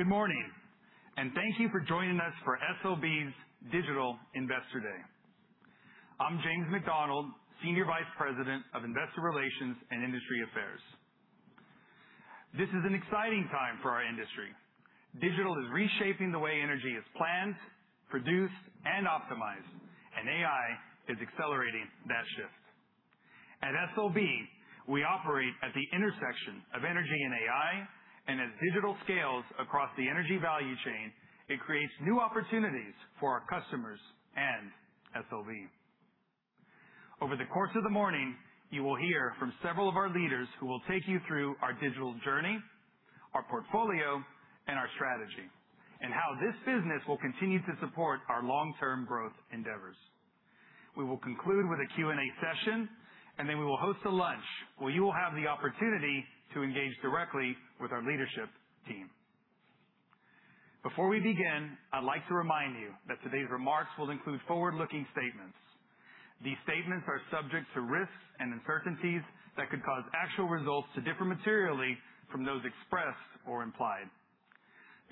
Good morning, thank you for joining us for SLB's Digital Investor Day. I'm James McDonald, Senior Vice President of Investor Relations and Industry Affairs. This is an exciting time for our industry. Digital is reshaping the way energy is planned, produced, and optimized, and AI is accelerating that shift. At SLB, we operate at the intersection of energy and AI, and as digital scales across the energy value chain, it creates new opportunities for our customers and SLB. Over the course of the morning, you will hear from several of our leaders who will take you through our digital journey, our portfolio, and our strategy, and how this business will continue to support our long-term growth endeavors. We will conclude with a Q&A session, then we will host a lunch, where you will have the opportunity to engage directly with our leadership team. Before we begin, I'd like to remind you that today's remarks will include forward-looking statements. These statements are subject to risks and uncertainties that could cause actual results to differ materially from those expressed or implied.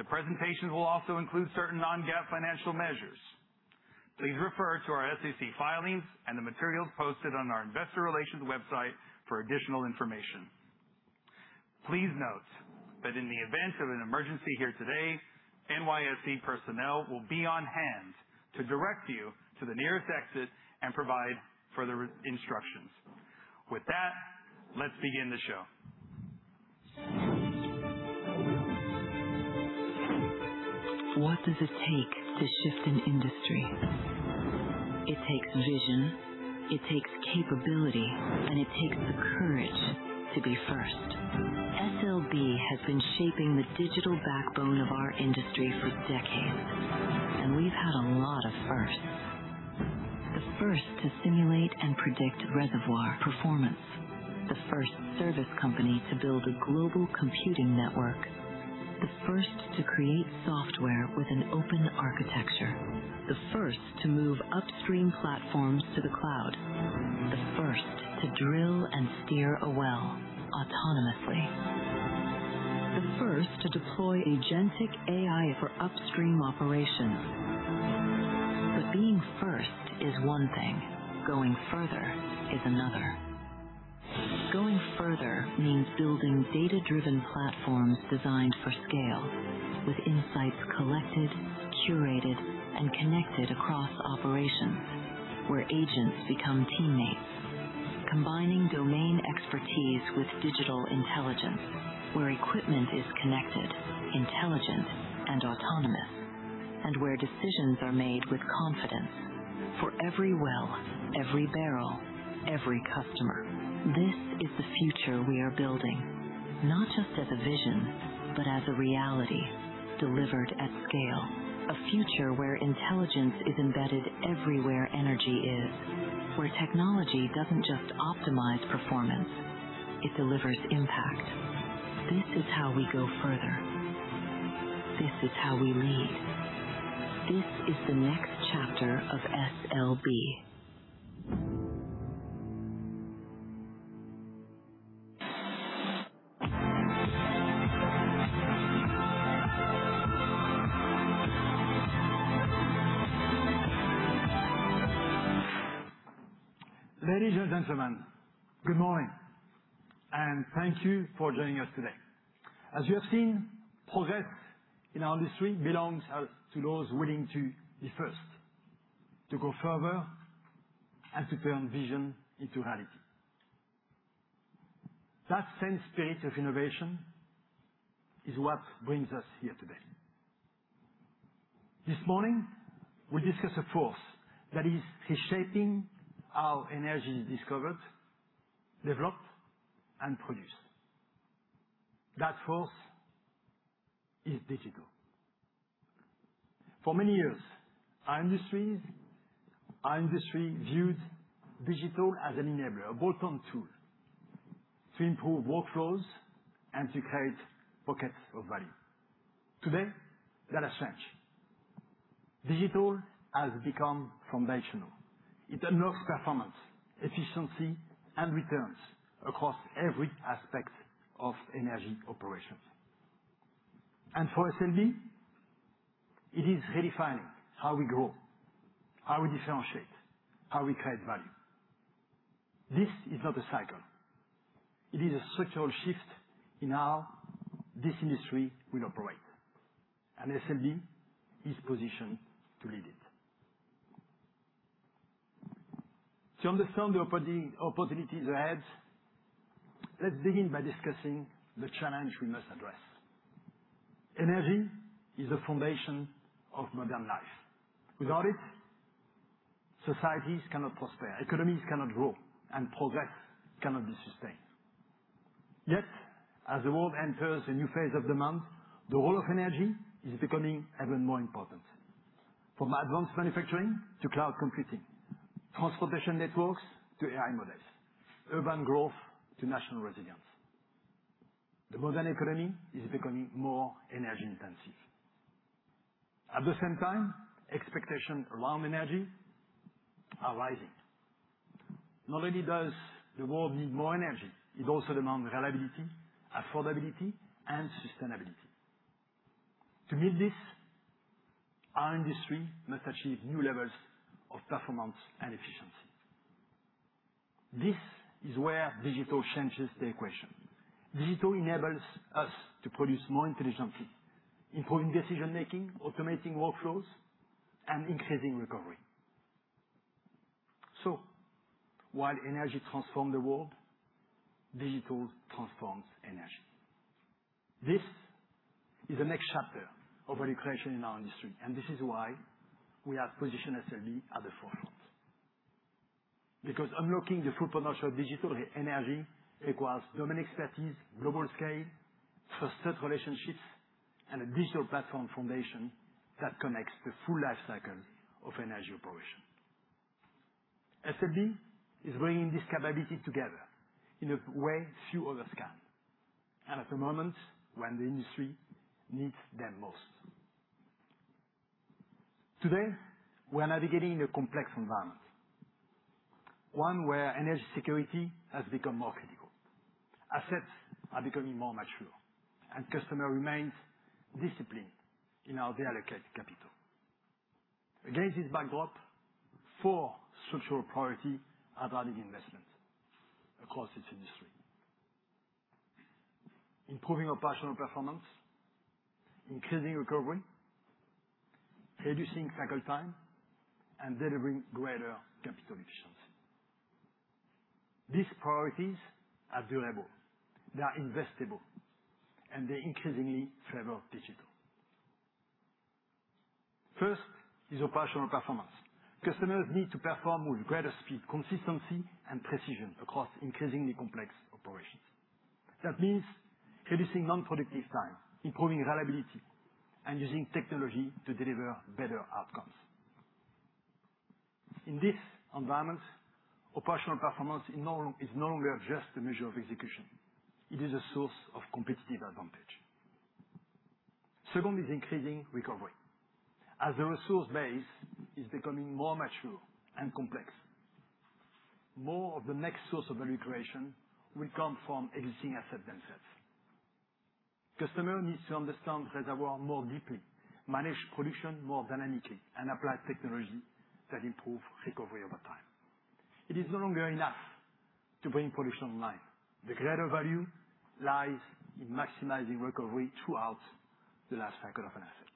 The presentations will also include certain non-GAAP financial measures. Please refer to our SEC filings and the materials posted on our investor relations website for additional information. Please note that in the event of an emergency here today, NYSE personnel will be on hand to direct you to the nearest exit and provide further instructions. Let's begin the show. What does it take to shift an industry? It takes vision, it takes capability, it takes the courage to be first. SLB has been shaping the digital backbone of our industry for decades, we've had a lot of firsts. The first to simulate and predict reservoir performance. The first service company to build a global computing network. The first to create software with an open architecture. The first to move upstream platforms to the cloud. The first to drill and steer a well autonomously. The first to deploy agentic AI for upstream operations. Being first is one thing. Going further is another. Going further means building data-driven platforms designed for scale, with insights collected, curated, and connected across operations. Where agents become teammates. Combining domain expertise with digital intelligence. Where equipment is connected, intelligent, and autonomous, where decisions are made with confidence for every well, every barrel, every customer. This is the future we are building, not just as a vision, but as a reality delivered at scale. A future where intelligence is embedded everywhere energy is. Where technology doesn't just optimize performance, it delivers impact. This is how we go further. This is how we lead. This is the next chapter of SLB. Ladies and gentlemen, good morning, and thank you for joining us today. As you have seen, progress in our industry belongs out to those willing to be first, to go further, and to turn vision into reality. That same spirit of innovation is what brings us here today. This morning, we discuss a force that is reshaping how energy is discovered, developed, and produced. That force is digital. For many years, our industry viewed digital as an enabler, a bolt-on tool to improve workflows and to create pockets of value. Today, that has changed. Digital has become foundational. It unlocks performance, efficiency, and returns across every aspect of energy operations. For SLB, it is redefining how we grow, how we differentiate, how we create value. This is not a cycle. It is a structural shift in how this industry will operate. SLB is positioned to lead it. To understand the opportunities ahead, let's begin by discussing the challenge we must address. Energy is the foundation of modern life. Without it, societies cannot prosper, economies cannot grow, and progress cannot be sustained. Yet, as the world enters a new phase of demand, the role of energy is becoming even more important. From advanced manufacturing to cloud computing, transportation networks to AI models, urban growth to national resilience, the modern economy is becoming more energy-intensive. At the same time, expectation around energy are rising. Not only does the world need more energy, it also demands reliability, affordability, and sustainability. To meet this, our industry must achieve new levels of performance and efficiency. This is where digital changes the equation. Digital enables us to produce more intelligently, improving decision-making, automating workflows, and increasing recovery. While energy transformed the world, digital transforms energy. This is the next chapter of value creation in our industry. This is why we have positioned SLB at the forefront. Unlocking the full potential of digital energy requires domain expertise, global scale, trusted relationships, and a digital platform foundation that connects the full life cycle of energy operation. SLB is bringing this capability together in a way few others can. At the moment when the industry needs them most. Today, we're navigating a complex environment, one where energy security has become more critical. Assets are becoming more mature. Customer remains disciplined in how they allocate capital. Against this backdrop, four structural priorities are driving investment across this industry. Improving operational performance, increasing recovery, reducing cycle time, and delivering greater capital efficiency. These priorities are durable, they are investable, and they increasingly favor digital. First is operational performance. Customers need to perform with greater speed, consistency, and precision across increasingly complex operations. That means reducing non-productive time, improving reliability, and using technology to deliver better outcomes. In this environment, operational performance is no longer just a measure of execution. It is a source of competitive advantage. Second is increasing recovery. As the resource base is becoming more mature and complex, more of the next source of value creation will come from existing assets themselves. Customer needs to understand reservoir more deeply, manage production more dynamically, and apply technology that improve recovery over time. It is no longer enough to bring production online. The greater value lies in maximizing recovery throughout the life cycle of an asset.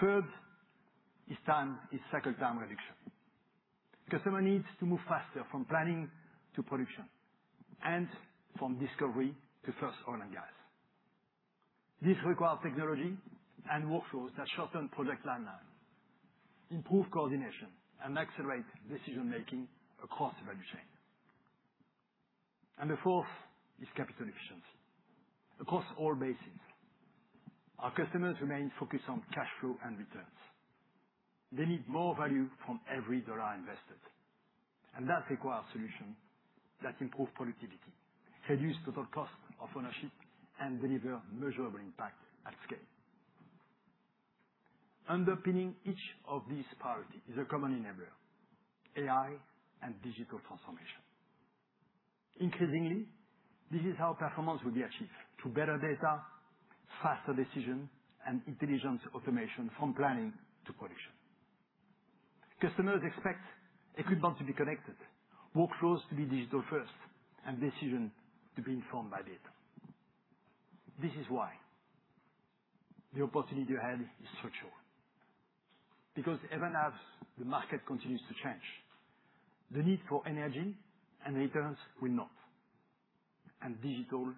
Third is cycle time reduction. Customer needs to move faster from planning to production. From discovery to first oil and gas. This requires technology and workflows that shorten project timelines, improve coordination, and accelerate decision-making across the value chain. The fourth is capital efficiency. Across all basins, our customers remain focused on cash flow and returns. They need more value from every dollar invested, and that requires solutions that improve productivity, reduce total cost of ownership, and deliver measurable impact at scale. Underpinning each of these priorities is a common enabler, AI and digital transformation. Increasingly, this is how performance will be achieved through better data, faster decision, and intelligent automation from planning to production. Customers expect equipment to be connected, workflows to be digital first, and decision to be informed by data. This is why the opportunity ahead is structural. Because even as the market continues to change, the need for energy and returns will not. Digital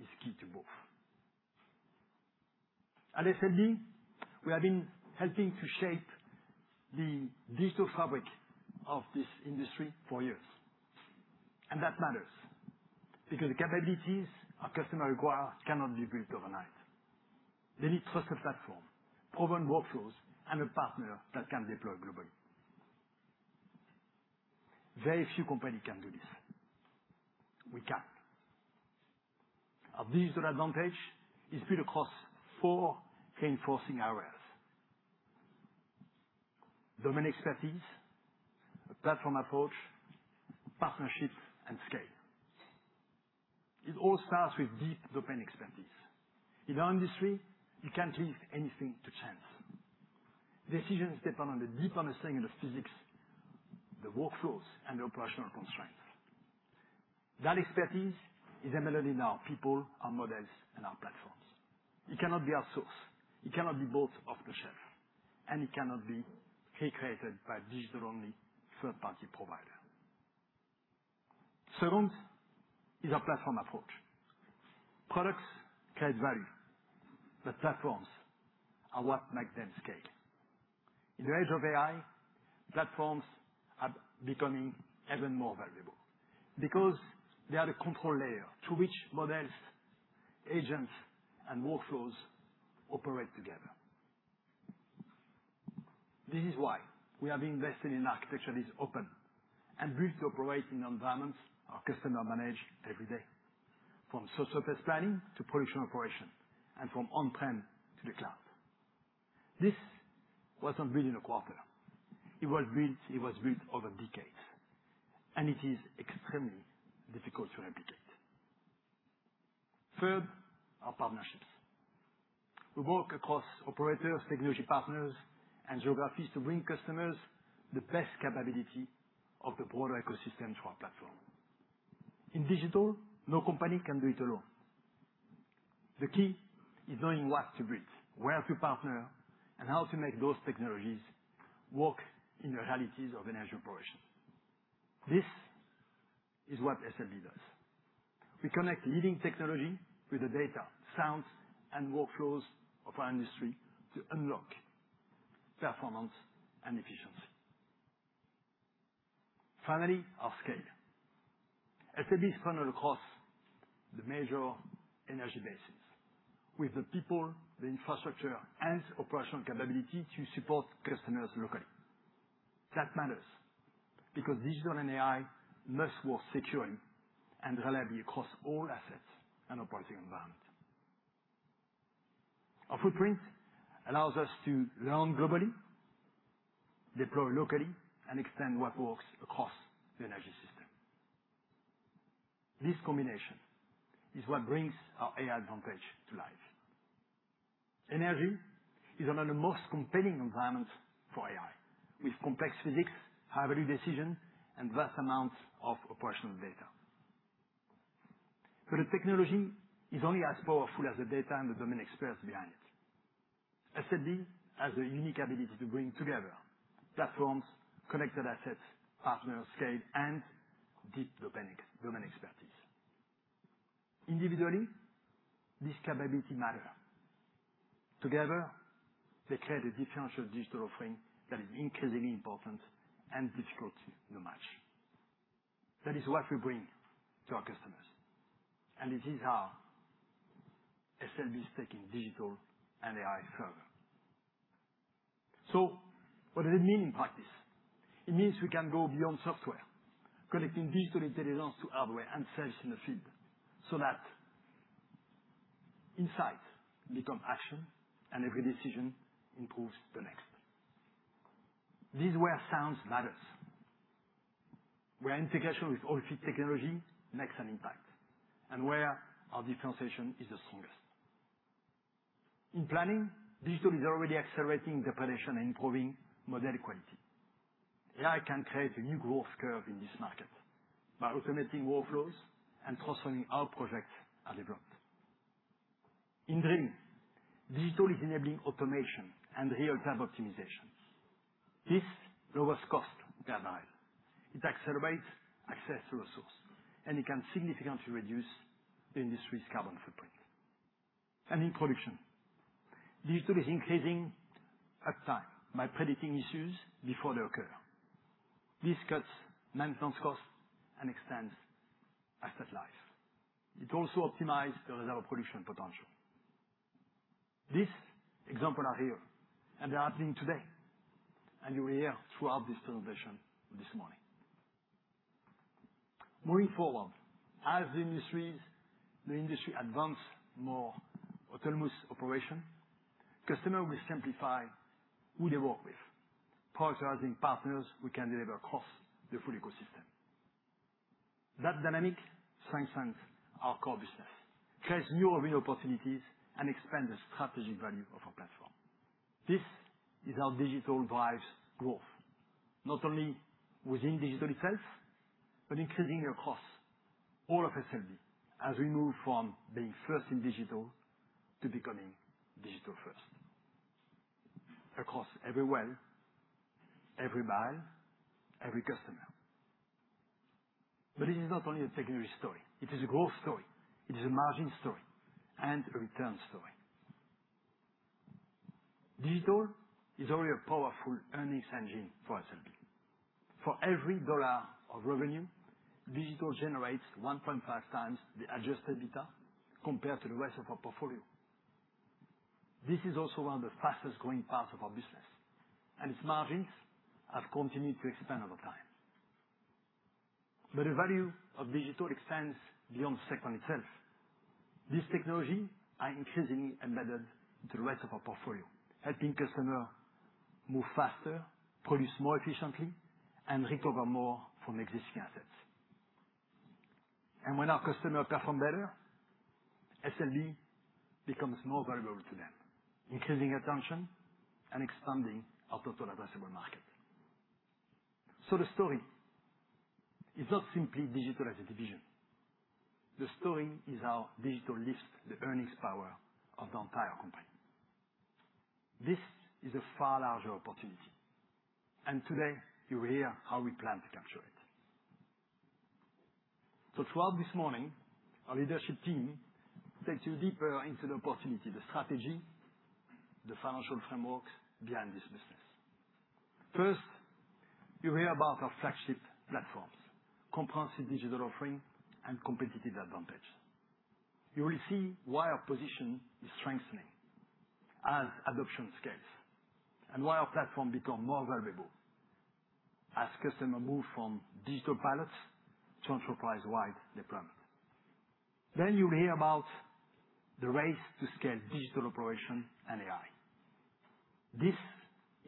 is key to both. At SLB, we have been helping to shape the digital fabric of this industry for years. That matters because the capabilities our customer requires cannot be built overnight. They need trusted platform, proven workflows, and a partner that can deploy globally. Very few company can do this. We can. Our digital advantage is built across four reinforcing areas. Domain expertise, a platform approach, partnerships, and scale. It all starts with deep domain expertise. In our industry, you can't leave anything to chance. Decisions depend on a deep understanding of physics, the workflows, and the operational constraints. That expertise is embedded in our people, our models, and our platforms. It cannot be outsourced. It cannot be bought off the shelf, and it cannot be recreated by digital-only third-party provider. Second is our platform approach. Products create value, but platforms are what make them scale. In the age of AI, platforms are becoming even more valuable because they are the control layer through which models, agents, and workflows operate together. This is why we have invested in architecture that is open and built to operate in environments our customer manage every day, from subsurface test planning to production operation, and from on-prem to the cloud. This wasn't built in a quarter. It was built over decades, and it is extremely difficult to replicate. Third, our partnerships. We work across operators, technology partners, and geographies to bring customers the best capability of the broader ecosystem to our platform. In digital, no company can do it alone. The key is knowing what to build, where to partner, and how to make those technologies work in the realities of an energy operation. This is what SLB does. We connect leading technology with the data, science, and workflows of our industry to unlock performance and efficiency. Finally, our scale. SLB is funded across the major energy basins with the people, the infrastructure, and operational capability to support customers locally. That matters because digital and AI must work securely and reliably across all assets and operating environment. Our footprint allows us to learn globally, deploy locally, and extend what works across the energy system. This combination is what brings our AI advantage to life. Energy is among the most compelling environments for AI, with complex physics, high-value decision, and vast amounts of operational data. The technology is only as powerful as the data and the domain experts behind it. SLB has a unique ability to bring together platforms, connected assets, partner scale, and deep domain expertise. Individually, this capability matter. Together, they create a differential digital offering that is increasingly important and difficult to match. That is what we bring to our customers, and it is how SLB is taking digital and AI further. What does it mean in practice? It means we can go beyond software, collecting digital intelligence to hardware and sensors in the field so that insight become action and every decision improves the next. This is where science matters, where integration with all key technology makes an impact, and where our differentiation is the strongest. In planning, digital is already accelerating the prediction and improving model quality. AI can create a new growth curve in this market by automating workflows and personalizing our projects as they grow. In drilling, digital is enabling automation and real-time optimization. This lowers cost per mile. It accelerates access to resource, and it can significantly reduce the industry's carbon footprint. In production, digital is increasing uptime by predicting issues before they occur. This cuts maintenance costs and extends asset life. It also optimize the reservoir production potential. These example are here, and they are happening today, and you will hear throughout this presentation this morning. Moving forward, as the industry advance more autonomous operation, customer will simplify who they work with, prioritizing partners who can deliver across the full ecosystem. That dynamic strengthens our core business, creates new revenue opportunities, and expand the strategic value of our platform. This is how digital drives growth, not only within digital itself, but increasingly across all of SLB as we move from being first in digital to becoming digital first. Across every well, every mile, every customer. This is not only a secondary story. It is a growth story. It is a margin story and a return story. Digital is already a powerful earnings engine for SLB. For every $1 of revenue, digital generates 1.5x the adjusted EBITDA compared to the rest of our portfolio. This is also one of the fastest-growing parts of our business, and its margins have continued to expand over time. The value of digital extends beyond the segment itself. This technology are increasingly embedded in the rest of our portfolio, helping customer move faster, produce more efficiently, and recover more from existing assets. When our customer perform better, SLB becomes more valuable to them, increasing retention and expanding our total addressable market. The story is not simply digital as a division. The story is how digital lifts the earnings power of the entire company. This is a far larger opportunity, and today you will hear how we plan to capture it. Throughout this morning, our leadership team takes you deeper into the opportunity, the strategy, the financial frameworks behind this business. First, you hear about our flagship platforms, comprehensive digital offering and competitive advantage. You will see why our position is strengthening as adoption scales and why our platform becomes more valuable as customers move from digital pilots to enterprise-wide deployment. You'll hear about the race to scale digital operation and AI. This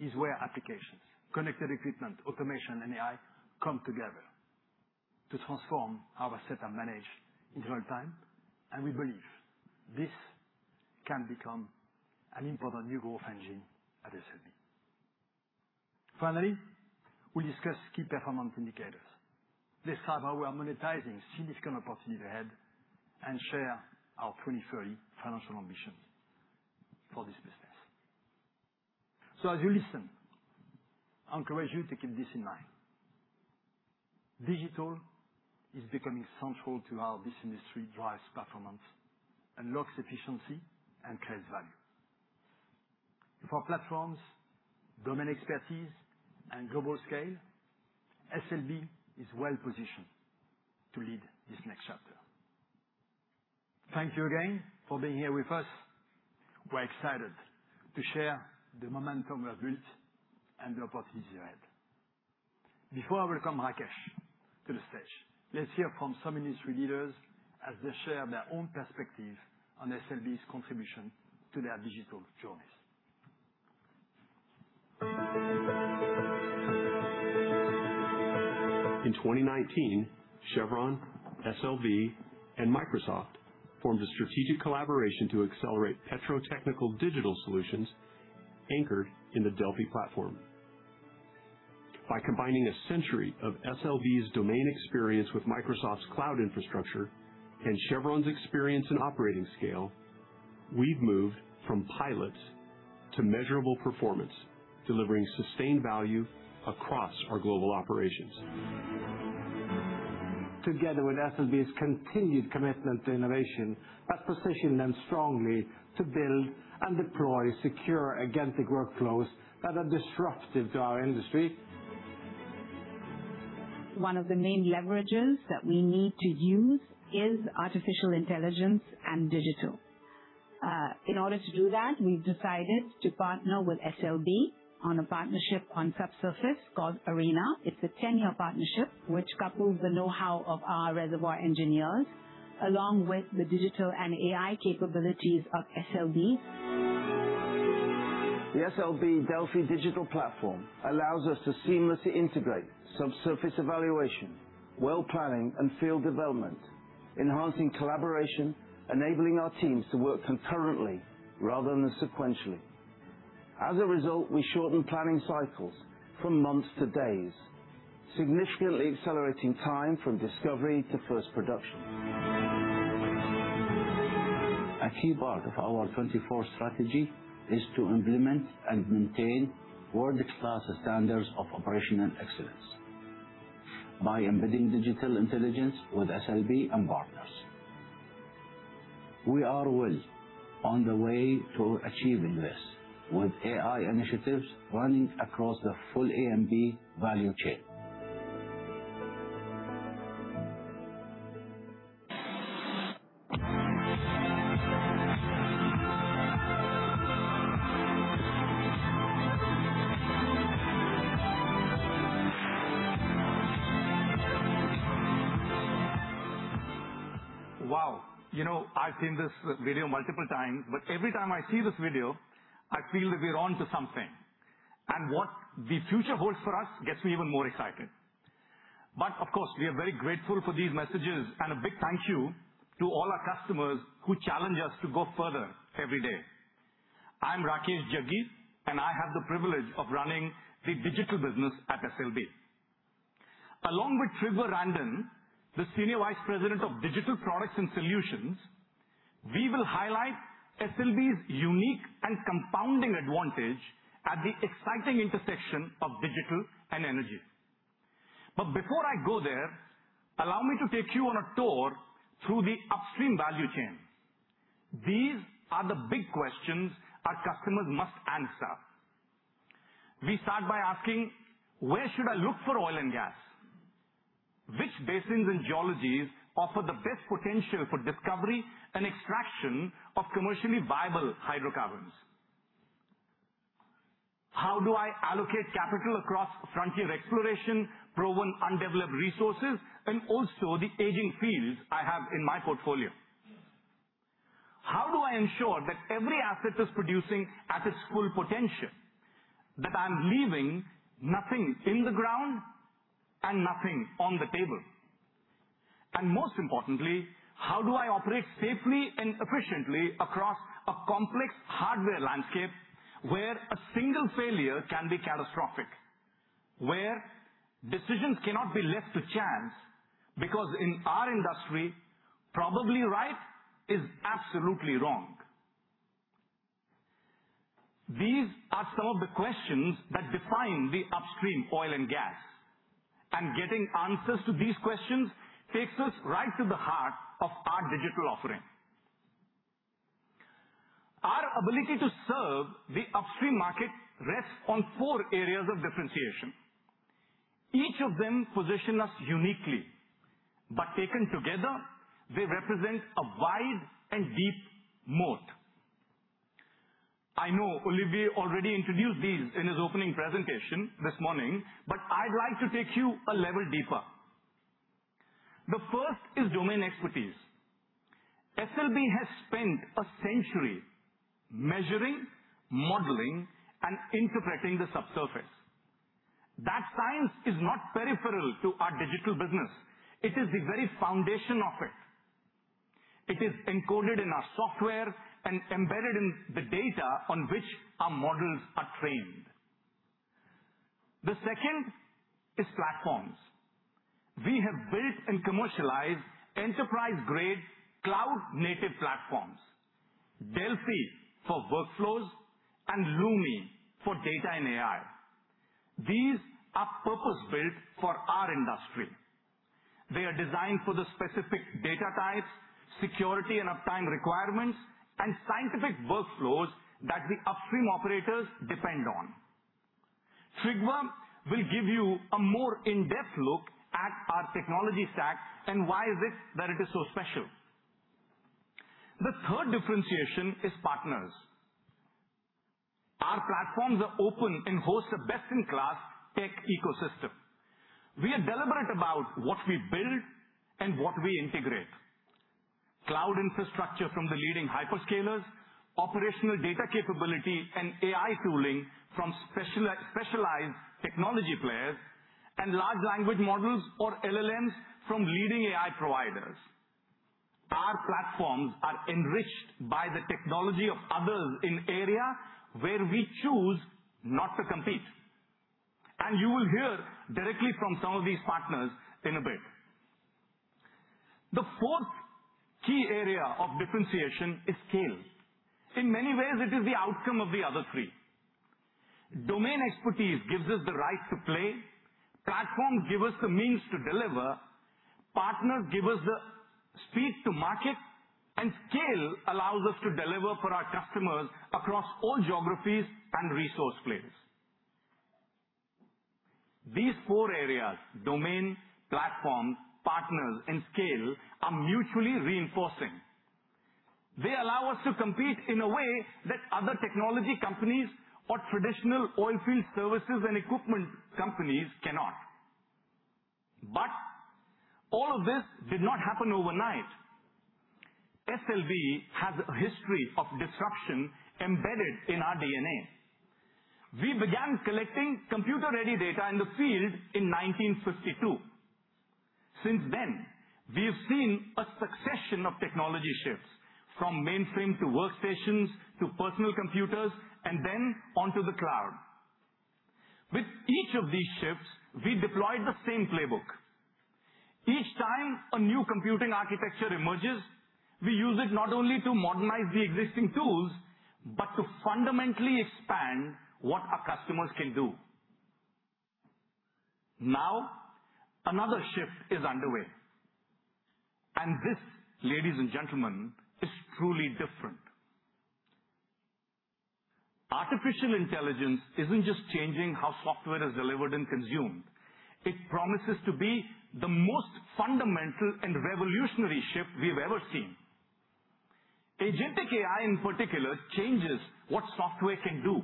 is where applications, connected equipment, automation, and AI come together to transform how we sense and manage in real time, and we believe this can become an important new growth engine at SLB. Finally, we discuss key performance indicators. This time, how we are monetizing significant opportunities ahead and share our 2030 financial ambitions for this business. As you listen, I encourage you to keep this in mind. Digital is becoming central to how this industry drives performance, unlocks efficiency, and creates value. With our platforms, domain expertise, and global scale, SLB is well-positioned to lead this next chapter. Thank you again for being here with us. We're excited to share the momentum we have built and the opportunities ahead. Before I welcome Rakesh to the stage, let's hear from some industry leaders as they share their own perspective on SLB's contribution to their digital journeys. In 2019, Chevron, SLB, and Microsoft formed a strategic collaboration to accelerate petrotechnical digital solutions anchored in the Delfi platform. By combining a century of SLB's domain experience with Microsoft's cloud infrastructure and Chevron's experience and operating scale, we've moved from pilot to measurable performance, delivering sustained value across our global operations. Together with SLB's continued commitment to innovation, that's positioned them strongly to build and deploy secure, agentic workflows that are disruptive to our industry. One of the main leverages that we need to use is artificial intelligence and digital. In order to do that, we've decided to partner with SLB on a partnership on subsurface called Arena. It's a 10-year partnership which couples the know-how of our reservoir engineers, along with the digital and AI capabilities of SLB. The SLB Delfi digital platform allows us to seamlessly integrate subsurface evaluation, well planning, and field development, enhancing collaboration, enabling our teams to work concurrently rather than sequentially. As a result, we shorten planning cycles from months to days, significantly accelerating time from discovery to first production. A key part of our 2024 strategy is to implement and maintain world-class standards of operational excellence by embedding digital intelligence with SLB and partners. We are well on the way to achieving this with AI initiatives running across the full E&P value chain. Wow. I've seen this video multiple times, every time I see this video, I feel that we're onto something. What the future holds for us gets me even more excited. Of course, we are very grateful for these messages, and a big thank you to all our customers who challenge us to go further every day. I'm Rakesh Jaggi, and I have the privilege of running the digital business at SLB. Along with Trygve Randen, the Senior Vice President of Digital Products and Solutions, we will highlight SLB's unique and compounding advantage at the exciting intersection of digital and energy. Before I go there, allow me to take you on a tour through the upstream value chain. These are the big questions our customers must answer. We start by asking, "Where should I look for oil and gas? Which basins and geologies offer the best potential for discovery and extraction of commercially viable hydrocarbons? How do I allocate capital across frontier exploration, proven undeveloped resources, and also the aging fields I have in my portfolio? How do I ensure that every asset is producing at its full potential, that I'm leaving nothing in the ground and nothing on the table? Most importantly, how do I operate safely and efficiently across a complex hardware landscape where a single failure can be catastrophic, where decisions cannot be left to chance, because in our industry, probably right is absolutely wrong?" These are some of the questions that define the upstream oil and gas, getting answers to these questions takes us right to the heart of our digital offering. Our ability to serve the upstream market rests on four areas of differentiation. Each of them position us uniquely, but taken together, they represent a wide and deep moat. I know Olivier already introduced these in his opening presentation this morning, but I'd like to take you a level deeper. The first is domain expertise. SLB has spent a century measuring, modeling, and interpreting the subsurface. That science is not peripheral to our digital business. It is the very foundation of it. It is encoded in our software and embedded in the data on which our models are trained. The second is platforms. We have built and commercialized enterprise-grade cloud-native platforms, Delfi for workflows and Lumi for data and AI. These are purpose-built for our industry. They are designed for the specific data types, security and uptime requirements, and scientific workflows that the upstream operators depend on. Trygve will give you a more in-depth look at our technology stack and why is it that it is so special. The third differentiation is partners. Our platforms are open and host a best-in-class tech ecosystem. We are deliberate about what we build and what we integrate. Cloud infrastructure from the leading hyperscalers, operational data capability and AI tooling from specialized technology players, large language models or LLMs from leading AI providers. Our platforms are enriched by the technology of others in areas where we choose not to compete. You will hear directly from some of these partners in a bit. The fourth key area of differentiation is scale. In many ways, it is the outcome of the other three. Domain expertise gives us the right to play, platforms give us the means to deliver, partners give us the speed to market, scale allows us to deliver for our customers across all geographies and resource plays. These four areas, domain, platform, partners, and scale, are mutually reinforcing. They allow us to compete in a way that other technology companies or traditional oil field services and equipment companies cannot. All of this did not happen overnight. SLB has a history of disruption embedded in our DNA. We began collecting computer-ready data in the field in 1952. Since then, we have seen a succession of technology shifts from mainframe to workstations to personal computers, then onto the cloud. With each of these shifts, we deployed the same playbook. Each time a new computing architecture emerges, we use it not only to modernize the existing tools, but to fundamentally expand what our customers can do. Another shift is underway, this, ladies and gentlemen, is truly different. Artificial intelligence isn't just changing how software is delivered and consumed. It promises to be the most fundamental and revolutionary shift we've ever seen. agentic AI, in particular, changes what software can do.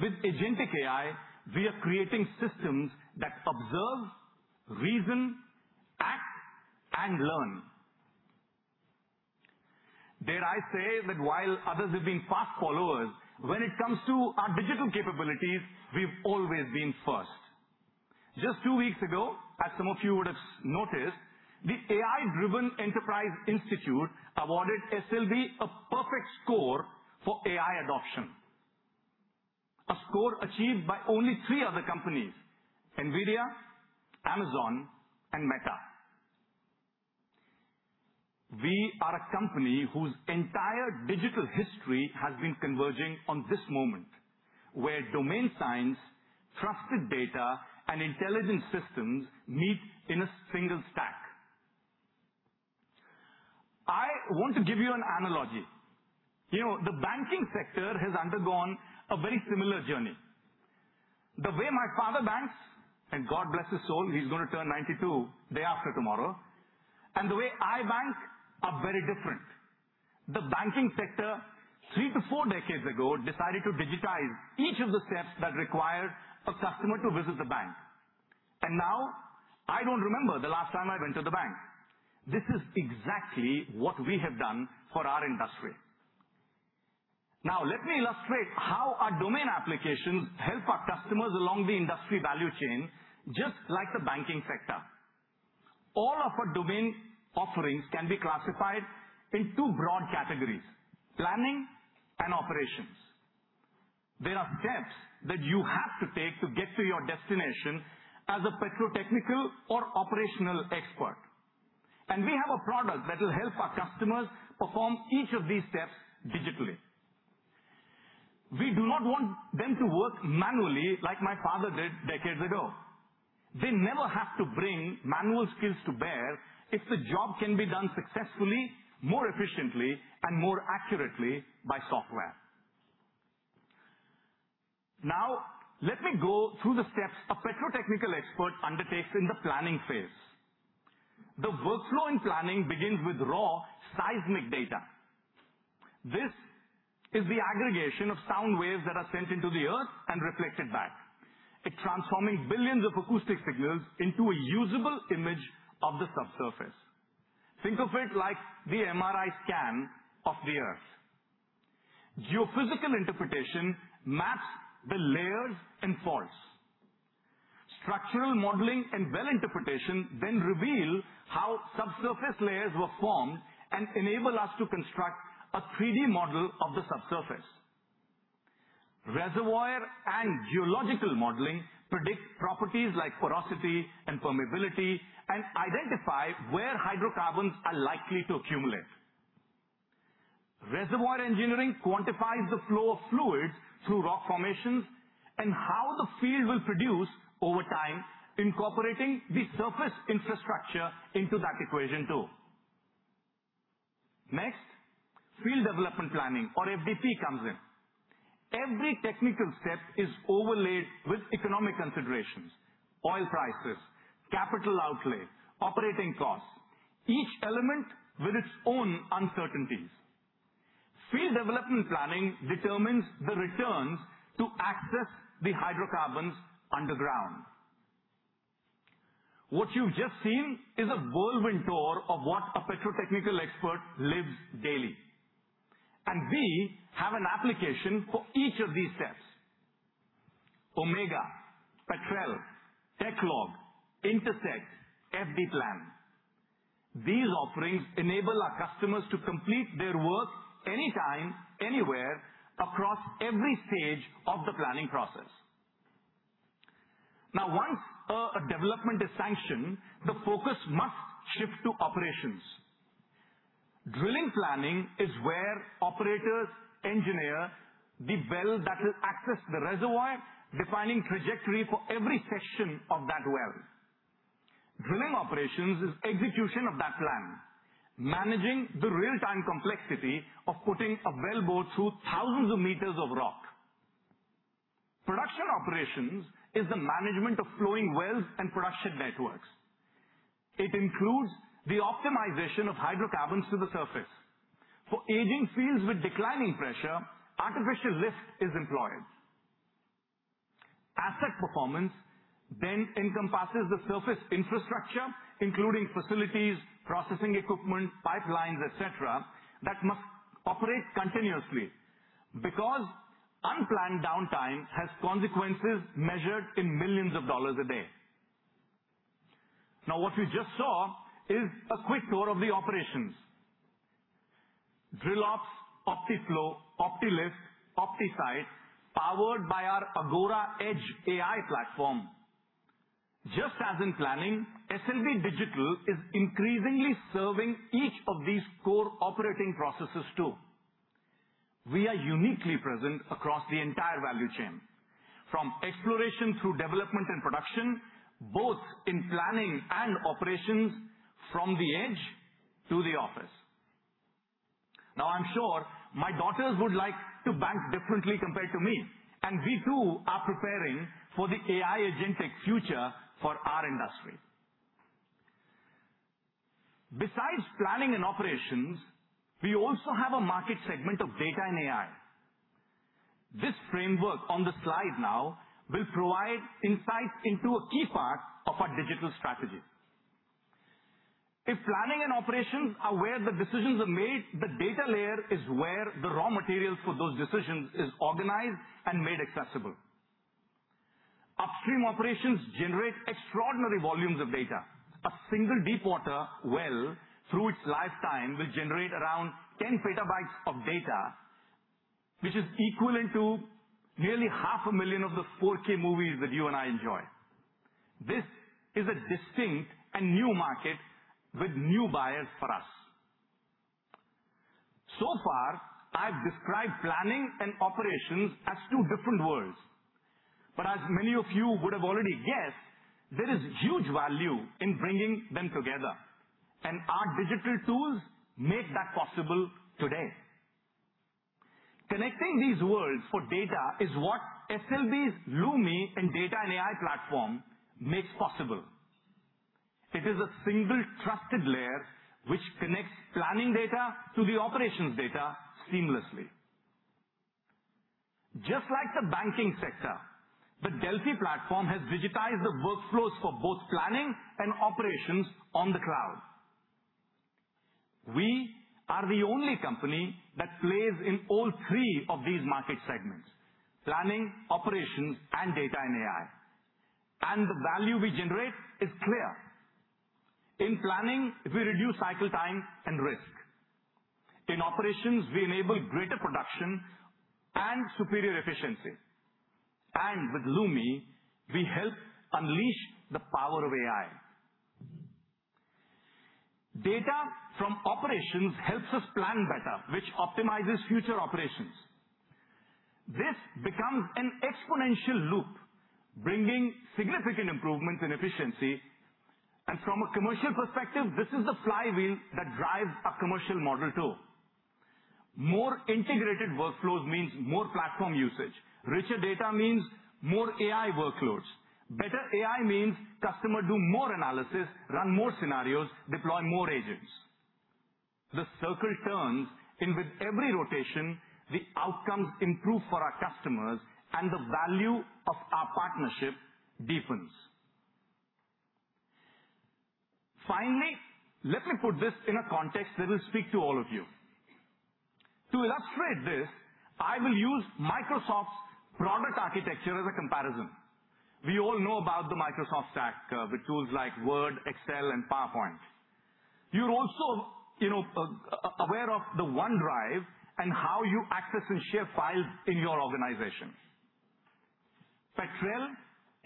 With agentic AI, we are creating systems that observe, reason, act, and learn. Dare I say that while others have been fast followers, when it comes to our digital capabilities, we've always been first. Just two weeks ago, as some of you would have noticed, the AI-Driven Enterprise Institute awarded SLB a perfect score for AI adoption. A score achieved by only three other companies, NVIDIA, Amazon, and Meta. We are a company whose entire digital history has been converging on this moment, where domain science, trusted data, and intelligent systems meet in a single stack. I want to give you an analogy. The banking sector has undergone a very similar journey. The way my father banks, and God bless his soul, he's going to turn 92 day after tomorrow, and the way I bank are very different. The banking sector, three to four decades ago, decided to digitize each of the steps that required a customer to visit the bank. I don't remember the last time I went to the bank. This is exactly what we have done for our industry. Let me illustrate how our domain applications help our customers along the industry value chain, just like the banking sector. All of our domain offerings can be classified in two broad categories: planning and operations. There are steps that you have to take to get to your destination as a petrotechnical or operational expert. We have a product that will help our customers perform each of these steps digitally. We do not want them to work manually like my father did decades ago. They never have to bring manual skills to bear if the job can be done successfully, more efficiently, and more accurately by software. Let me go through the steps a petrotechnical expert undertakes in the planning phase. The workflow in planning begins with raw seismic data. This is the aggregation of sound waves that are sent into the Earth and reflected back. It's transforming billions of acoustic signals into a usable image of the subsurface. Think of it like the MRI scan of the Earth. Geophysical interpretation maps the layers and faults. Structural modeling and well interpretation then reveal how subsurface layers were formed and enable us to construct a 3D model of the subsurface. Reservoir and geological modeling predict properties like porosity and permeability and identify where hydrocarbons are likely to accumulate. Reservoir engineering quantifies the flow of fluids through rock formations and how the field will produce over time, incorporating the surface infrastructure into that equation, too. Next, field development planning or FDP comes in. Every technical step is overlaid with economic considerations, oil prices, capital outlay, operating costs, each element with its own uncertainties. Field development planning determines the returns to access the hydrocarbons underground. What you've just seen is a whirlwind tour of what a petrotechnical expert lives daily. We have an application for each of these steps. Omega, Petrel, Techlog, Intersect, FD Plan. These offerings enable our customers to complete their work anytime, anywhere, across every stage of the planning process. Once a development is sanctioned, the focus must shift to operations. Drilling planning is where operators engineer the well that will access the reservoir, defining trajectory for every section of that well. Drilling operations is execution of that plan, managing the real-time complexity of putting a wellbore through thousands of meters of rock. Production operations is the management of flowing wells and production networks. It includes the optimization of hydrocarbons to the surface. For aging fields with declining pressure, artificial lift is employed. Asset performance then encompasses the surface infrastructure, including facilities, processing equipment, pipelines, et cetera, that must operate continuously because unplanned downtime has consequences measured in millions of dollars a day. What we just saw is a quick tour of the operations. DrillOps, OptiFlow, OptiLift, OptiSite, powered by our Agora edge AI platform. Just as in planning, SLB Digital is increasingly serving each of these core operating processes, too. We are uniquely present across the entire value chain, from exploration through development and production, both in planning and operations from the edge to the office. I'm sure my daughters would like to bank differently compared to me, and we too are preparing for the agentic AI future for our industry. Besides planning and operations, we also have a market segment of data and AI. This framework on the slide now will provide insights into a key part of our digital strategy. If planning and operations are where the decisions are made, the data layer is where the raw materials for those decisions is organized and made accessible. Upstream operations generate extraordinary volumes of data. A single deep water well through its lifetime will generate around 10 petabytes of data, which is equivalent to nearly half a million of the 4K movies that you and I enjoy. This is a distinct and new market with new buyers for us. I've described planning and operations as two different worlds. As many of you would have already guessed, there is huge value in bringing them together, our digital tools make that possible today. Connecting these worlds for data is what SLB's Lumi and data and AI platform makes possible. It is a single trusted layer which connects planning data to the operations data seamlessly. Just like the banking sector, the Delfi platform has digitized the workflows for both planning and operations on the cloud. We are the only company that plays in all three of these market segments, planning, operations, and data and AI. The value we generate is clear. In planning, we reduce cycle time and risk. In operations, we enable greater production and superior efficiency. With Lumi, we help unleash the power of AI. Data from operations helps us plan better, which optimizes future operations. This becomes an exponential loop, bringing significant improvements in efficiency. From a commercial perspective, this is the flywheel that drives our commercial model too. More integrated workflows means more platform usage. Richer data means more AI workloads. Better AI means customers do more analysis, run more scenarios, deploy more agents. The circle turns, and with every rotation, the outcomes improve for our customers, and the value of our partnership deepens. Finally, let me put this in a context that will speak to all of you. To illustrate this, I will use Microsoft's product architecture as a comparison. We all know about the Microsoft stack, with tools like Word, Excel, and PowerPoint. You're also aware of the OneDrive and how you access and share files in your organization. Petrel,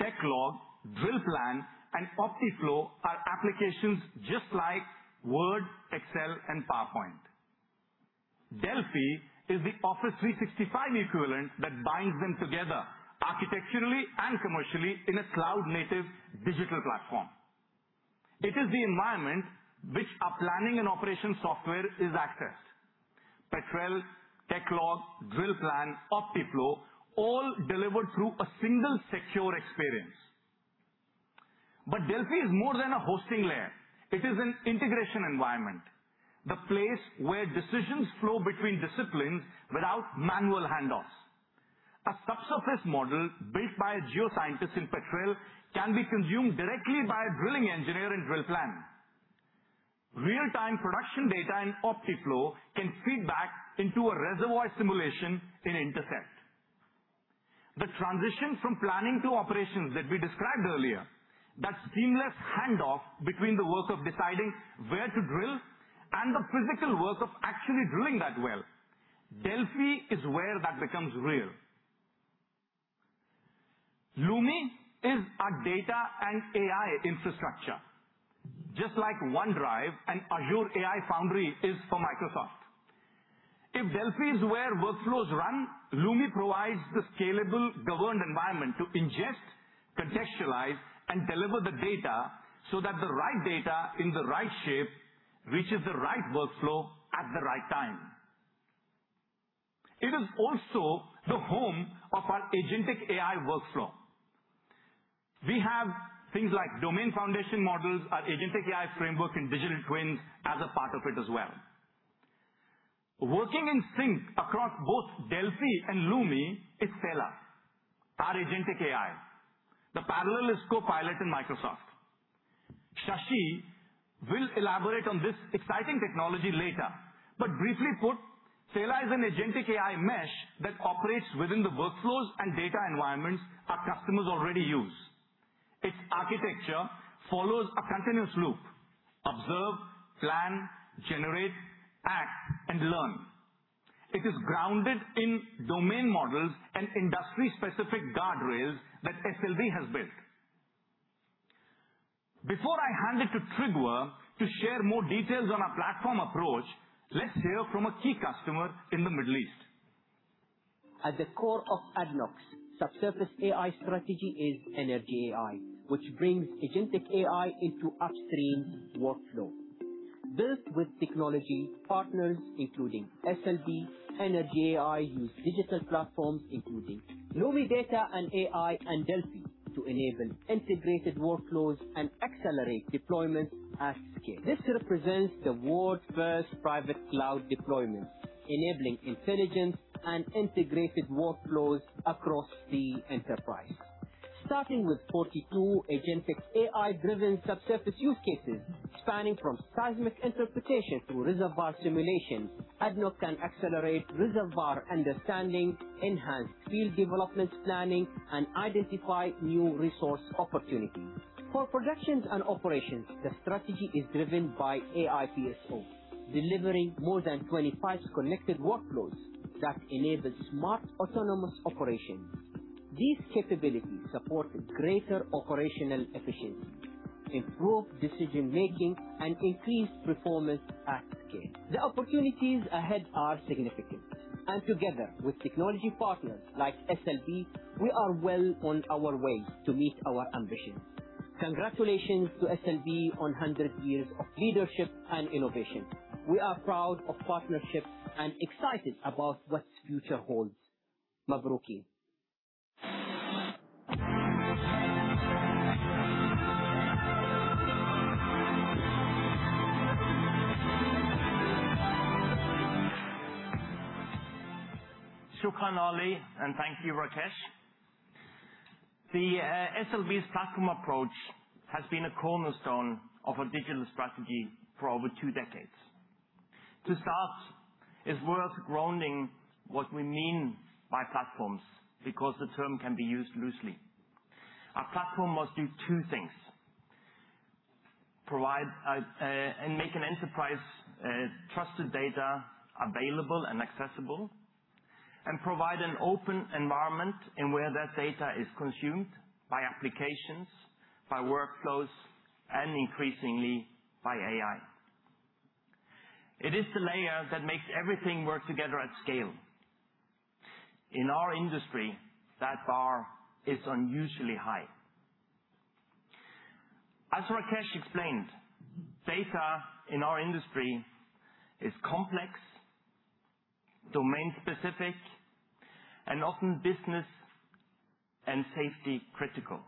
Techlog, DrillPlan, and OptiFlow are applications just like Word, Excel, and PowerPoint. Delfi is the Office 365 equivalent that binds them together architecturally and commercially in a cloud-native digital platform. It is the environment which our planning and operation software is accessed. Petrel, Techlog, DrillPlan, OptiFlow, all delivered through a single secure experience. Delfi is more than a hosting layer. It is an integration environment, the place where decisions flow between disciplines without manual handoffs. A subsurface model built by a geoscientist in Petrel can be consumed directly by a drilling engineer in DrillPlan. Real-time production data in OptiFlow can feed back into a reservoir simulation in Intersect. The transition from planning to operations that we described earlier, that seamless handoff between the work of deciding where to drill and the physical work of actually drilling that well, Delfi is where that becomes real. Lumi is our data and AI infrastructure, just like OneDrive and Azure AI Foundry is for Microsoft. If Delfi is where workflows run, Lumi provides the scalable, governed environment to ingest, contextualize, and deliver the data so that the right data in the right shape reaches the right workflow at the right time. It is also the home of our agentic AI workflow. We have things like domain foundation models, our agentic AI framework, and digital twins as a part of it as well. Working in sync across both Delfi and Lumi is Tela, our agentic AI, the parallel is Copilot in Microsoft. Shashi will elaborate on this exciting technology later. Briefly put, Tela is an agentic AI mesh that operates within the workflows and data environments our customers already use. Its architecture follows a continuous loop: observe, plan, generate, act, and learn. It is grounded in domain models and industry-specific guardrails that SLB has built. Before I hand it to Trygve to share more details on our platform approach, let's hear from a key customer in the Middle East. At the core of ADNOC's subsurface AI strategy is ENERGYai, which brings agentic AI into upstream workflow. Built with technology partners, including SLB, ENERGYai uses digital platforms, including Lumi and Delfi to enable integrated workflows and accelerate deployment at scale. This represents the world's first private cloud deployment, enabling intelligence and integrated workflows across the enterprise. Starting with 42 agentic AI-driven subsurface use cases, spanning from seismic interpretation to reservoir simulation, ADNOC can accelerate reservoir understanding, enhance field development planning, and identify new resource opportunities. For productions and operations, the strategy is driven by AI PSO, delivering more than 25 connected workflows that enable smart, autonomous operations. These capabilities support greater operational efficiency, improved decision-making, and increased performance at scale. The opportunities ahead are significant, and together with technology partners like SLB, we are well on our way to meet our ambitions. Congratulations to SLB on 100 years of leadership and innovation. We are proud of our partnership and excited about what the future holds. Shukran, Ali, and thank you, Rakesh. The SLB's platform approach has been a cornerstone of our digital strategy for over two decades. To start, it's worth grounding what we mean by platforms because the term can be used loosely. Our platform must do two things, provide and make an enterprise trusted data available and accessible And provide an open environment in where that data is consumed by applications, by workflows, and increasingly, by AI. It is the layer that makes everything work together at scale. In our industry, that bar is unusually high. As Rakesh explained, data in our industry is complex, domain-specific, and often business and safety-critical.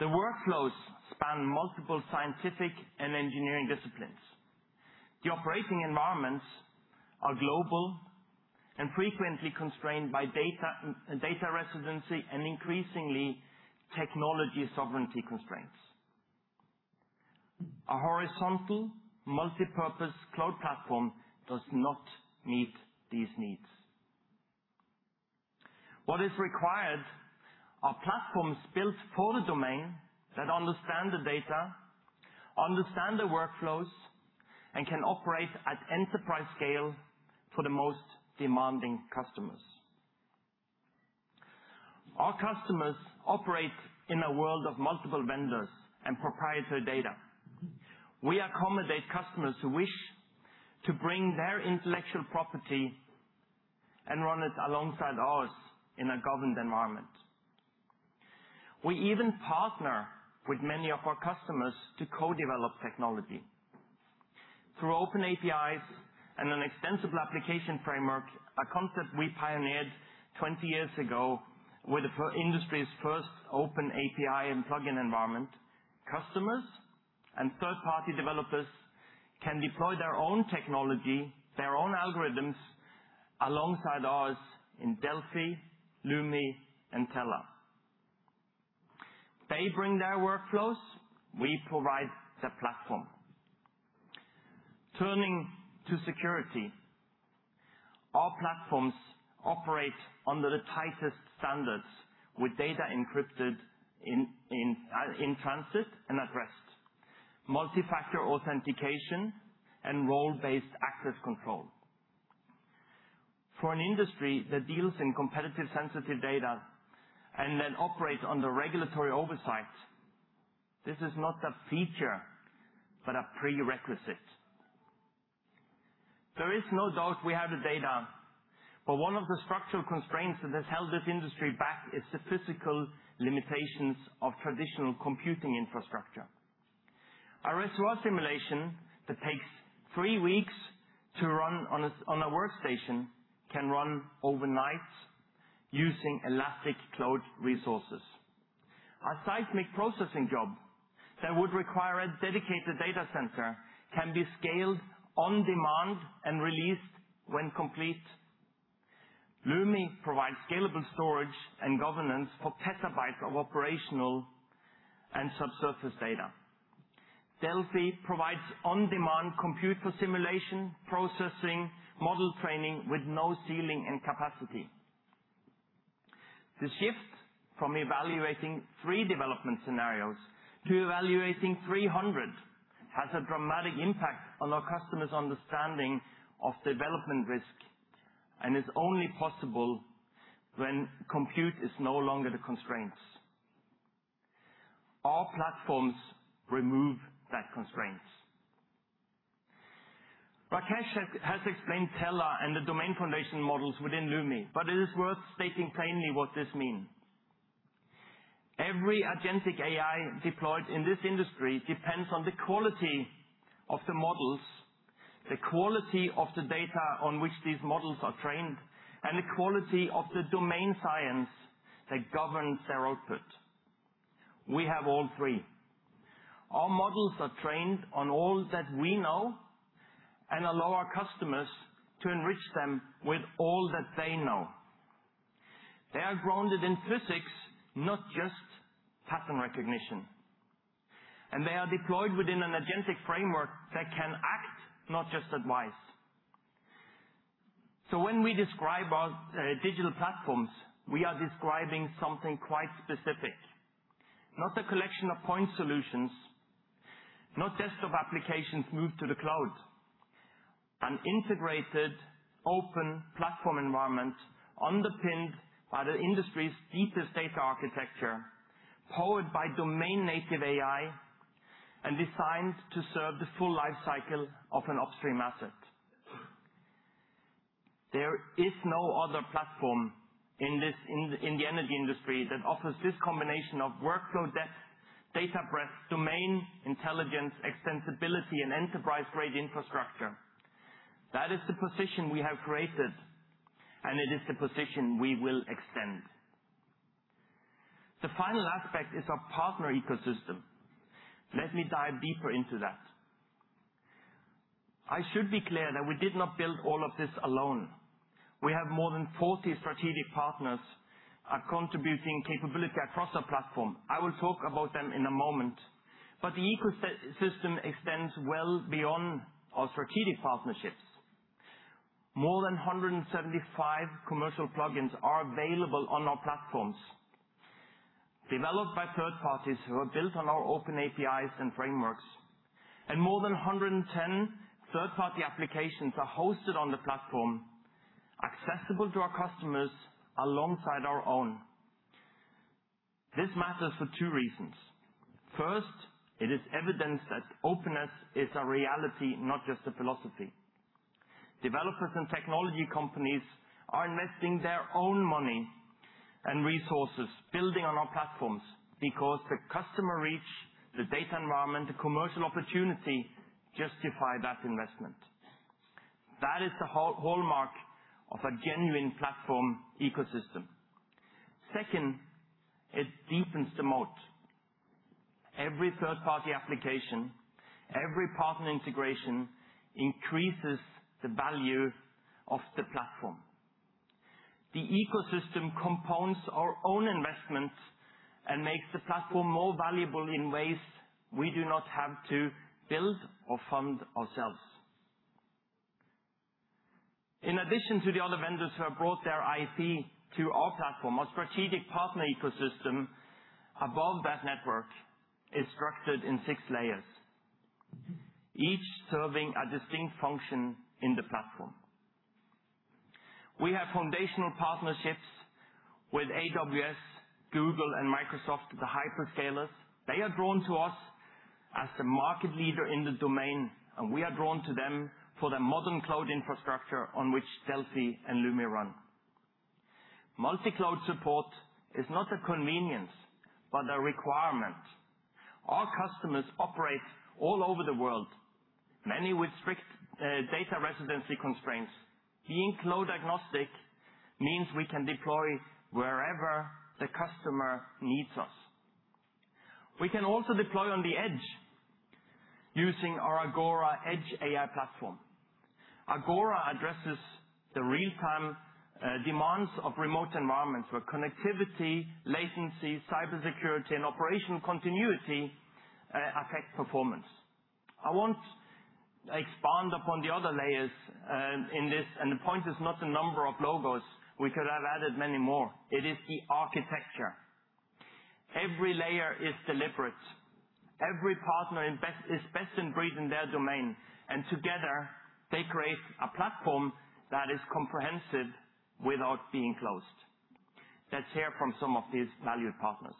The workflows span multiple scientific and engineering disciplines. The operating environments are global and frequently constrained by data residency and increasingly, technology sovereignty constraints. A horizontal multipurpose cloud platform does not meet these needs. What is required are platforms built for the domain that understand the data, understand the workflows, and can operate at enterprise scale for the most demanding customers. Our customers operate in a world of multiple vendors and proprietary data. We accommodate customers who wish to bring their intellectual property and run it alongside ours in a governed environment. We even partner with many of our customers to co-develop technology. Through open APIs and an extensible application framework, a concept we pioneered 20 years ago with the industry's first open API and plug-in environment, customers and third-party developers can deploy their own technology, their own algorithms, alongside ours in Delfi, Lumi, and Tela. They bring their workflows, we provide the platform. Turning to security, our platforms operate under the tightest standards with data encrypted in transit and at rest, multi-factor authentication, and role-based access control. For an industry that deals in competitive sensitive data and that operates under regulatory oversight, this is not a feature but a prerequisite. There is no doubt we have the data, but one of the structural constraints that has held this industry back is the physical limitations of traditional computing infrastructure. Our reservoir simulation that takes three weeks to run on a workstation can run overnight using elastic cloud resources. A seismic processing job that would require a dedicated data center can be scaled on demand and released when complete. Lumi provides scalable storage and governance for petabytes of operational and subsurface data. Delfi provides on-demand compute for simulation, processing, model training with no ceiling and capacity. The shift from evaluating three development scenarios to evaluating 300 has a dramatic impact on our customers' understanding of development risk, and is only possible when compute is no longer the constraints. Our platforms remove that constraints. Rakesh has explained Tela and the domain foundation models within Lumi, but it is worth stating plainly what this means. Every agentic AI deployed in this industry depends on the quality of the models, the quality of the data on which these models are trained, and the quality of the domain science that governs their output. We have all three. Our models are trained on all that we know and allow our customers to enrich them with all that they know. They are grounded in physics, not just pattern recognition. They are deployed within an agentic framework that can act, not just advise. When we describe our digital platforms, we are describing something quite specific. Not a collection of point solutions, not desktop applications moved to the cloud. An integrated open platform environment underpinned by the industry's deepest data architecture, powered by domain-native AI, and designed to serve the full life cycle of an upstream asset. There is no other platform in the energy industry that offers this combination of workflow depth, data breadth, domain intelligence, extensibility, and enterprise-grade infrastructure. That is the position we have created, and it is the position we will extend. The final aspect is our partner ecosystem. Let me dive deeper into that. I should be clear that we did not build all of this alone. We have more than 40 strategic partners are contributing capability across our platform. I will talk about them in a moment, but the ecosystem extends well beyond our strategic partnerships. More than 175 commercial plug-ins are available on our platforms. Developed by third parties who are built on our open APIs and frameworks, and more than 110 third-party applications are hosted on the platform, accessible to our customers alongside our own. This matters for two reasons. First, it is evident that openness is a reality, not just a philosophy. Developers and technology companies are investing their own money and resources building on our platforms because the customer reach, the data environment, the commercial opportunity justify that investment. That is the hallmark of a genuine platform ecosystem. Second, it deepens the moat. Every third-party application, every partner integration increases the value of the platform. The ecosystem compounds our own investments and makes the platform more valuable in ways we do not have to build or fund ourselves. In addition to the other vendors who have brought their IP to our platform, our strategic partner ecosystem above that network is structured in six layers, each serving a distinct function in the platform. We have foundational partnerships with AWS, Google, and Microsoft, the hyperscalers. They are drawn to us as the market leader in the domain, and we are drawn to them for their modern cloud infrastructure on which Delfi and Lumi run. Multi-cloud support is not a convenience but a requirement. Our customers operate all over the world, many with strict data residency constraints. Being cloud agnostic means we can deploy wherever the customer needs us. We can also deploy on the edge using our Agora edge AI platform. Agora addresses the real-time demands of remote environments where connectivity, latency, cybersecurity, and operational continuity affect performance. I won't expand upon the other layers in this. The point is not the number of logos. We could have added many more. It is the architecture. Every layer is deliberate. Every partner is best in breed in their domain, and together they create a platform that is comprehensive without being closed. Let's hear from some of these valued partners.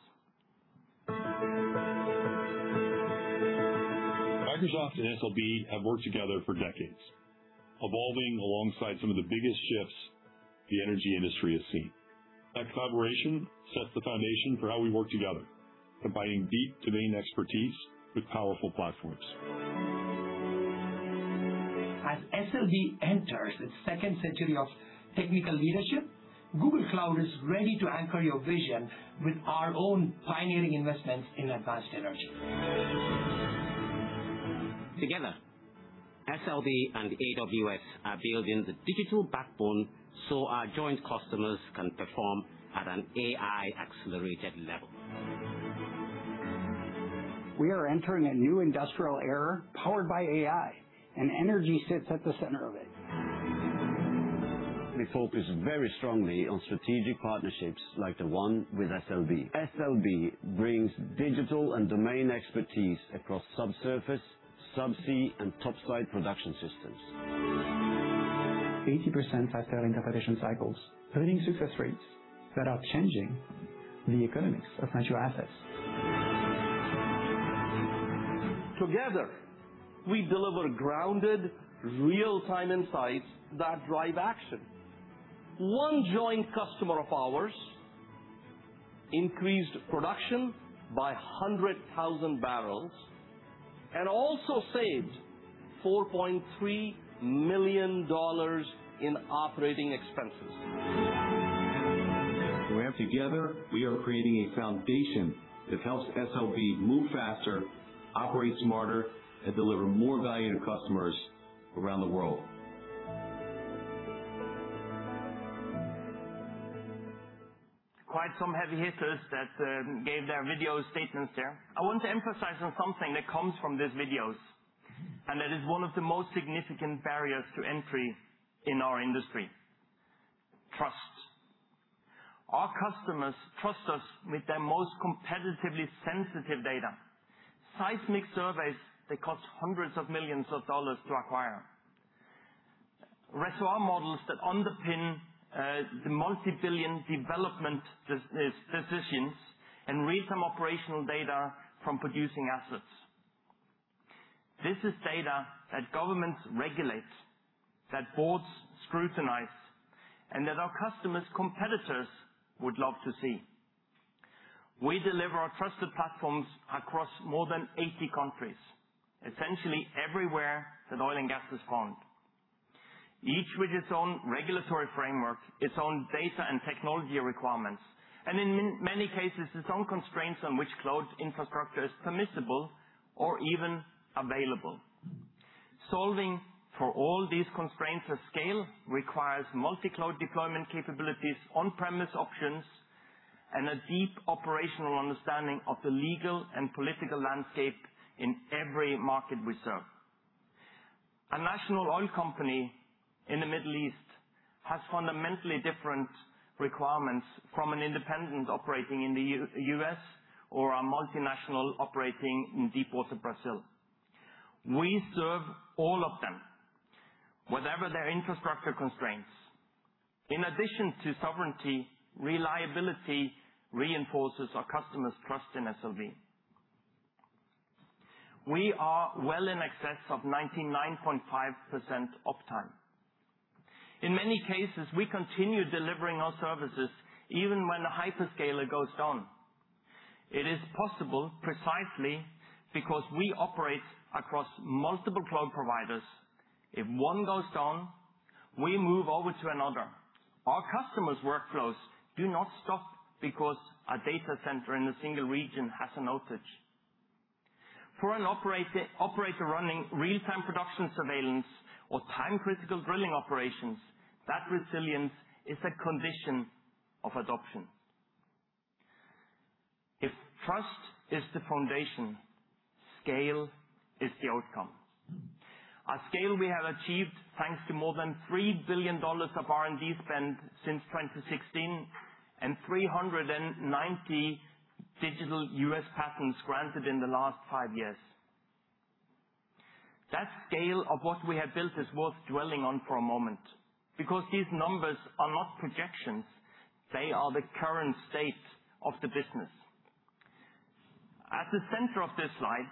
Microsoft and SLB have worked together for decades, evolving alongside some of the biggest shifts the energy industry has seen. That collaboration sets the foundation for how we work together, combining deep domain expertise with powerful platforms. As SLB enters its second century of technical leadership, Google Cloud is ready to anchor your vision with our own pioneering investments in advanced energy. Together, SLB and AWS are building the digital backbone so our joint customers can perform at an AI-accelerated level. We are entering a new industrial era powered by AI, and energy sits at the center of it. We focus very strongly on strategic partnerships like the one with SLB. SLB brings digital and domain expertise across subsurface, subsea, and topside production systems. 80% faster in competition cycles, earning success rates that are changing the economics of natural assets. Together, we deliver grounded real-time insights that drive action. One joint customer of ours increased production by 100,000 barrels and also saved $4.3 million in operating expenses. Together, we are creating a foundation that helps SLB move faster, operate smarter, and deliver more value to customers around the world. Quite some heavy hitters that gave their video statements there. I want to emphasize on something that comes from these videos, and that is one of the most significant barriers to entry in our industry, trust. Our customers trust us with their most competitively sensitive data. Seismic surveys that cost hundreds of millions of dollars to acquire. Reservoir models that underpin the multi-billion development decisions and real-time operational data from producing assets. This is data that governments regulate, that boards scrutinize, and that our customers' competitors would love to see. We deliver our trusted platforms across more than 80 countries, essentially everywhere that oil and gas is found. Each with its own regulatory framework, its own data and technology requirements, and in many cases, its own constraints on which cloud infrastructure is permissible or even available. Solving for all these constraints at scale requires multi-cloud deployment capabilities, on-premise options, and a deep operational understanding of the legal and political landscape in every market we serve. A national oil company in the Middle East has fundamentally different requirements from an independent operating in the U.S. or a multinational operating in deep water Brazil. We serve all of them, whatever their infrastructure constraints. In addition to sovereignty, reliability reinforces our customers' trust in SLB. We are well in excess of 99.5% uptime. In many cases, we continue delivering our services even when the hyperscaler goes down. It is possible precisely because we operate across multiple cloud providers. If one goes down, we move over to another. Our customers' workflows do not stop because a data center in a single region has an outage. For an operator running real-time production surveillance or time-critical drilling operations, that resilience is a condition of adoption. If trust is the foundation, scale is the outcome. A scale we have achieved thanks to more than $3 billion of R&D spend since 2016 and 390 digital U.S. patents granted in the last five years. That scale of what we have built is worth dwelling on for a moment, because these numbers are not projections, they are the current state of the business. At the center of this slide,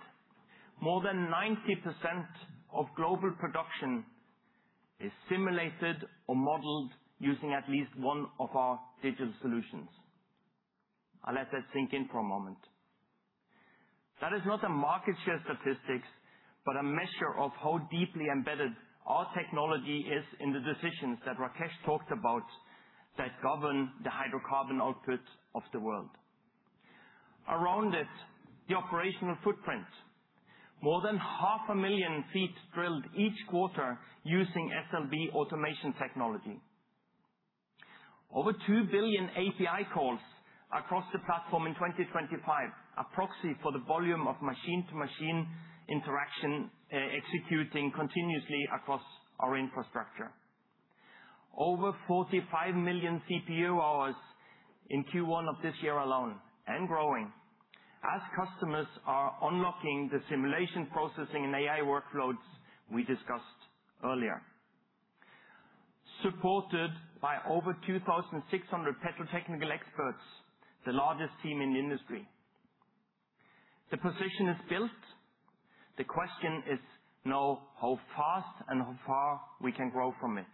more than 90% of global production is simulated or modeled using at least one of our digital solutions. I'll let that sink in for a moment. That is not a market share statistics, but a measure of how deeply embedded our technology is in the decisions that Rakesh talked about that govern the hydrocarbon output of the world. Around it, the operational footprint. More than half a million feet drilled each quarter using SLB automation technology. Over 2 billion API calls across the platform in 2025, a proxy for the volume of machine-to-machine interaction, executing continuously across our infrastructure. Over 45 million CPU hours in Q1 of this year alone and growing as customers are unlocking the simulation processing and AI workloads we discussed earlier. Supported by over 2,600 petrotechnical experts, the largest team in the industry. The position is built. The question is now how fast and how far we can grow from it.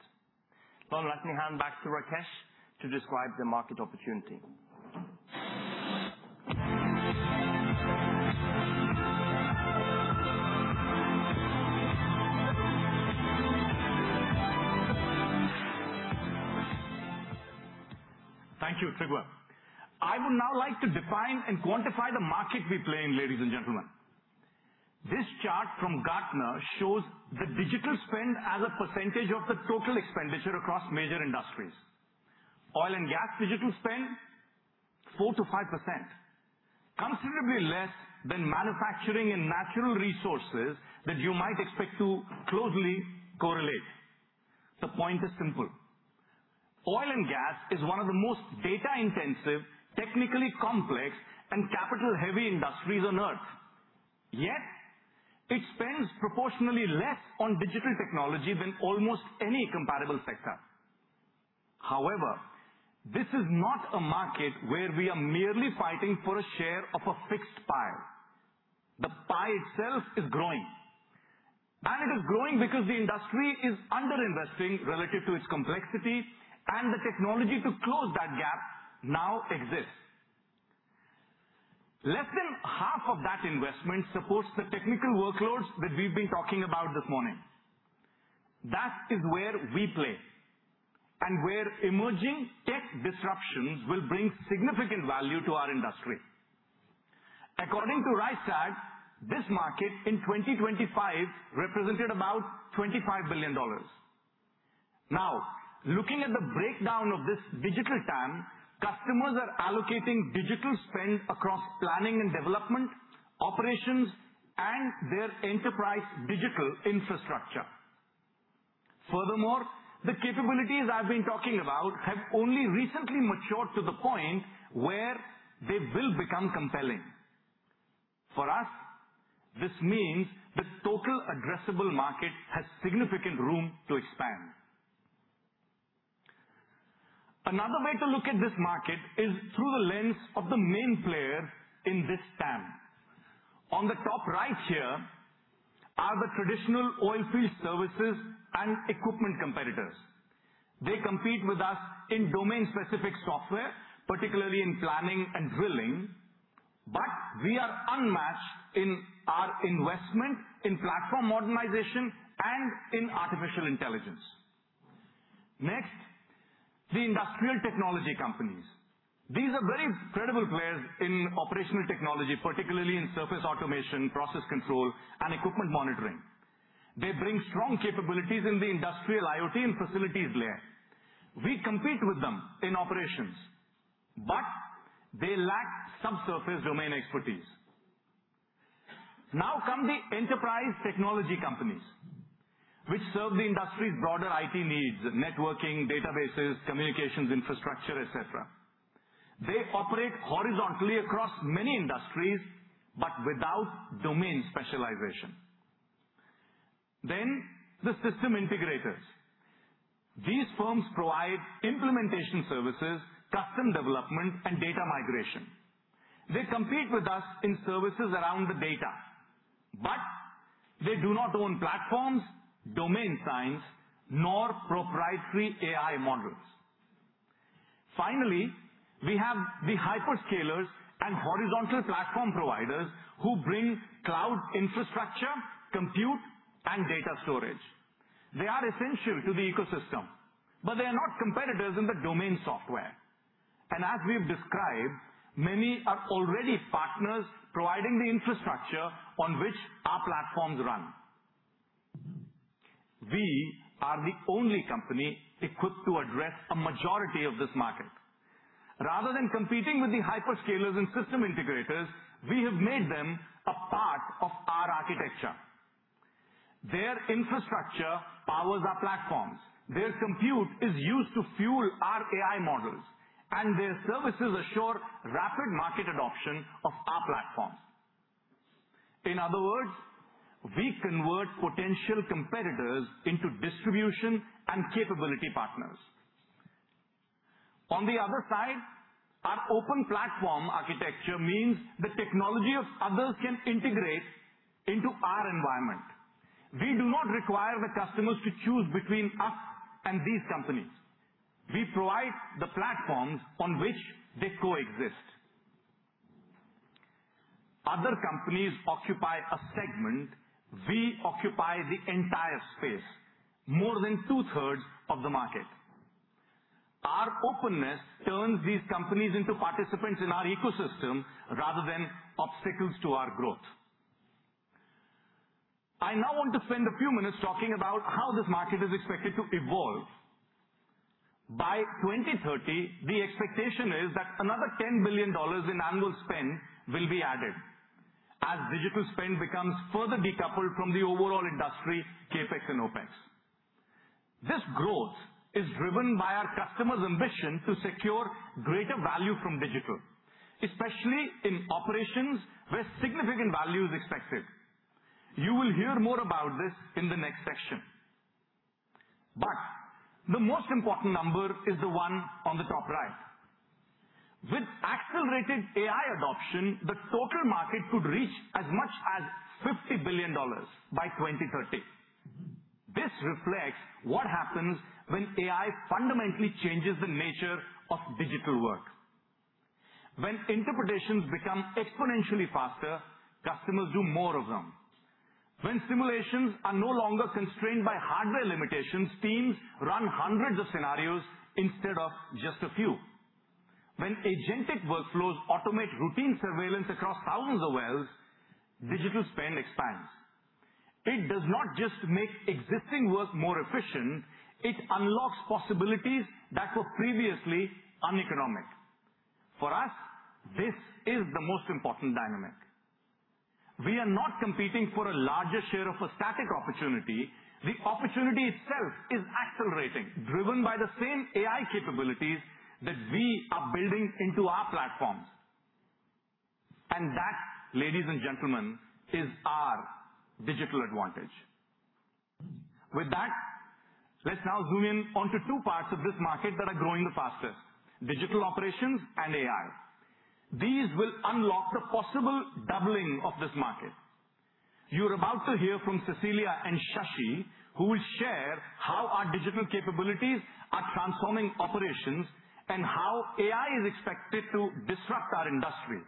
Well, let me hand back to Rakesh to describe the market opportunity. Thank you, Trygve. I would now like to define and quantify the market we play in, ladies and gentlemen. This chart from Gartner shows the digital spend as a percentage of the total expenditure across major industries. Oil and gas digital spend, 4%-5%, considerably less than manufacturing and natural resources that you might expect to closely correlate. The point is simple. Oil and gas is one of the most data-intensive, technically complex, and capital-heavy industries on Earth. Yet it spends proportionally less on digital technology than almost any comparable sector. However, this is not a market where we are merely fighting for a share of a fixed pie. The pie itself is growing, and it is growing because the industry is underinvesting relative to its complexity, and the technology to close that gap now exists. Less than half of that investment supports the technical workloads that we've been talking about this morning. That is where we play and where emerging tech disruptions will bring significant value to our industry. According to Rystad Energy, this market in 2025 represented about $25 billion. Looking at the breakdown of this digital TAM, customers are allocating digital spend across planning and development, operations, and their enterprise digital infrastructure. Furthermore, the capabilities I've been talking about have only recently matured to the point where they will become compelling. For us, this means the total addressable market has significant room to expand. Another way to look at this market is through the lens of the main player in this TAM. On the top right here are the traditional oilfield services and equipment competitors. They compete with us in domain-specific software, particularly in planning and drilling. We are unmatched in our investment in platform modernization and in artificial intelligence. Next, the industrial technology companies. These are very credible players in operational technology, particularly in surface automation, process control, and equipment monitoring. They bring strong capabilities in the industrial IoT and facilities layer. We compete with them in operations. They lack subsurface domain expertise. The enterprise technology companies, which serve the industry's broader IT needs, networking, databases, communications infrastructure, et cetera. They operate horizontally across many industries, but without domain specialization. The system integrators. These firms provide implementation services, custom development, and data migration. They compete with us in services around the data, but they do not own platforms, domain science, nor proprietary AI models. We have the hyperscalers and horizontal platform providers who bring cloud infrastructure, compute, and data storage. They are essential to the ecosystem, but they are not competitors in the domain software. As we've described, many are already partners providing the infrastructure on which our platforms run. We are the only company equipped to address a majority of this market. Rather than competing with the hyperscalers and system integrators, we have made them a part of our architecture. Their infrastructure powers our platforms. Their compute is used to fuel our AI models, and their services assure rapid market adoption of our platforms. In other words, we convert potential competitors into distribution and capability partners. On the other side, our open platform architecture means the technology of others can integrate into our environment. We do not require the customers to choose between us and these companies. We provide the platforms on which they coexist. Other companies occupy a segment, we occupy the entire space, more than two-thirds of the market. Our openness turns these companies into participants in our ecosystem rather than obstacles to our growth. I now want to spend a few minutes talking about how this market is expected to evolve. By 2030, the expectation is that another $10 billion in annual spend will be added as digital spend becomes further decoupled from the overall industry CapEx and OpEx. This growth is driven by our customers' ambition to secure greater value from digital, especially in operations where significant value is expected. You will hear more about this in the next section. The most important number is the one on the top right. With accelerated AI adoption, the total market could reach as much as $50 billion by 2030. This reflects what happens when AI fundamentally changes the nature of digital work. When interpretations become exponentially faster, customers do more of them. When simulations are no longer constrained by hardware limitations, teams run hundreds of scenarios instead of just a few. When agentic workflows automate routine surveillance across thousands of wells, digital spend expands. It does not just make existing work more efficient, it unlocks possibilities that were previously uneconomic. For us, this is the most important dynamic. We are not competing for a larger share of a static opportunity. The opportunity itself is accelerating, driven by the same AI capabilities that we are building into our platforms. That, ladies and gentlemen, is our digital advantage. With that, let's now zoom in onto two parts of this market that are growing the fastest, digital operations and AI. These will unlock the possible doubling of this market. You're about to hear from Cecilia and Shashi, who will share how our digital capabilities are transforming operations and how AI is expected to disrupt our industry.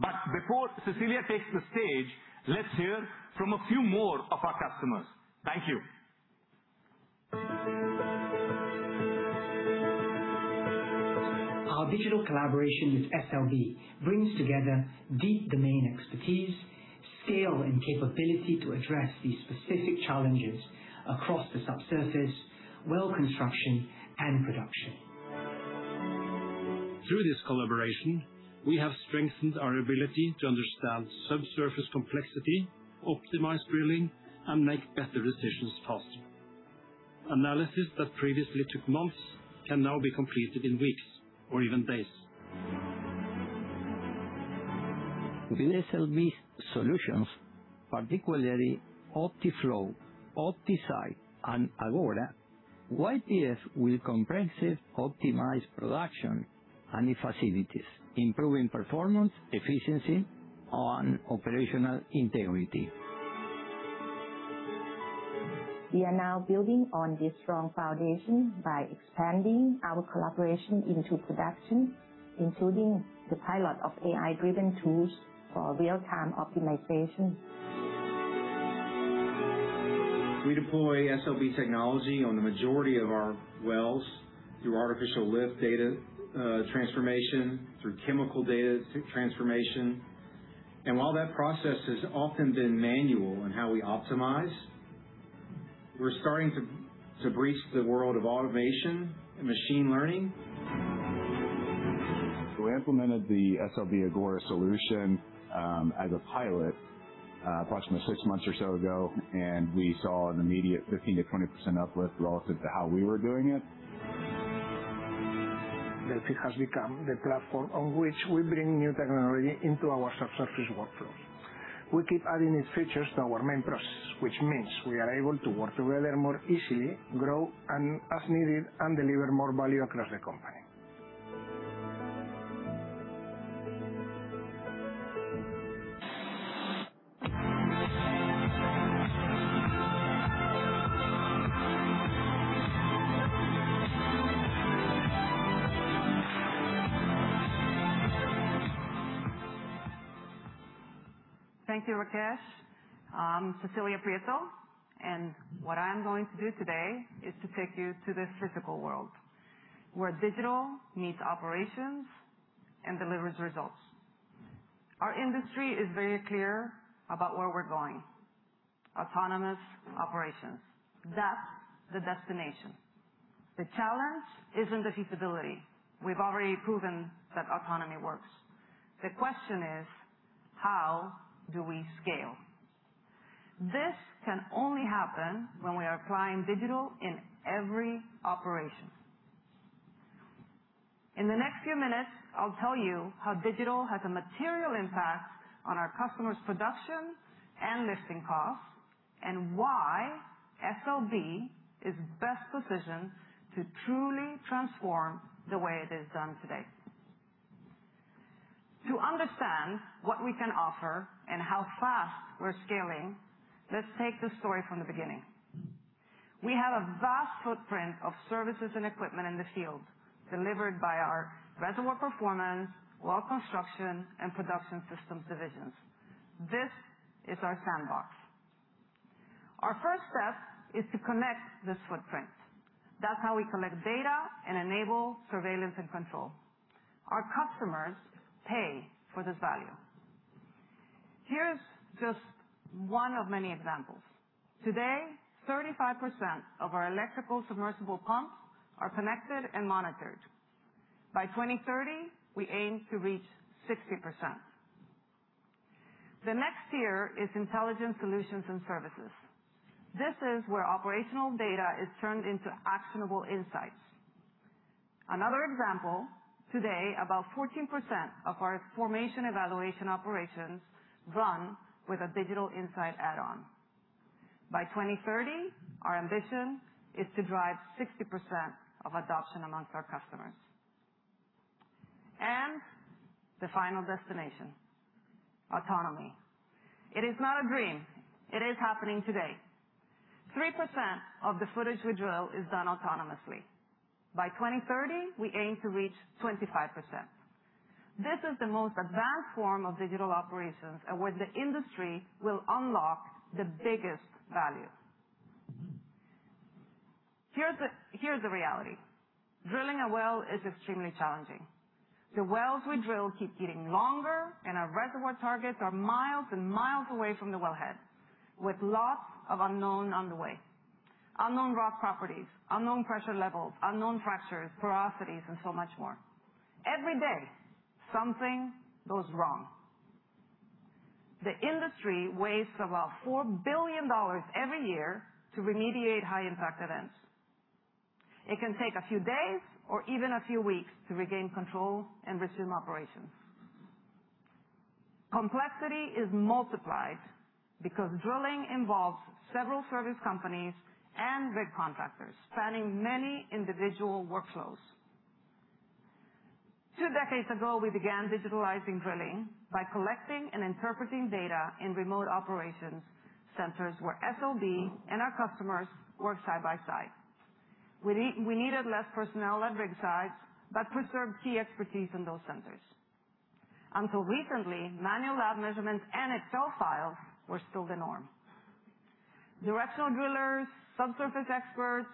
Before Cecilia takes the stage, let's hear from a few more of our customers. Thank you. Our digital collaboration with SLB brings together deep domain expertise, scale, and capability to address the specific challenges across the subsurface, well construction, and production. Through this collaboration, we have strengthened our ability to understand subsurface complexity, optimize drilling, and make better decisions faster. Analysis that previously took months can now be completed in weeks or even days. With SLB solutions, particularly OptiFlow, OptiSite, and Agora, YTS will comprehensively optimize production and the facilities, improving performance, efficiency, and operational integrity. We are now building on this strong foundation by expanding our collaboration into production, including the pilot of AI-driven tools for real-time optimization. We deploy SLB technology on the majority of our wells through artificial lift data transformation, through chemical data transformation. While that process has often been manual in how we optimize, we're starting to breach the world of automation and machine learning. We implemented the SLB Agora solution as a pilot approximately six months or so ago, and we saw an immediate 15%-20% uplift relative to how we were doing it. Delfi has become the platform on which we bring new technology into our subsurface workflows. We keep adding these features to our main process, which means we are able to work together more easily, grow as needed, and deliver more value across the company. Thank you, Rakesh. I'm Cecilia Prieto, what I'm going to do today is to take you to the physical world, where digital meets operations and delivers results. Our industry is very clear about where we're going. Autonomous operations. That's the destination. The challenge isn't the feasibility. We've already proven that autonomy works. The question is, how do we scale? This can only happen when we are applying digital in every operation. In the next few minutes, I'll tell you how digital has a material impact on our customers' production and lifting costs, and why SLB is best positioned to truly transform the way it is done today. To understand what we can offer and how fast we're scaling, let's take this story from the beginning. We have a vast footprint of services and equipment in the field delivered by our reservoir performance, well construction, and production system divisions. This is our sandbox. Our first step is to connect this footprint. That's how we collect data and enable surveillance and control. Our customers pay for this value. Here's just one of many examples. Today, 35% of our electrical submersible pumps are connected and monitored. By 2030, we aim to reach 60%. The next tier is intelligent solutions and services. This is where operational data is turned into actionable insights. Another example, today, about 14% of our formation evaluation operations run with a digital insight add-on. By 2030, our ambition is to drive 60% of adoption amongst our customers. The final destination, autonomy. It is not a dream. It is happening today. 3% of the footage we drill is done autonomously. By 2030, we aim to reach 25%. This is the most advanced form of digital operations and where the industry will unlock the biggest value. Here's the reality. Drilling a well is extremely challenging. The wells we drill keep getting longer, and our reservoir targets are miles and miles away from the wellhead, with lots of unknown on the way. Unknown rock properties, unknown pressure levels, unknown fractures, porosities, and so much more. Every day, something goes wrong. The industry wastes about $4 billion every year to remediate high-impact events. It can take a few days or even a few weeks to regain control and resume operations. Complexity is multiplied because drilling involves several service companies and rig contractors spanning many individual workflows. Two decades ago, we began digitalizing drilling by collecting and interpreting data in remote operations centers where SLB and our customers work side by side. We needed less personnel at rig sites, preserved key expertise in those centers. Until recently, manual lab measurements and Excel files were still the norm. Directional drillers, subsurface experts,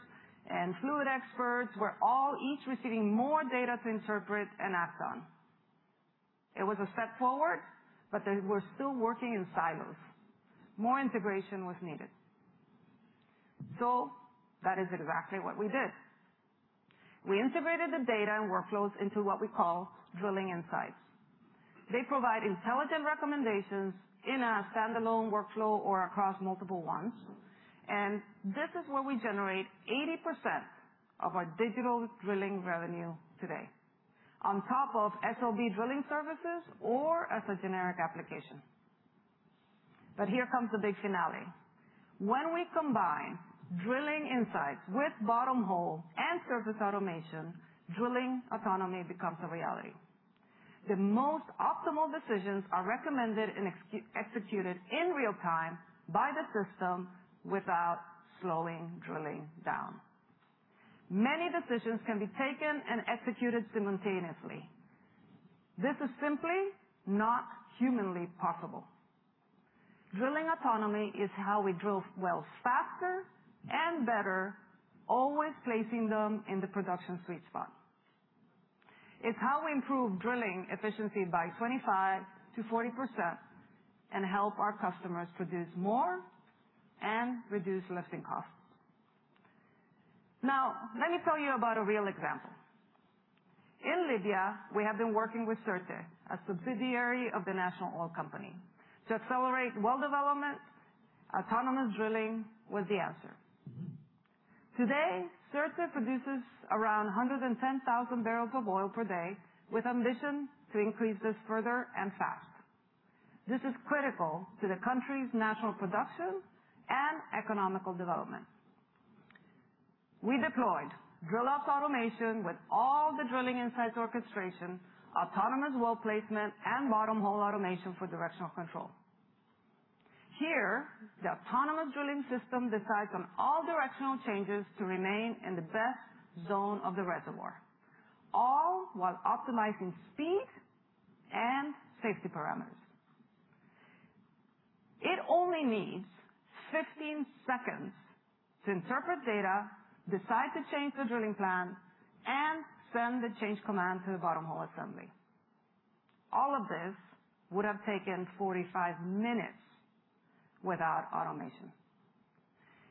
and fluid experts were all each receiving more data to interpret and act on. It was a step forward, but they were still working in silos. More integration was needed. That is exactly what we did. We integrated the data and workflows into what we call drilling insights. They provide intelligent recommendations in a standalone workflow or across multiple ones, and this is where we generate 80% of our digital drilling revenue today, on top of SLB drilling services or as a generic application. Here comes the big finale. When we combine drilling insights with bottom hole and surface automation, drilling autonomy becomes a reality. The most optimal decisions are recommended and executed in real time by the system without slowing drilling down. Many decisions can be taken and executed simultaneously. This is simply not humanly possible. Drilling autonomy is how we drill wells faster and better, always placing them in the production sweet spot. It's how we improve drilling efficiency by 25%-40% and help our customers produce more and reduce lifting costs. Let me tell you about a real example. In Libya, we have been working with Sirte, a subsidiary of the National Oil Corporation. To accelerate well development, autonomous drilling was the answer. Today, Sirte produces around 110,000 barrels of oil per day with ambition to increase this further and fast. This is critical to the country's national production and economical development. We deployed DrillOps automation with all the drilling insights, orchestration, autonomous well placement, and bottom hole automation for directional control. Here, the autonomous drilling system decides on all directional changes to remain in the best zone of the reservoir, all while optimizing speed and safety parameters. It only needs 15 seconds to interpret data, decide to change the drilling plan, and send the change command to the bottom hole assembly. All of this would have taken 45 minutes without automation.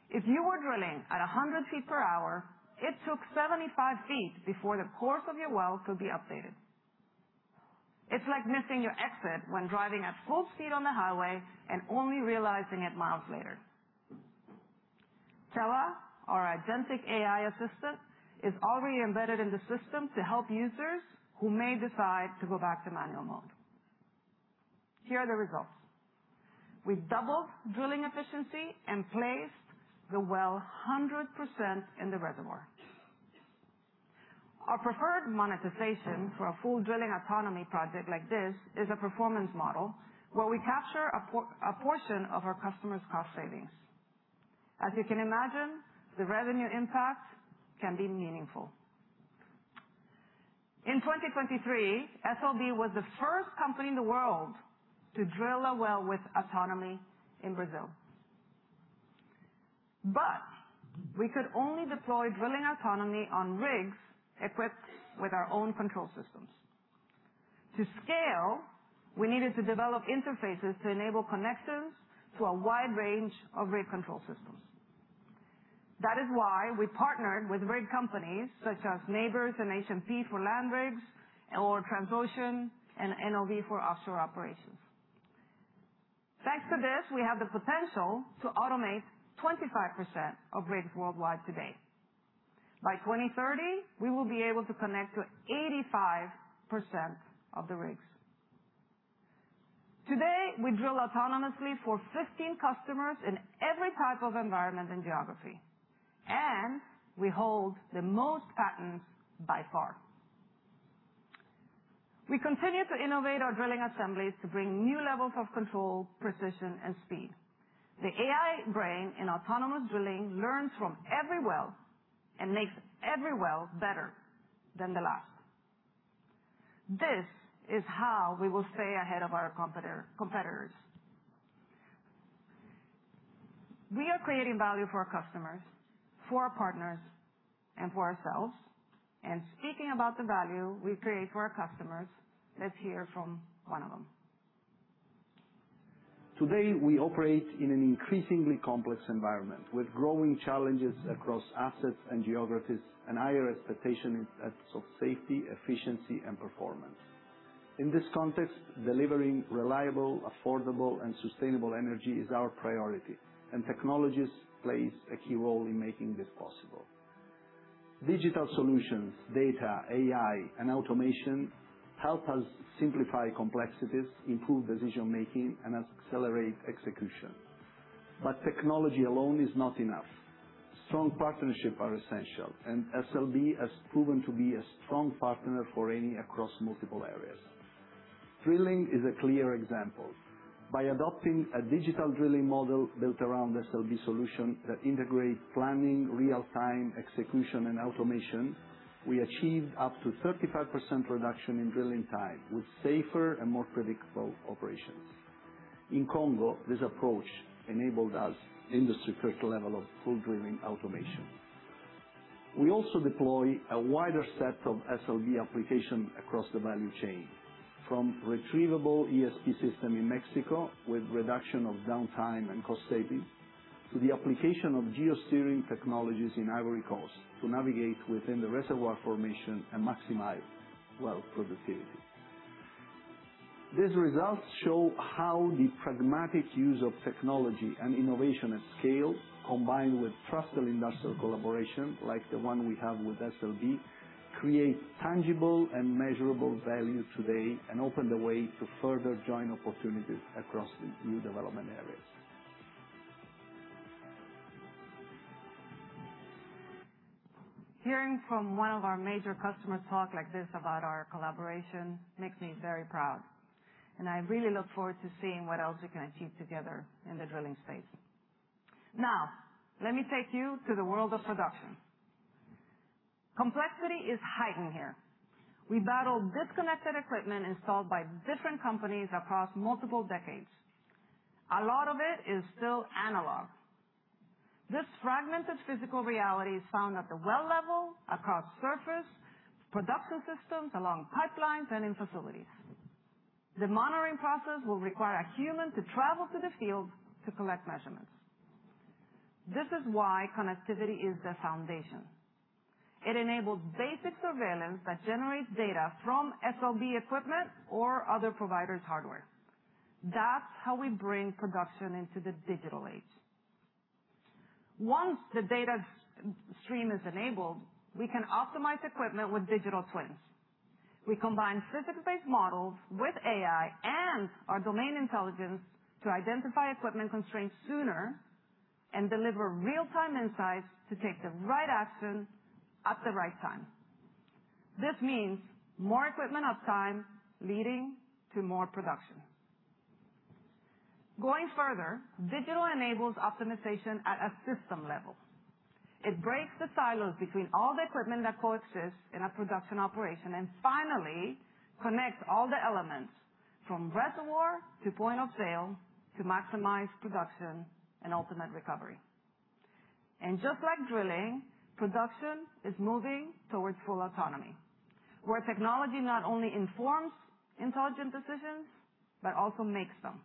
If you were drilling at 100 feet per hour, it took 75 feet before the course of your well could be updated. It's like missing your exit when driving at full speed on the highway and only realizing it miles later. Tela, our agentic AI assistant, is already embedded in the system to help users who may decide to go back to manual mode. Here are the results. We doubled drilling efficiency and placed the well 100% in the reservoir. Our preferred monetization for a full drilling autonomy project like this is a performance model where we capture a portion of our customers' cost savings. As you can imagine, the revenue impact can be meaningful. In 2023, SLB was the first company in the world to drill a well with autonomy in Brazil. We could only deploy drilling autonomy on rigs equipped with our own control systems. To scale, we needed to develop interfaces to enable connections to a wide range of rig control systems. That is why we partnered with rig companies such as Nabors and H&P for land rigs, and Transocean and NOV for offshore operations. Thanks to this, we have the potential to automate 25% of rigs worldwide today. By 2030, we will be able to connect to 85% of the rigs. Today, we drill autonomously for 15 customers in every type of environment and geography, and we hold the most patents by far. We continue to innovate our drilling assemblies to bring new levels of control, precision, and speed. Speaking about the value we create for our customers, let's hear from one of them. Today, we operate in an increasingly complex environment with growing challenges across assets and geographies and higher expectations of safety, efficiency, and performance. In this context, delivering reliable, affordable, and sustainable energy is our priority, technologies plays a key role in making this possible. Digital solutions, data, AI, and automation help us simplify complexities, improve decision-making, and accelerate execution. Technology alone is not enough. Strong partnerships are essential, SLB has proven to be a strong partner for Eni across multiple areas. Drilling is a clear example. By adopting a digital drilling model built around the SLB solution that integrates planning, real-time execution, and automation, we achieved up to 35% reduction in drilling time with safer and more predictable operations. In Congo, this approach enabled us industry-critical level of full drilling automation. We also deploy a wider set of SLB applications across the value chain, from retrievable ESP system in Mexico with reduction of downtime and cost savings, to the application of geosteering technologies in Ivory Coast to navigate within the reservoir formation and maximize well productivity. These results show how the pragmatic use of technology and innovation at scale, combined with trusted industrial collaboration like the one we have with SLB, create tangible and measurable value today and open the way to further joint opportunities across new development areas. Hearing from one of our major customers talk like this about our collaboration makes me very proud, I really look forward to seeing what else we can achieve together in the drilling space. Now, let me take you to the world of production. Complexity is heightened here. We battle disconnected equipment installed by different companies across multiple decades. A lot of it is still analog. This fragmented physical reality is found at the well level, across surface, production systems, along pipelines, and in facilities. The monitoring process will require a human to travel to the field to collect measurements. This is why connectivity is the foundation. It enables basic surveillance that generates data from SLB equipment or other providers' hardware. That's how we bring production into the digital age. Once the data stream is enabled, we can optimize equipment with digital twins. We combine physics-based models with AI and our domain intelligence to identify equipment constraints sooner and deliver real-time insights to take the right action at the right time. This means more equipment uptime, leading to more production. Going further, digital enables optimization at a system level. It breaks the silos between all the equipment that coexists in a production operation, and finally connects all the elements from reservoir to point of sale to maximize production and ultimate recovery. Just like drilling, production is moving towards full autonomy, where technology not only informs intelligent decisions but also makes them.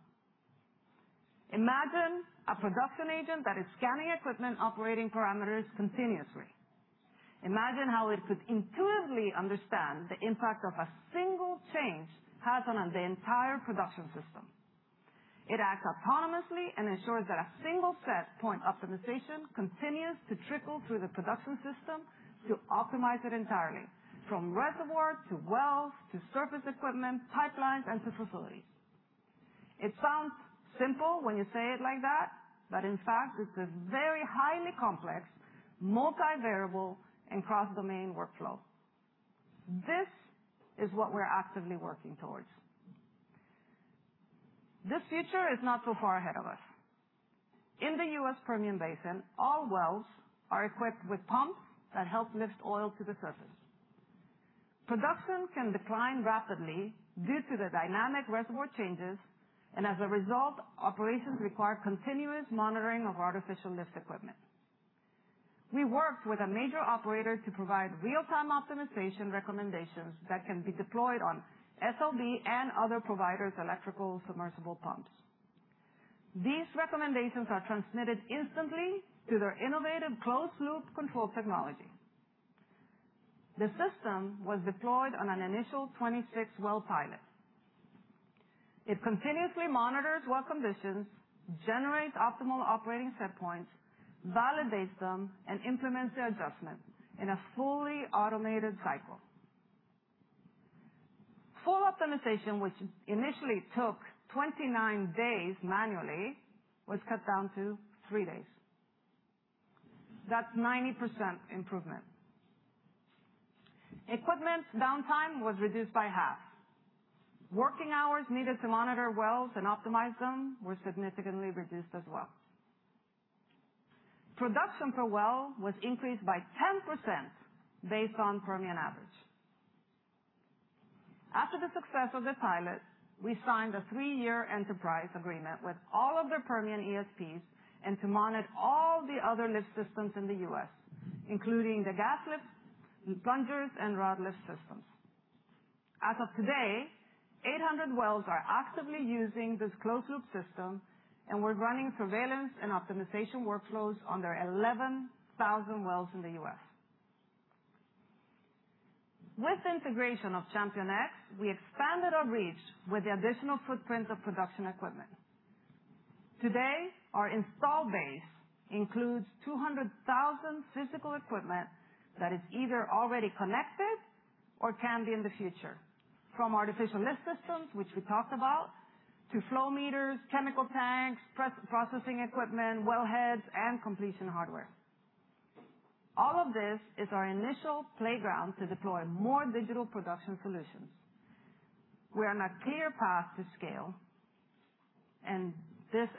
Imagine a production agent that is scanning equipment operating parameters continuously. Imagine how it could intuitively understand the impact a single change has on the entire production system. It acts autonomously and ensures that a single set point optimization continues to trickle through the production system to optimize it entirely, from reservoir to wells to surface equipment, pipelines, and to facilities. It sounds simple when you say it like that, but in fact, it's a very highly complex multivariable and cross-domain workflow. This is what we're actively working towards. This future is not so far ahead of us. In the U.S. Permian Basin, all wells are equipped with pumps that help lift oil to the surface. Production can decline rapidly due to the dynamic reservoir changes, and as a result, operations require continuous monitoring of artificial lift equipment. We worked with a major operator to provide real-time optimization recommendations that can be deployed on SLB and other providers' electrical submersible pumps. These recommendations are transmitted instantly to their innovative closed-loop control technology. The system was deployed on an initial 26-well pilot. It continuously monitors well conditions, generates optimal operating set points, validates them, and implements the adjustments in a fully automated cycle. Full optimization, which initially took 29 days manually, was cut down to three days. That's 90% improvement. Equipment downtime was reduced by half. Working hours needed to monitor wells and optimize them were significantly reduced as well. Production per well was increased by 10% based on Permian average. After the success of this pilot, we signed a three-year enterprise agreement with all of the Permian ESPs and to monitor all the other lift systems in the U.S., including the gas lifts, plungers, and rod lift systems. As of today, 800 wells are actively using this closed-loop system, and we're running surveillance and optimization workflows on their 11,000 wells in the U.S. With the integration of ChampionX, we expanded our reach with the additional footprint of production equipment. Today, our install base includes 200,000 physical equipment that is either already connected or can be in the future, from artificial lift systems, which we talked about, to flow meters, chemical tanks, processing equipment, well heads, and completion hardware. All of this is our initial playground to deploy more digital production solutions. We're on a clear path to scale and this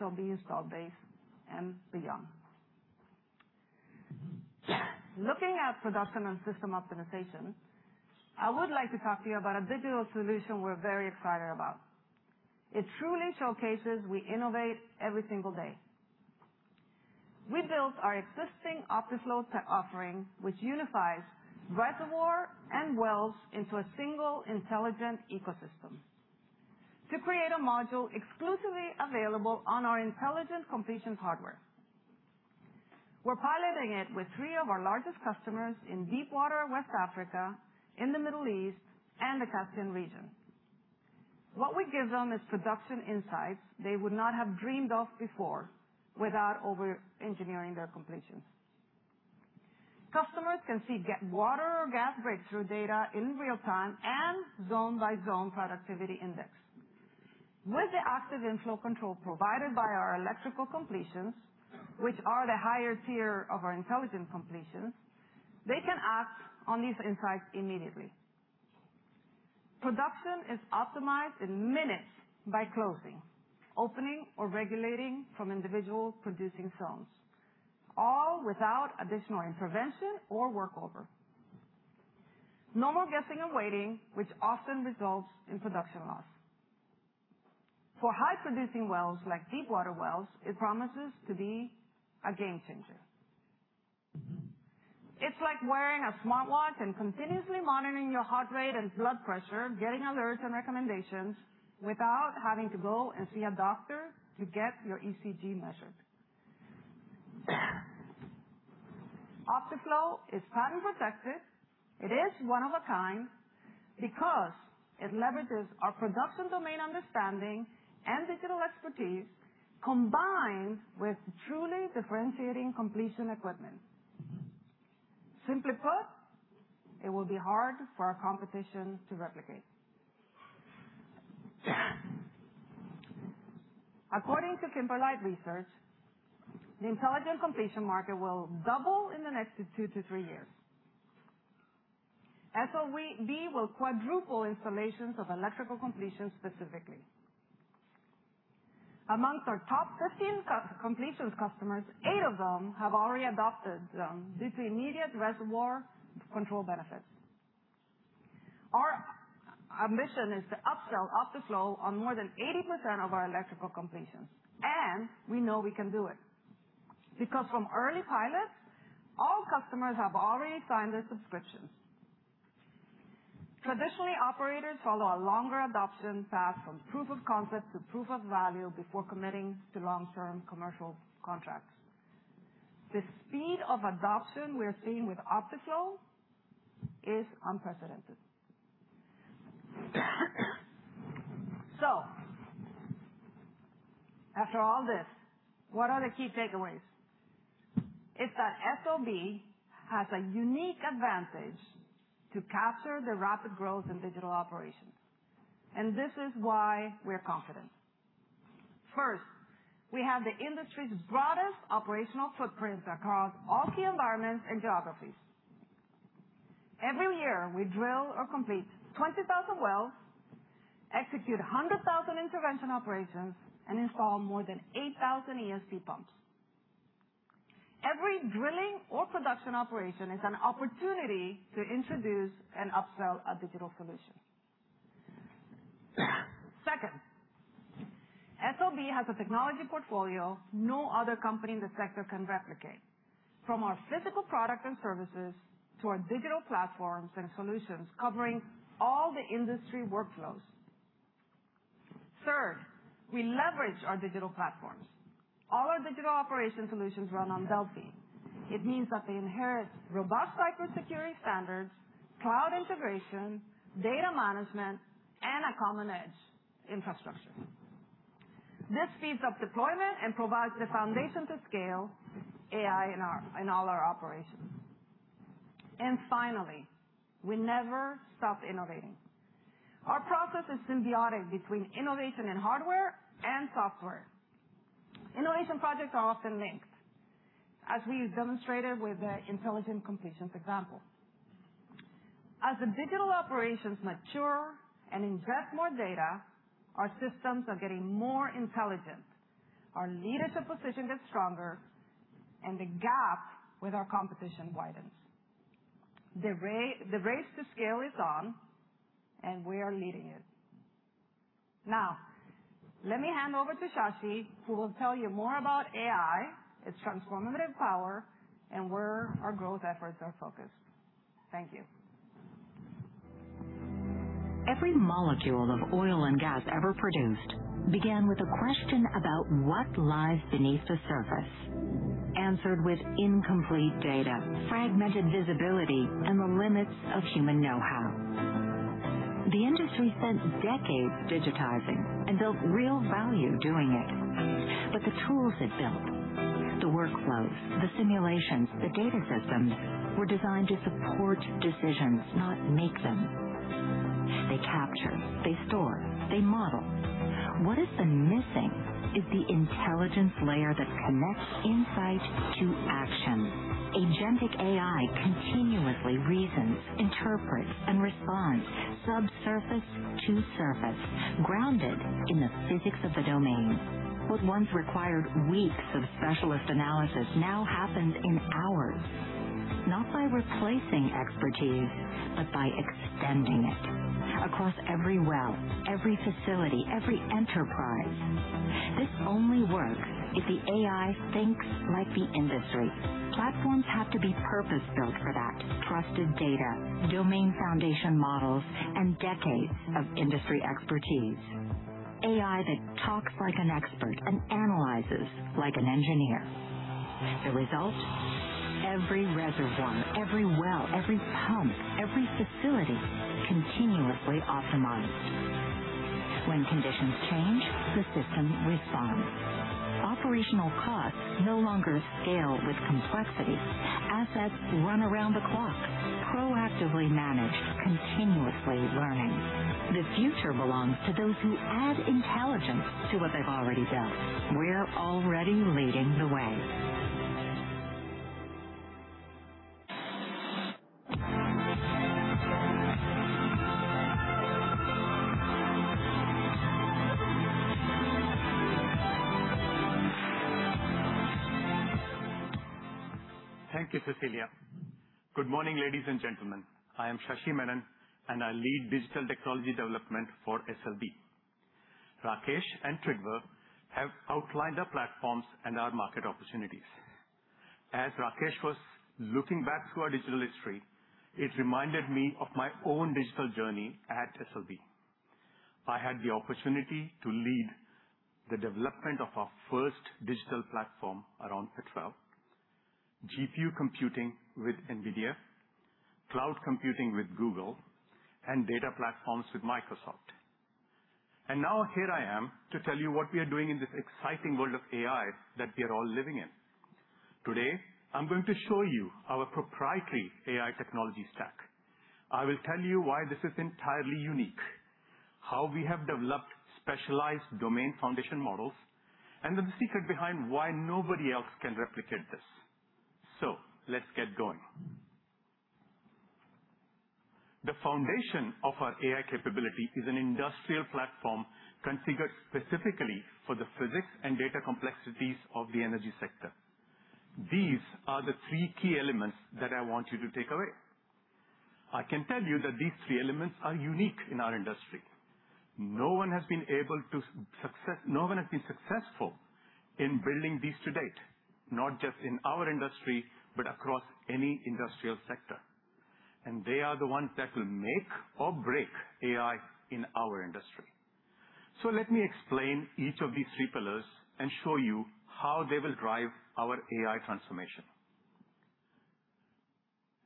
SLB install base and beyond. Looking at production and system optimization, I would like to talk to you about a digital solution we're very excited about. It truly showcases we innovate every single day. We built our existing OptiFlow tech offering, which unifies reservoir and wells into a single intelligent ecosystem to create a module exclusively available on our intelligent completion hardware. We're piloting it with three of our largest customers in deep water West Africa, in the Middle East, and the Caspian region. What we give them is production insights they would not have dreamed of before without overengineering their completions. Customers can see water or gas breakthrough data in real time and zone-by-zone productivity index. With the active inflow control provided by our electrical completions, which are the higher tier of our intelligent completions, they can act on these insights immediately. Production is optimized in minutes by closing, opening, or regulating from individual producing zones, all without additional intervention or workover. No more guessing and waiting, which often results in production loss. For high-producing wells like deep water wells, it promises to be a game changer. It's like wearing a smartwatch and continuously monitoring your heart rate and blood pressure, getting alerts and recommendations without having to go and see a doctor to get your ECG measured. OptiFlow is patent protected. It is one of a kind because it leverages our production domain understanding and digital expertise combined with truly differentiating completion equipment. Simply put, it will be hard for our competition to replicate. According to Kimberlite research, the intelligent completion market will double in the next two to three years. SLB will quadruple installations of electrical completion specifically. Amongst our top 15 completions customers, eight of them have already adopted them with immediate reservoir control benefits. Our mission is to upsell OptiFlow on more than 80% of our electrical completions, and we know we can do it because from early pilots, all customers have already signed the subscriptions. Traditionally, operators follow a longer adoption path from proof of concept to proof of value before committing to long-term commercial contracts. The speed of adoption we are seeing with OptiFlow is unprecedented. After all this, what are the key takeaways? It's that SLB has a unique advantage to capture the rapid growth in digital operations, and this is why we're confident. First, we have the industry's broadest operational footprint across all key environments and geographies. Every year, we drill or complete 20,000 wells, execute 100,000 intervention operations, and install more than 8,000 ESP pumps. Every drilling or production operation is an opportunity to introduce and upsell a digital solution. Second, SLB has a technology portfolio no other company in the sector can replicate. From our physical products and services to our digital platforms and solutions covering all the industry workflows. Third, we leverage our digital platforms. All our digital operation solutions run on Delfi. It means that they inherit robust cybersecurity standards, cloud integration, data management, and a common edge infrastructure. This speeds up deployment and provides the foundation to scale AI in all our operations. Finally, we never stop innovating. Our process is symbiotic between innovation in hardware and software. Innovation projects are often linked, as we demonstrated with the intelligent completions example. As the digital operations mature and ingest more data, our systems are getting more intelligent. Our leadership position gets stronger, and the gap with our competition widens. The race to scale is on, and we are leading it. Let me hand over to Shashi, who will tell you more about AI, its transformative power, and where our growth efforts are focused. Thank you. Every molecule of oil and gas ever produced began with a question about what lies beneath the surface, answered with incomplete data, fragmented visibility, and the limits of human know-how. The industry spent decades digitizing and built real value doing it. The tools it built, the workflows, the simulations, the data systems, were designed to support decisions, not make them. They capture. They store. They model. What has been missing is the intelligence layer that connects insight to action. Agentic AI continuously reasons, interprets, and responds subsurface to surface, grounded in the physics of the domain. What once required weeks of specialist analysis now happens in hours, not by replacing expertise, but by extending it across every well, every facility, every enterprise. This only works if the AI thinks like the industry. Platforms have to be purpose-built for that trusted data, domain foundation models, and decades of industry expertise. AI that talks like an expert and analyzes like an engineer. The result, every reservoir, every well, every pump, every facility continuously optimized. When conditions change, the system responds. Operational costs no longer scale with complexity. Assets run around the clock, proactively managed, continuously learning. The future belongs to those who add intelligence to what they've already built. We're already leading the way. Thank you, Cecilia. Good morning, ladies and gentlemen. I am Shashi Menon, and I lead digital technology development for SLB. Rakesh and Trygve have outlined our platforms and our market opportunities. As Rakesh was looking back through our digital history, it reminded me of my own digital journey at SLB. I had the opportunity to lead the development of our first digital platform around Excel, GPU computing with NVIDIA, cloud computing with Google, and data platforms with Microsoft. Now here I am to tell you what we are doing in this exciting world of AI that we are all living in. Today, I'm going to show you our proprietary AI technology stack. I will tell you why this is entirely unique, how we have developed specialized domain foundation models, and the secret behind why nobody else can replicate this. Let's get going. The foundation of our AI capability is an industrial platform configured specifically for the physics and data complexities of the energy sector. These are the three key elements that I want you to take away. I can tell you that these three elements are unique in our industry. No one has been successful in building these to date, not just in our industry, but across any industrial sector. They are the ones that will make or break AI in our industry. Let me explain each of these three pillars and show you how they will drive our AI transformation.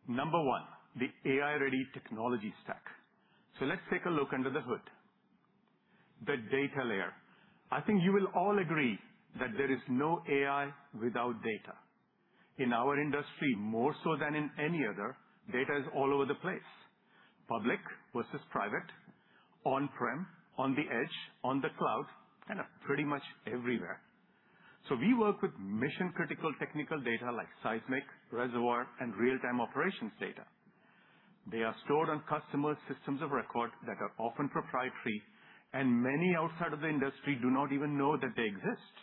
Number one, the AI-ready technology stack. Let's take a look under the hood. The data layer. I think you will all agree that there is no AI without data. In our industry, more so than in any other, data is all over the place. Public versus private, on-prem, on the edge, on the cloud, and pretty much everywhere. We work with mission-critical technical data like seismic, reservoir, and real-time operations data. They are stored on customer systems of record that are often proprietary, and many outside of the industry do not even know that they exist.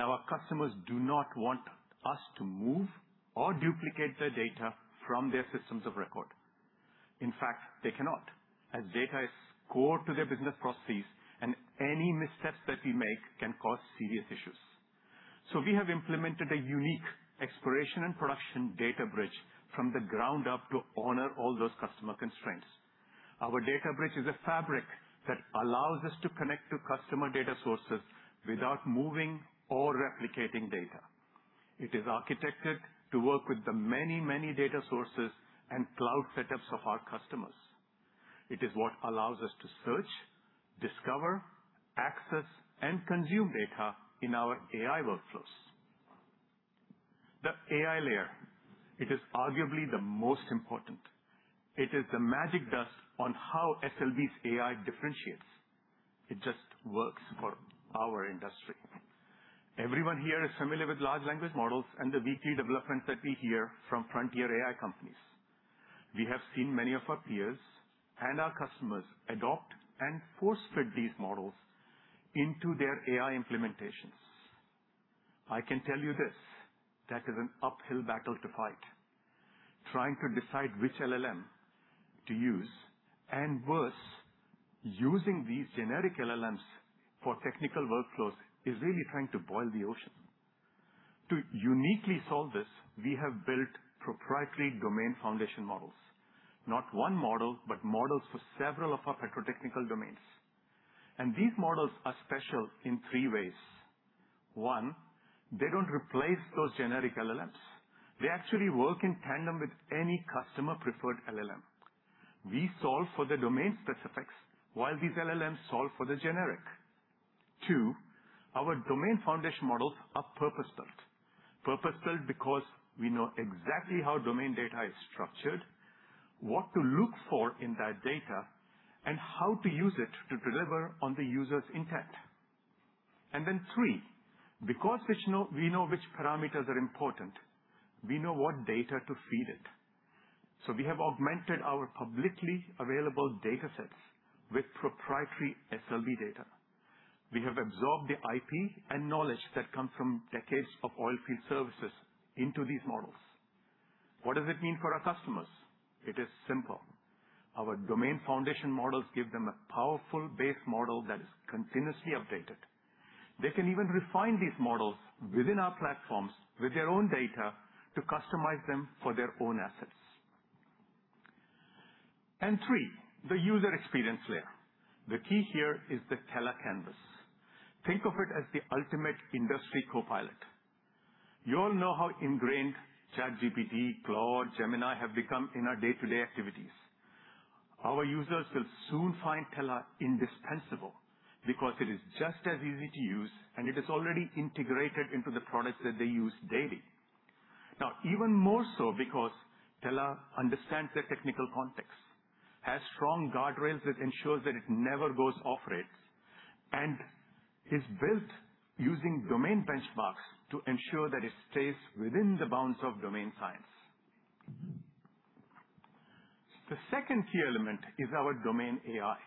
Our customers do not want us to move or duplicate their data from their systems of record. In fact, they cannot, as data is core to their business processes, and any missteps that we make can cause serious issues. We have implemented a unique exploration and production data bridge from the ground up to honor all those customer constraints. Our data bridge is a fabric that allows us to connect to customer data sources without moving or replicating data. It is architected to work with the many, many data sources and cloud setups of our customers. It is what allows us to search, discover, access, and consume data in our AI workflows. The AI layer, it is arguably the most important. It is the magic dust on how SLB's AI differentiates. It just works for our industry. Everyone here is familiar with large language models and the weekly developments that we hear from frontier AI companies. We have seen many of our peers and our customers adopt and force-fit these models into their AI implementations. I can tell you this, that is an uphill battle to fight. Trying to decide which LLM to use, and worse, using these generic LLMs for technical workflows is really trying to boil the ocean. To uniquely solve this, we have built proprietary domain foundation models. Not one model, but models for several of our petrotechnical domains. These models are special in three ways. One, they don't replace those generic LLMs. They actually work in tandem with any customer preferred LLM. We solve for the domain specifics while these LLMs solve for the generic. Two, our domain foundation models are purpose-built. Purpose-built because we know exactly how domain data is structured, what to look for in that data, and how to use it to deliver on the user's intent. Three, because we know which parameters are important, we know what data to feed it. We have augmented our publicly available datasets with proprietary SLB data. We have absorbed the IP and knowledge that come from decades of oil field services into these models. What does it mean for our customers? It is simple. Our domain foundation models give them a powerful base model that is continuously updated. They can even refine these models within our platforms with their own data to customize them for their own assets. Three, the user experience layer. The key here is the Tela Canvas. Think of it as the ultimate industry Copilot. You all know how ingrained ChatGPT, Claude, Gemini have become in our day-to-day activities. Our users will soon find Tela indispensable because it is just as easy to use, and it is already integrated into the products that they use daily. Now, even more so because Tela understands their technical context, has strong guardrails that ensures that it never goes off-rails, and is built using domain benchmarks to ensure that it stays within the bounds of domain science. The second key element is our domain AI.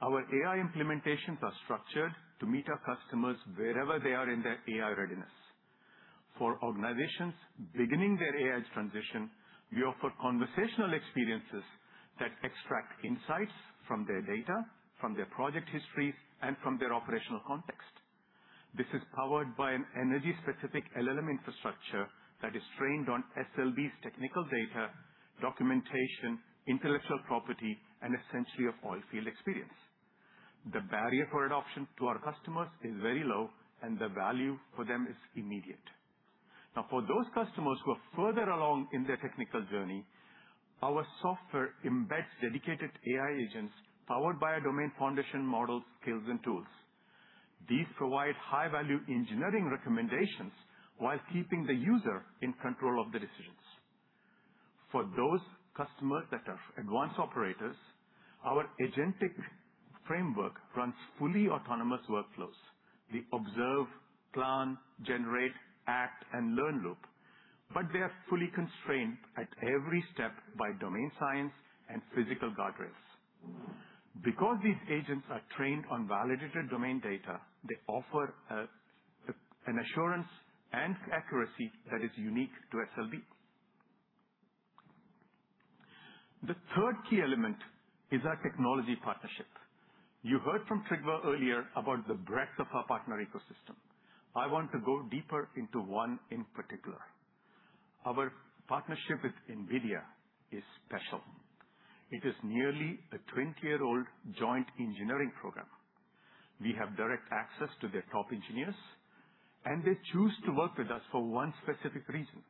Our AI implementations are structured to meet our customers wherever they are in their AI readiness. For organizations beginning their AI transition, we offer conversational experiences that extract insights from their data, from their project histories, and from their operational context. This is powered by an energy-specific LLM infrastructure that is trained on SLB's technical data, documentation, intellectual property, and essentially, our oil field experience. The barrier for adoption to our customers is very low, and the value for them is immediate. For those customers who are further along in their technical journey, our software embeds dedicated AI agents powered by our domain foundation models, skills, and tools. These provide high-value engineering recommendations while keeping the user in control of the decisions. For those customers that are advanced operators, our agentic framework runs fully autonomous workflows. They observe, plan, generate, act, and learn loop, but they are fully constrained at every step by domain science and physical guardrails. These agents are trained on validated domain data, they offer an assurance and accuracy that is unique to SLB. The third key element is our technology partnership. You heard from Trygve earlier about the breadth of our partner ecosystem. I want to go deeper into one in particular. Our partnership with NVIDIA is special. It is nearly a 20-year-old joint engineering program. We have direct access to their top engineers, and they choose to work with us for one specific reason.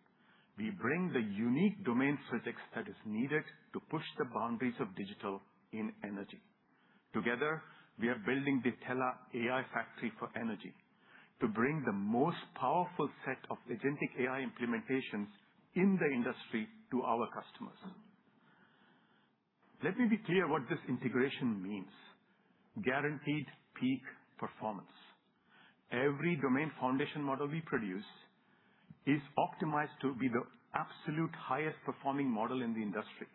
We bring the unique domain physics that is needed to push the boundaries of digital in energy. Together, we are building the Tela AI factory for energy to bring the most powerful set of agentic AI implementations in the industry to our customers. Let me be clear what this integration means. Guaranteed peak performance. Every domain foundation model we produce is optimized to be the absolute highest performing model in the industry.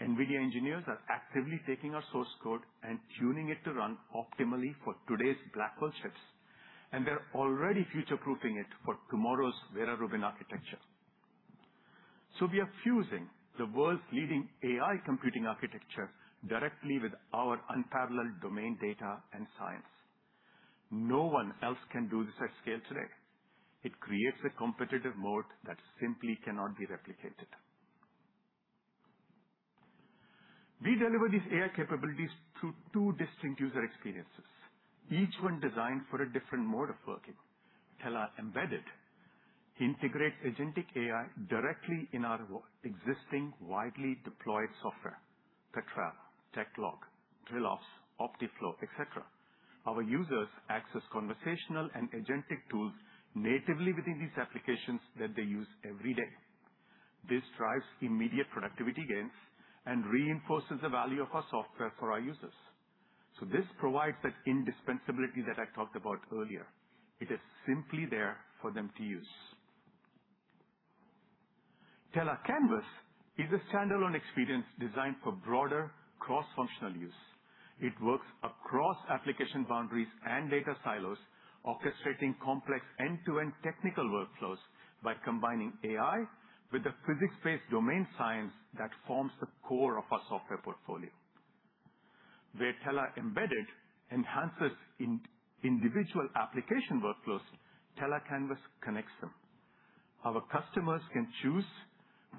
NVIDIA engineers are actively taking our source code and tuning it to run optimally for today's Blackwell chips, and they're already future-proofing it for tomorrow's Vera Rubin architecture. We are fusing the world's leading AI computing architecture directly with our unparalleled domain data and science. No one else can do this at scale today. It creates a competitive moat that simply cannot be replicated. We deliver these AI capabilities through two distinct user experiences, each one designed for a different mode of working. Tela Embedded integrates agentic AI directly in our existing widely deployed software, Petrel, Techlog, Trillo, OptiFlow, et cetera. Our users access conversational and agentic tools natively within these applications that they use every day. This drives immediate productivity gains and reinforces the value of our software for our users. This provides that indispensability that I talked about earlier. It is simply there for them to use. Tela Canvas is a standalone experience designed for broader cross-functional use. It works across application boundaries and data silos, orchestrating complex end-to-end technical workflows by combining AI with the physics-based domain science that forms the core of our software portfolio. Where Tela Embedded enhances individual application workflows, Tela Canvas connects them. Our customers can choose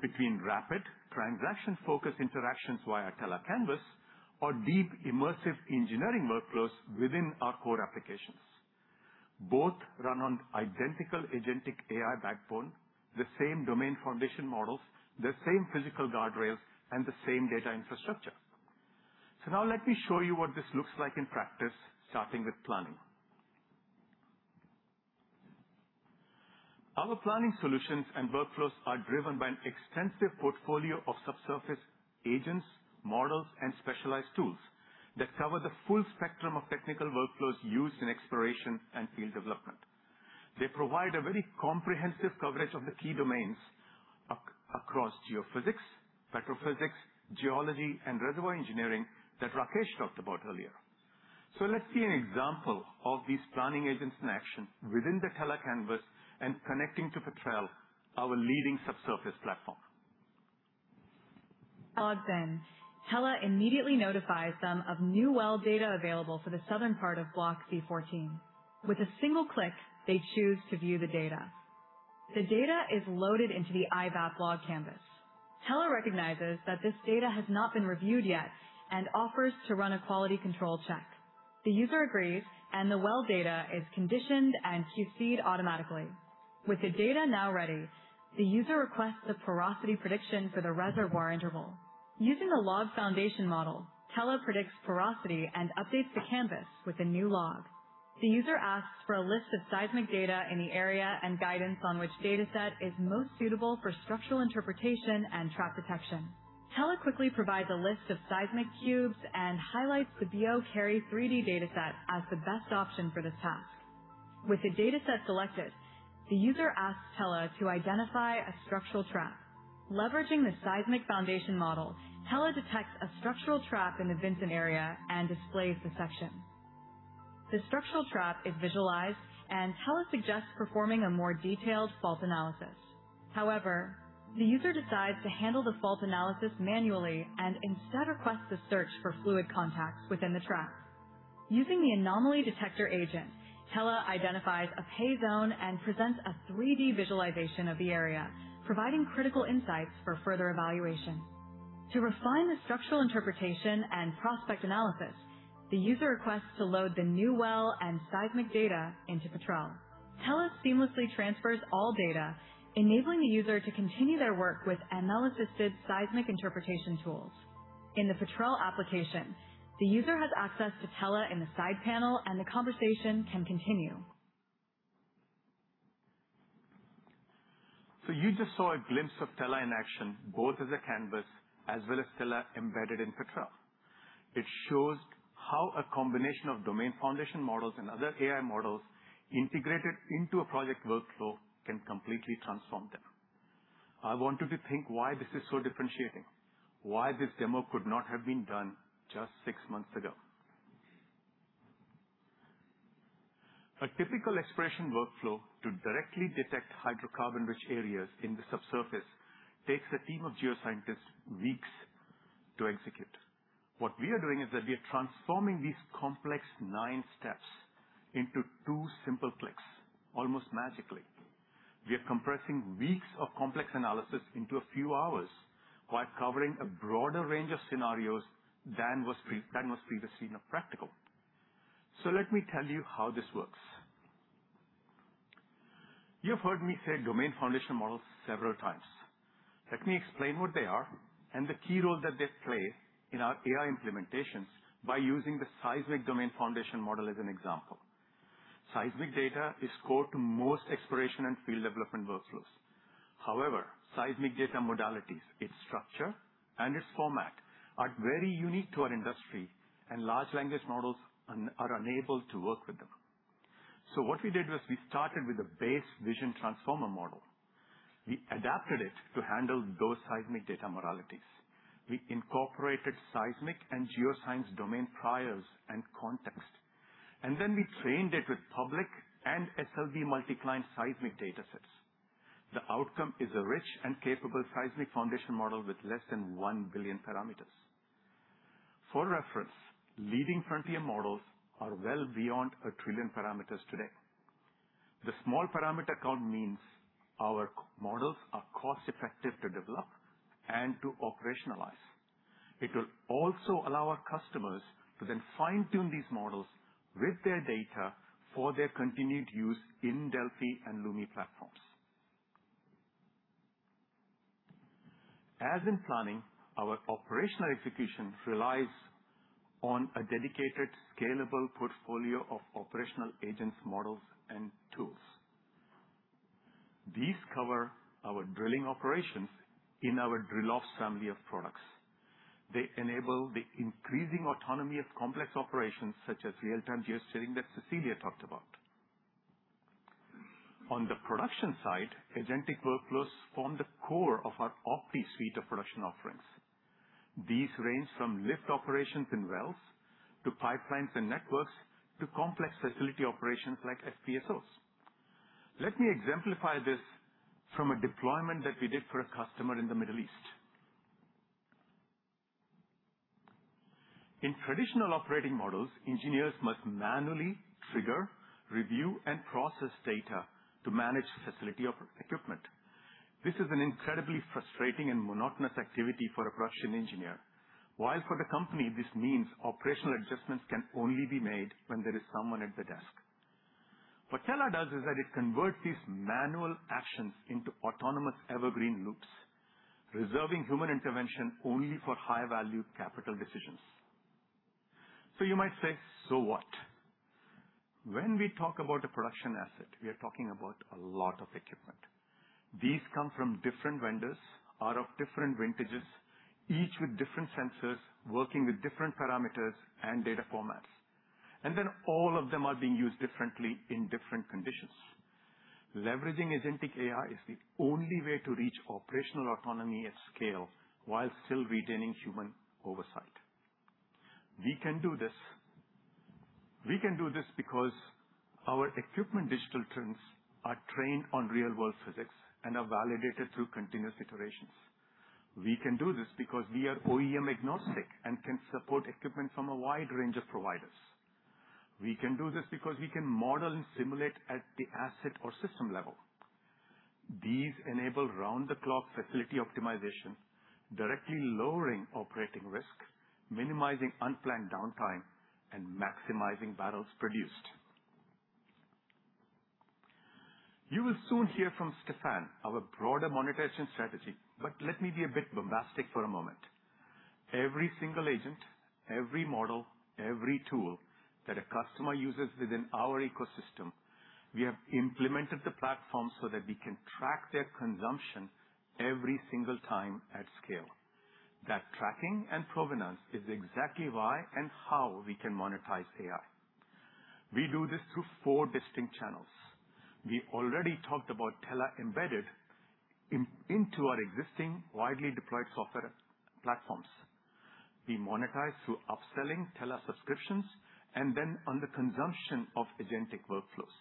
between rapid transaction-focused interactions via Tela Canvas or deep, immersive engineering workflows within our core applications. Both run on identical agentic AI backbone, the same domain foundation models, the same physical guardrails, and the same data infrastructure. Now let me show you what this looks like in practice, starting with planning. Our planning solutions and workflows are driven by an extensive portfolio of subsurface agents, models, and specialized tools that cover the full spectrum of technical workflows used in exploration and field development. They provide a very comprehensive coverage of the key domains across geophysics, petrophysics, geology, and reservoir engineering that Rakesh talked about earlier. Let's see an example of these planning agents in action within the Tela Canvas and connecting to Petrel, our leading subsurface platform. Log then. Tela immediately notifies them of new well data available for the southern part of Block C14. With a single click, they choose to view the data. The data is loaded into the IVAAP log canvas. Tela recognizes that this data has not been reviewed yet and offers to run a quality control check. The user agrees, and the well data is conditioned and QC'd automatically. With the data now ready, the user requests a porosity prediction for the reservoir interval. Using the domain foundation model, Tela predicts porosity and updates the canvas with a new log. The user asks for a list of seismic data in the area and guidance on which dataset is most suitable for structural interpretation and trap detection. Tela quickly provides a list of seismic cubes and highlights the BO Carry dataset as the best option for this task. With the dataset selected, the user asks Tela to identify a structural trap. Leveraging the domain foundation model, Tela detects a structural trap in the Vinton Dome area and displays the section. The structural trap is visualized, and Tela suggests performing a more detailed fault analysis. However, the user decides to handle the fault analysis manually and instead requests a search for fluid contacts within the trap. Using the anomaly detector agent, Tela identifies a pay zone and presents a 3D visualization of the area, providing critical insights for further evaluation. To refine the structural interpretation and prospect analysis, the user requests to load the new well and seismic data into Petrel. Tela seamlessly transfers all data, enabling the user to continue their work with ML-assisted seismic interpretation tools. In the Petrel application, the user has access to Tela in the side panel, and the conversation can continue. You just saw a glimpse of Tela in action, both as a Tela Canvas as well as Tela Embedded in Petrel. It shows how a combination of domain foundation models and other AI models integrated into a project workflow can completely transform them. I want you to think why this is so differentiating, why this demo could not have been done just six months ago. A typical exploration workflow to directly detect hydrocarbon-rich areas in the subsurface takes a team of geoscientists weeks to execute. We are transforming these complex nine steps into two simple clicks, almost magically. We are compressing weeks of complex analysis into a few hours, while covering a broader range of scenarios than was previously practical. Let me tell you how this works. You've heard me say domain foundation models several times. Let me explain what they are and the key role that they play in our AI implementations by using the seismic domain foundation model as an example. Seismic data is core to most exploration and field development workflows. However, seismic data modalities, its structure, and its format are very unique to our industry, and large language models are unable to work with them. What we did was we started with a base vision transformer model. We adapted it to handle those seismic data modalities. We incorporated seismic and geoscience domain priors and context, we trained it with public and SLB multi-client seismic datasets. The outcome is a rich and capable seismic foundation model with less than 1 billion parameters. For reference, leading frontier models are well beyond 1 trillion parameters today. The small parameter count means our models are cost-effective to develop and to operationalize. It will also allow our customers to then fine-tune these models with their data for their continued use in Delfi and Lumi platforms. As in planning, our operational execution relies on a dedicated, scalable portfolio of operational agents, models, and tools. These cover our drilling operations in our DrillOps family of products. They enable the increasing autonomy of complex operations, such as real-time geosteering that Cecilia talked about. On the production side, agentic workflows form the core of our Opti Suite of production offerings. These range from lift operations in wells to pipelines and networks to complex facility operations like FPSOs. Let me exemplify this from a deployment that we did for a customer in the Middle East. In traditional operating models, engineers must manually trigger, review, and process data to manage facility of equipment. This is an incredibly frustrating and monotonous activity for a production engineer, while for the company, this means operational adjustments can only be made when there is someone at the desk. What Tela does is that it converts these manual actions into autonomous evergreen loops, reserving human intervention only for high-value capital decisions. You might say, "So what?" When we talk about a production asset, we are talking about a lot of equipment. These come from different vendors, are of different vintages, each with different sensors, working with different parameters and data formats. All of them are being used differently in different conditions. Leveraging agentic AI is the only way to reach operational autonomy at scale while still retaining human oversight. We can do this. We can do this because our equipment digital twins are trained on real-world physics and are validated through continuous iterations. We can do this because we are OEM-agnostic and can support equipment from a wide range of providers. We can do this because we can model and simulate at the asset or system level. These enable round-the-clock facility optimization, directly lowering operating risks, minimizing unplanned downtime, and maximizing barrels produced. You will soon hear from Stéphane our broader monetization strategy, but let me be a bit bombastic for a moment. Every single agent, every model, every tool that a customer uses within our ecosystem, we have implemented the platform so that we can track their consumption every single time at scale. That tracking and provenance is exactly why and how we can monetize AI. We do this through four distinct channels. We already talked about Tela Embedded into our existing widely deployed software platforms. We monetize through upselling Tela subscriptions and then on the consumption of agentic workflows.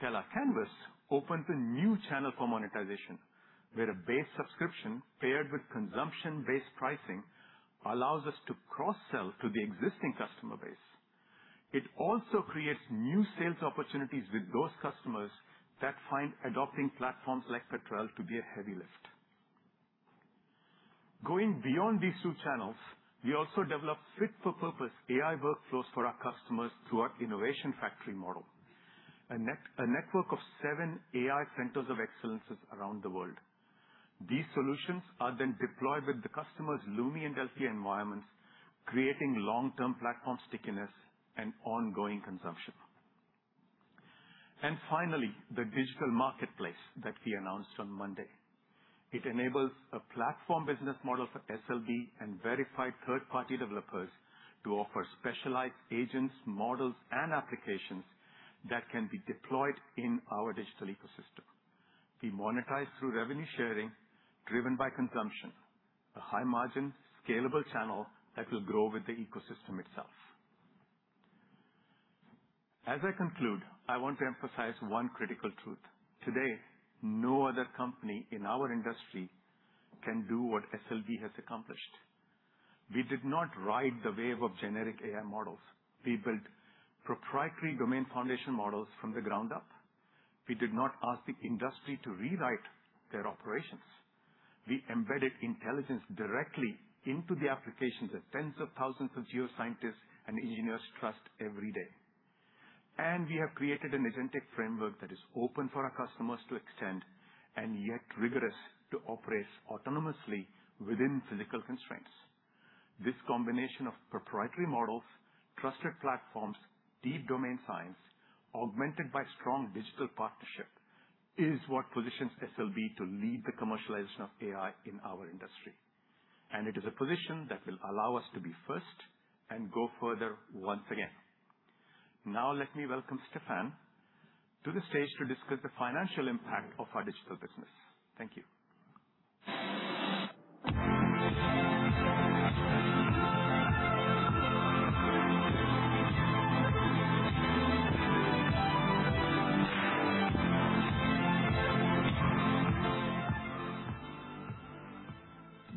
Tela Canvas opens a new channel for monetization, where a base subscription paired with consumption-based pricing allows us to cross-sell to the existing customer base. It also creates new sales opportunities with those customers that find adopting platforms like Petrel to be a heavy lift. Going beyond these two channels, we also develop fit-for-purpose AI workflows for our customers through our innovation factory model, a network of seven AI centers of excellences around the world. These solutions are then deployed with the customer's Lumi and Delfi environments, creating long-term platform stickiness and ongoing consumption. Finally, the digital marketplace that we announced on Monday. It enables a platform business model for SLB and verified third-party developers to offer specialized agents, models, and applications that can be deployed in our digital ecosystem. We monetize through revenue sharing driven by consumption, a high margin, scalable channel that will grow with the ecosystem itself. As I conclude, I want to emphasize one critical truth. Today, no other company in our industry can do what SLB has accomplished. We did not ride the wave of generic AI models. We built proprietary domain foundation models from the ground up. We did not ask the industry to rewrite their operations. We embedded intelligence directly into the applications that tens of thousands of geoscientists and engineers trust every day. We have created an agentic framework that is open for our customers to extend and yet rigorous to operate autonomously within physical constraints. This combination of proprietary models, trusted platforms, deep domain science, augmented by strong digital partnership is what positions SLB to lead the commercialization of AI in our industry. It is a position that will allow us to be first and go further once again. Now, let me welcome Stéphane to the stage to discuss the financial impact of our digital business. Thank you.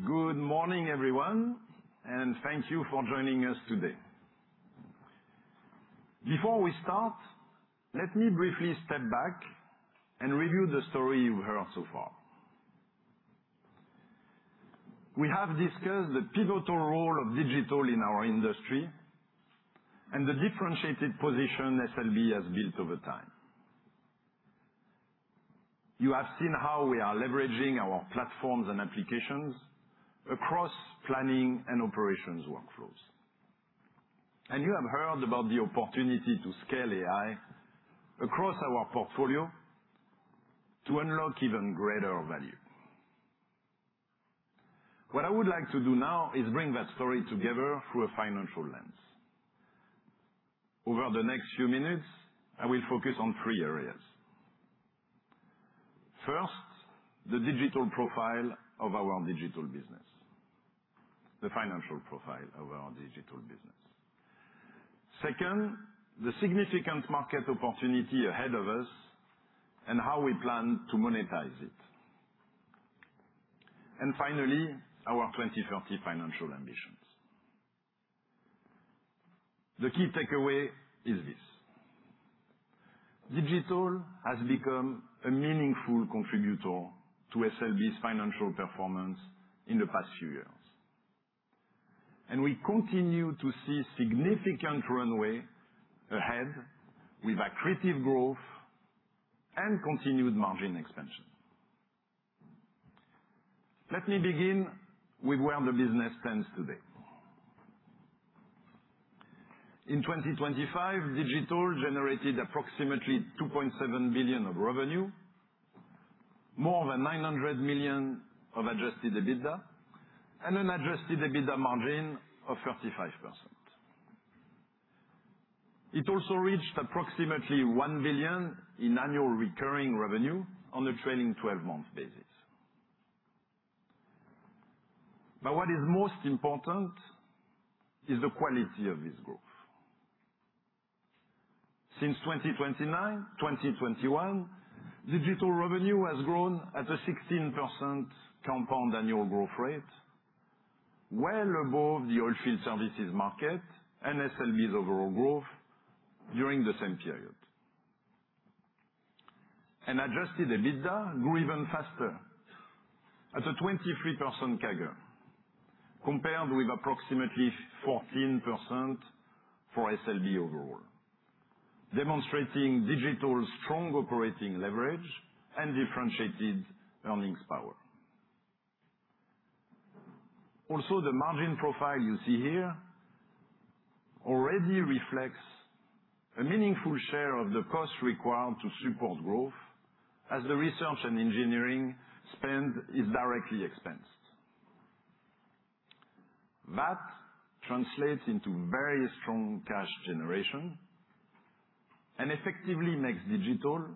Good morning, everyone, and thank you for joining us today. Before we start, let me briefly step back and review the story you've heard so far. We have discussed the pivotal role of digital in our industry and the differentiated position SLB has built over time. You have seen how we are leveraging our platforms and applications across planning and operations workflows. You have heard about the opportunity to scale AI across our portfolio to unlock even greater value. What I would like to do now is bring that story together through a financial lens. Over the next few minutes, I will focus on three areas. First, the digital profile of our digital business. The financial profile of our digital business. Second, the significant market opportunity ahead of us and how we plan to monetize it. Finally, our 2030 financial ambitions. The key takeaway is this: digital has become a meaningful contributor to SLB's financial performance in the past few years, and we continue to see significant runway ahead with accretive growth and continued margin expansion. Let me begin with where the business stands today. In 2025, digital generated approximately $2.7 billion of revenue, more than $900 million of adjusted EBITDA, and an adjusted EBITDA margin of 35%. It also reached approximately $1 billion in annual recurring revenue on a trailing 12-month basis. What is most important is the quality of this growth. Since 2021, digital revenue has grown at a 16% compound annual growth rate, well above the oilfield services market and SLB's overall growth during the same period. Adjusted EBITDA grew even faster at a 23% CAGR compared with approximately 14% for SLB overall, demonstrating digital's strong operating leverage and differentiated earnings power. The margin profile you see here already reflects a meaningful share of the cost required to support growth as the research and engineering spend is directly expensed. That translates into very strong cash generation and effectively makes digital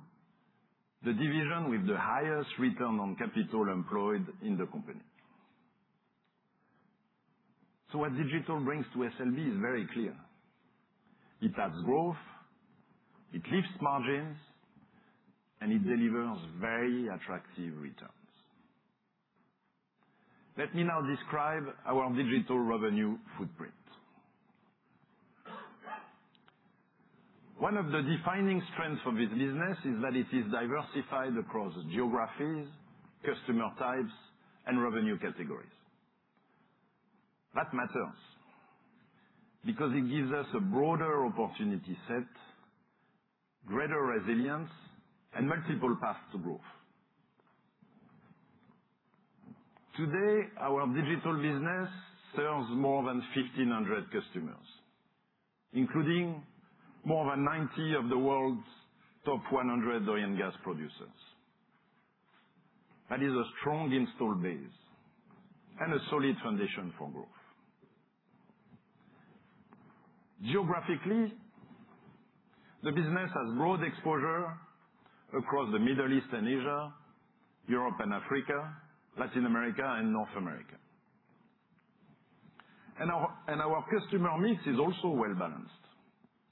the division with the highest return on capital employed in the company. What digital brings to SLB is very clear. It adds growth, it lifts margins, and it delivers very attractive returns. Let me now describe our digital revenue footprint. One of the defining strengths of this business is that it is diversified across geographies, customer types and revenue categories. That matters because it gives us a broader opportunity set, greater resilience and multiple paths to growth. Today, our digital business serves more than 1,500 customers, including more than 90 of the world's top 100 oil and gas producers. That is a strong install base and a solid foundation for growth. Geographically, the business has broad exposure across the Middle East and Asia, Europe and Africa, Latin America and North America. Our customer mix is also well-balanced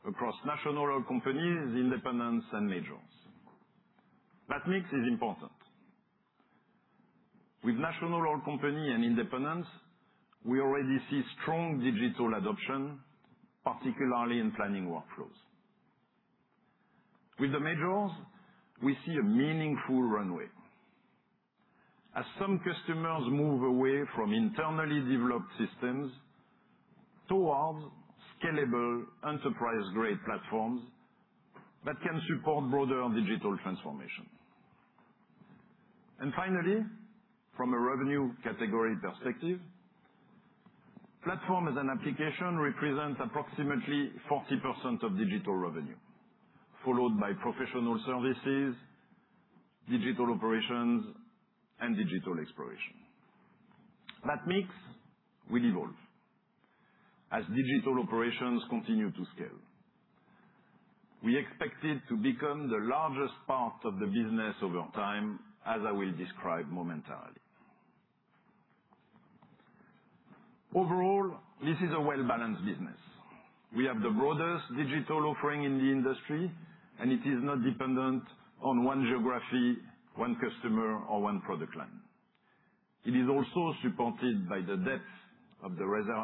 across national oil companies, independents and majors. That mix is important. With national oil company and independents, we already see strong digital adoption, particularly in planning workflows. With the majors, we see a meaningful runway. As some customers move away from internally developed systems towards scalable enterprise-grade platforms that can support broader digital transformation. Finally, from a revenue category perspective, platform as an application represents approximately 40% of digital revenue, followed by professional services, digital operations and digital exploration. That mix will evolve as digital operations continue to scale. We expect it to become the largest part of the business over time, as I will describe momentarily. Overall, this is a well-balanced business. It is not dependent on one geography, one customer or one product line. It is also supported by the breadth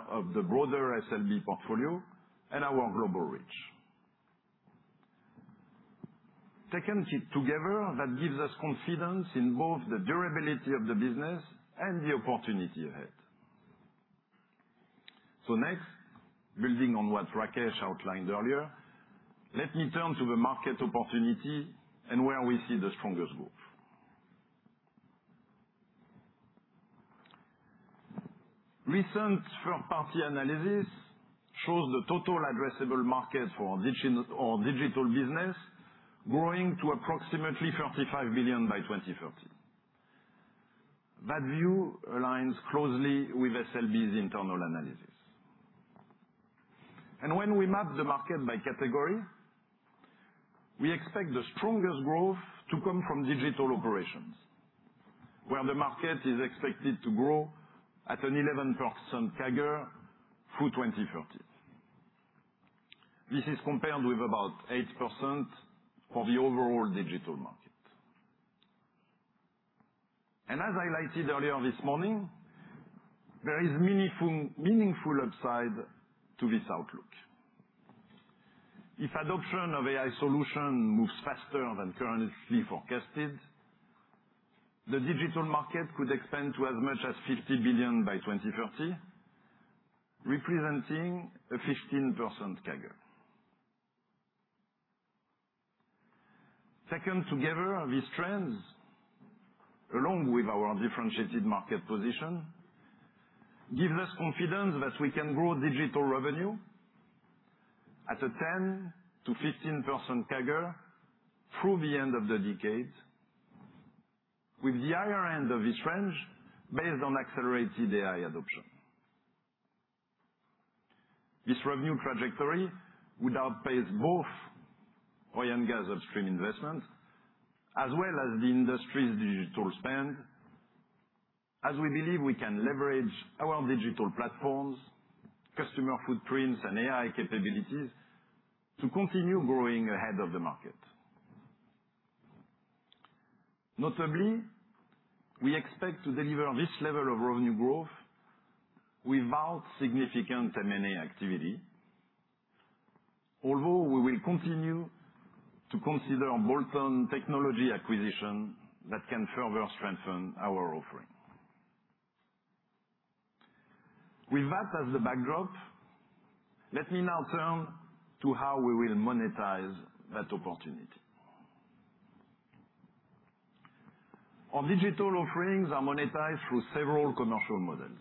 of the broader SLB portfolio and our global reach. Taken together, that gives us confidence in both the durability of the business and the opportunity ahead. Next, building on what Rakesh outlined earlier, let me turn to the market opportunity and where we see the strongest growth. Recent third-party analysis shows the total addressable market for our digital business growing to approximately $35 billion by 2030. That view aligns closely with SLB's internal analysis. When we map the market by category, we expect the strongest growth to come from digital operations, where the market is expected to grow at an 11% CAGR through 2030. This is compared with about 8% for the overall digital market. As I highlighted earlier this morning, there is meaningful upside to this outlook. If adoption of AI solution moves faster than currently forecasted, the digital market could expand to as much as $50 billion by 2030, representing a 15% CAGR. Together these trends, along with our differentiated market position, give us confidence that we can grow digital revenue at a 10%-15% CAGR through the end of the decade. With the higher end of this range based on accelerated AI adoption. This revenue trajectory would outpace both oil and gas upstream investment, as well as the industry's digital spend, as we believe we can leverage our digital platforms, customer footprints and AI capabilities to continue growing ahead of the market. Notably, we expect to deliver this level of revenue growth without significant M&A activity, although we will continue to consider bolt-on technology acquisition that can further strengthen our offering. With that as the backdrop, let me now turn to how we will monetize that opportunity. Our digital offerings are monetized through several commercial models,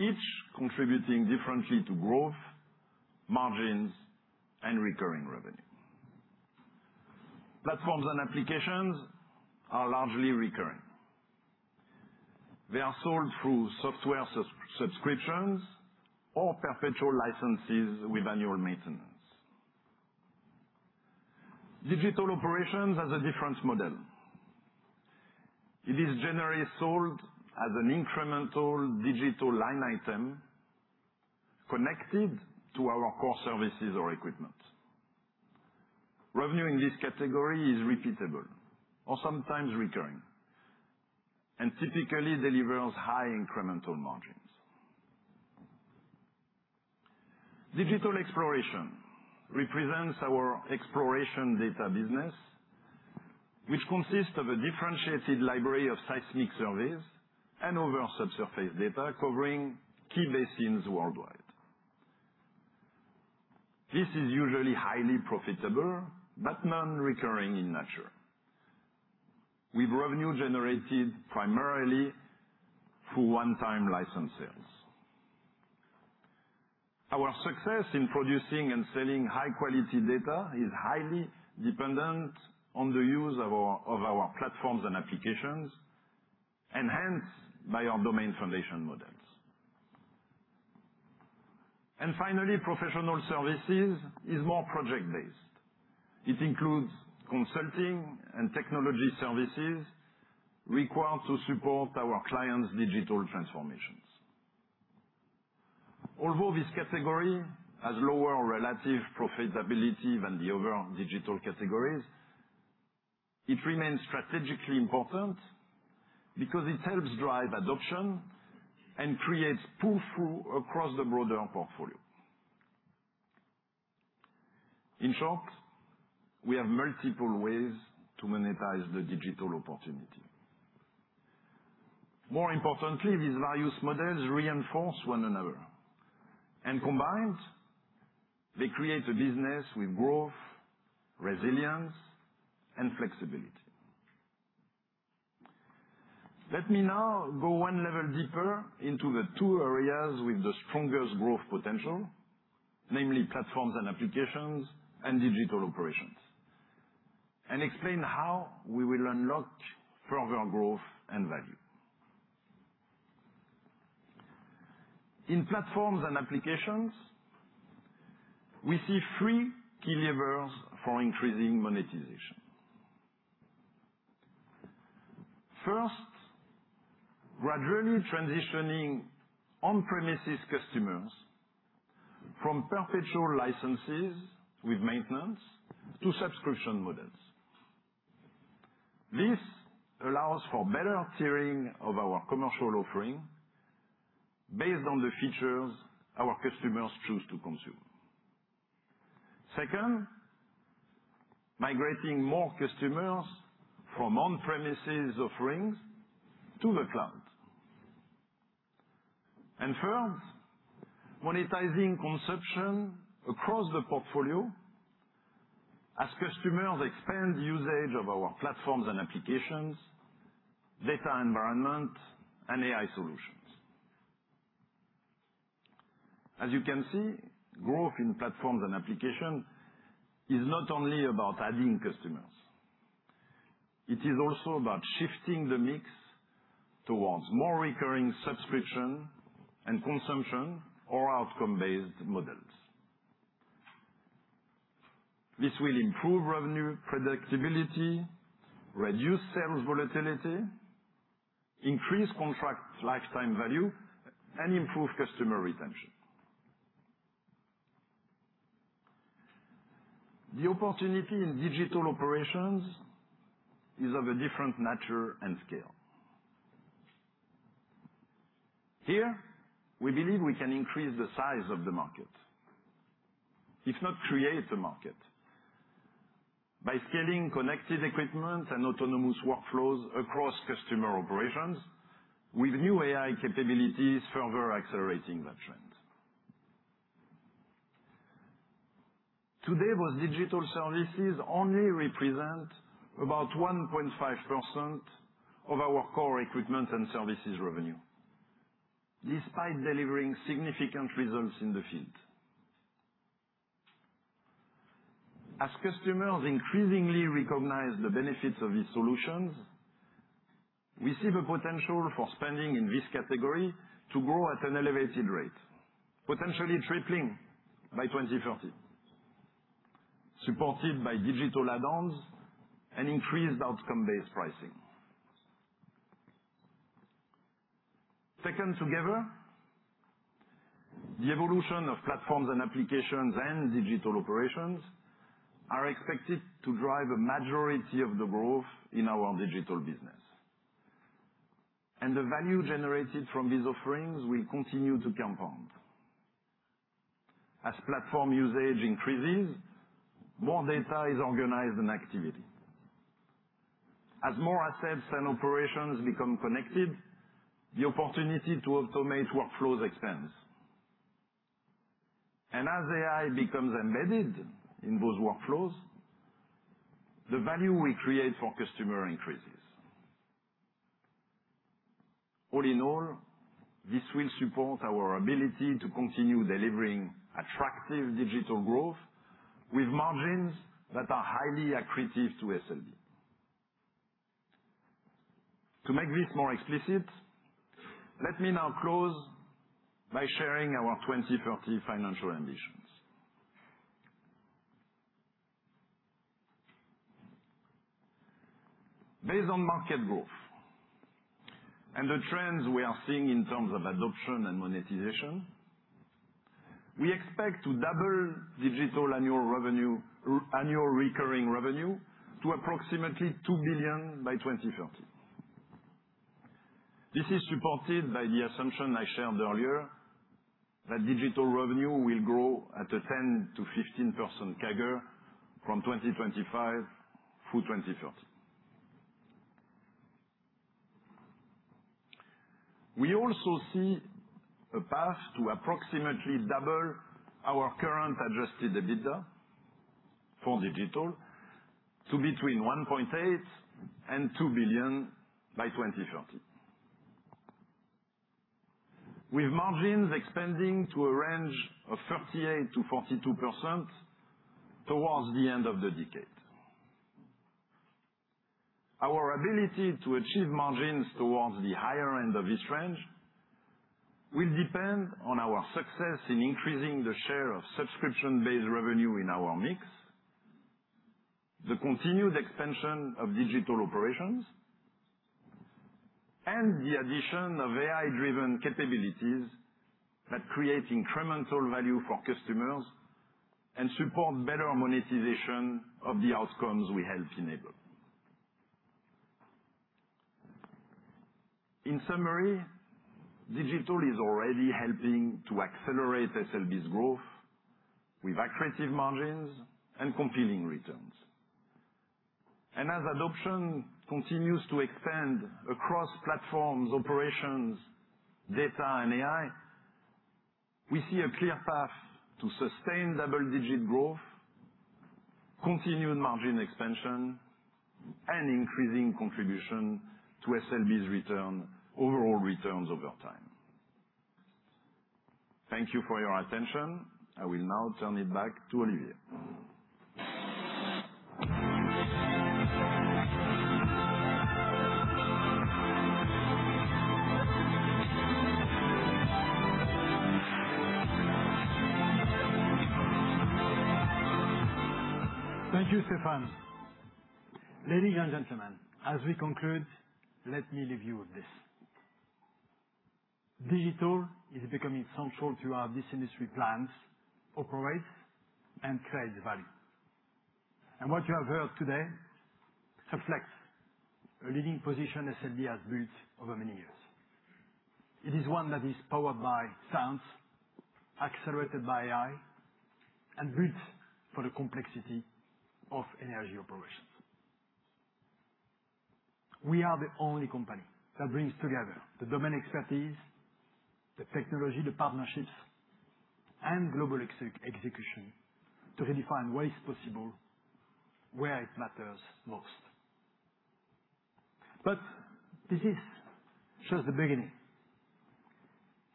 each contributing differently to growth, margins, and recurring revenue. Platforms and applications are largely recurring. They are sold through software subscriptions or perpetual licenses with annual maintenance. Digital operations has a different model. It is generally sold as an incremental digital line item connected to our core services or equipment. Revenue in this category is repeatable or sometimes recurring, and typically delivers high incremental margins. Digital exploration represents our exploration data business, which consists of a differentiated library of seismic surveys and other subsurface data covering key basins worldwide. This is usually highly profitable but non-recurring in nature, with revenue generated primarily through one-time license sales. Our success in producing and selling high-quality data is highly dependent on the use of our platforms and applications, enhanced by our domain foundation models. Finally, professional services is more project-based. It includes consulting and technology services required to support our clients' digital transformations. Although this category has lower relative profitability than the other digital categories, it remains strategically important because it helps drive adoption and creates pull-through across the broader portfolio. In short, we have multiple ways to monetize the digital opportunity. More importantly, these various models reinforce one another, and combined, they create a business with growth, resilience, and flexibility. Let me now go 1 level deeper into the 2 areas with the strongest growth potential, namely platforms and applications and digital operations, and explain how we will unlock further growth and value. In platforms and applications, we see 3 key levers for increasing monetization. First, gradually transitioning on-premises customers from perpetual licenses with maintenance to subscription models. This allows for better tiering of our commercial offering based on the features our customers choose to consume. Second, migrating more customers from on-premises offerings to the cloud. Third, monetizing consumption across the portfolio as customers expand usage of our platforms and applications, data environment, and AI solutions. As you can see, growth in platforms and applications is not only about adding customers. It is also about shifting the mix towards more recurring subscription and consumption or outcome-based models. This will improve revenue predictability, reduce sales volatility, increase contract lifetime value, and improve customer retention. The opportunity in digital operations is of a different nature and scale. Here, we believe we can increase the size of the market, if not create the market, by scaling connected equipment and autonomous workflows across customer operations with new AI capabilities further accelerating that trend. Today, those digital services only represent about 1.5% of our core equipment and services revenue, despite delivering significant results in the field. As customers increasingly recognize the benefits of these solutions, we see the potential for spending in this category to grow at an elevated rate, potentially tripling by 2030, supported by digital add-ons and increased outcome-based pricing. Taken together, the evolution of platforms and applications and digital operations are expected to drive a majority of the growth in our digital business. The value generated from these offerings will continue to compound. As platform usage increases, more data is organized and activated. As more assets and operations become connected, the opportunity to automate workflows expands. As AI becomes embedded in those workflows, the value we create for customer increases. All in all, this will support our ability to continue delivering attractive digital growth with margins that are highly accretive to SLB. To make this more explicit, let me now close by sharing our 2030 financial ambitions. Based on market growth and the trends we are seeing in terms of adoption and monetization, we expect to double digital annual recurring revenue to approximately $2 billion by 2030. This is supported by the assumption I shared earlier that digital revenue will grow at a 10%-15% CAGR from 2025 through 2030. We also see a path to approximately double our current adjusted EBITDA for digital to between $1.8 billion and $2 billion by 2030. With margins expanding to a range of 38%-42% towards the end of the decade. Our ability to achieve margins towards the higher end of this range will depend on our success in increasing the share of subscription-based revenue in our mix, the continued expansion of digital operations, and the addition of AI-driven capabilities that create incremental value for customers and support better monetization of the outcomes we help enable. In summary, digital is already helping to accelerate SLB's growth with accretive margins and compelling returns. As adoption continues to expand across platforms, operations, data, and AI, we see a clear path to sustained double-digit growth, continued margin expansion, and increasing contribution to SLB's overall returns over time. Thank you for your attention. I will now turn it back to Olivier. Thank you, Stéphane. Ladies and gentlemen, as we conclude, let me leave you with this. Digital is becoming central to how this industry plans, operates, and creates value. What you have heard today reflects a leading position SLB has built over many years. It is one that is powered by science, accelerated by AI, and built for the complexity of energy operations. We are the only company that brings together the domain expertise, the technology, the partnerships, and global execution to redefine what is possible where it matters most. This is just the beginning.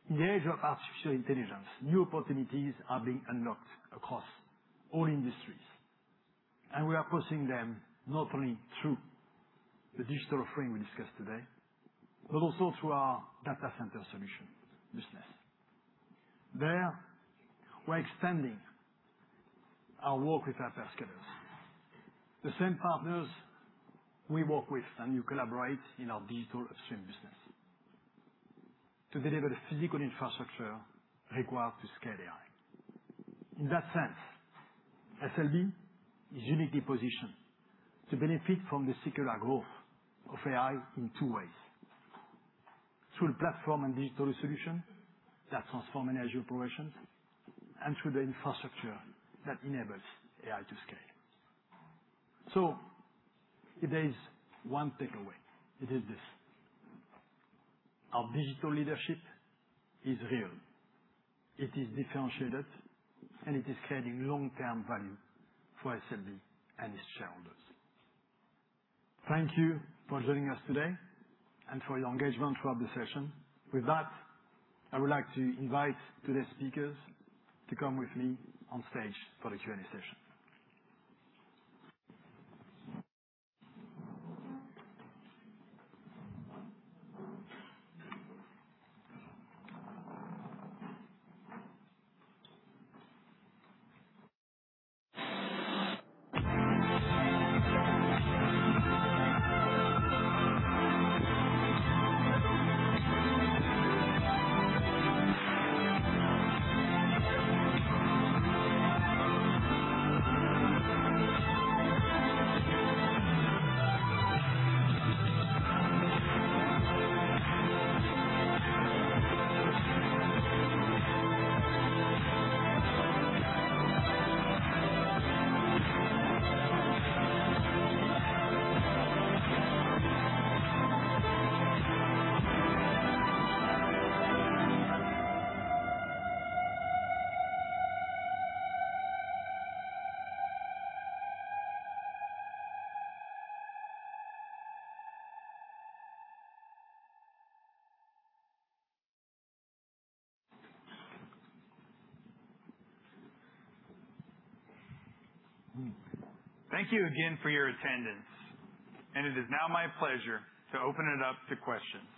In the age of artificial intelligence, new opportunities are being unlocked across all industries, and we are pursuing them not only through the digital frame we discussed today, but also through our data center solution business. There, we are extending our work with hyperscalers, the same partners we work with and collaborate in our digital upstream business to deliver the physical infrastructure required to scale AI. In that sense, SLB is uniquely positioned to benefit from the secular growth of AI in two ways: through the platform and digital solutions that transform energy operations and through the infrastructure that enables AI to scale. If there is one takeaway, it is this: Our digital leadership is real, it is differentiated, and it is creating long-term value for SLB and its shareholders. Thank you for joining us today and for your engagement throughout the session. With that, I would like to invite today's speakers to come with me on stage for the Q&A session. Thank you again for your attendance. It is now my pleasure to open it up to questions.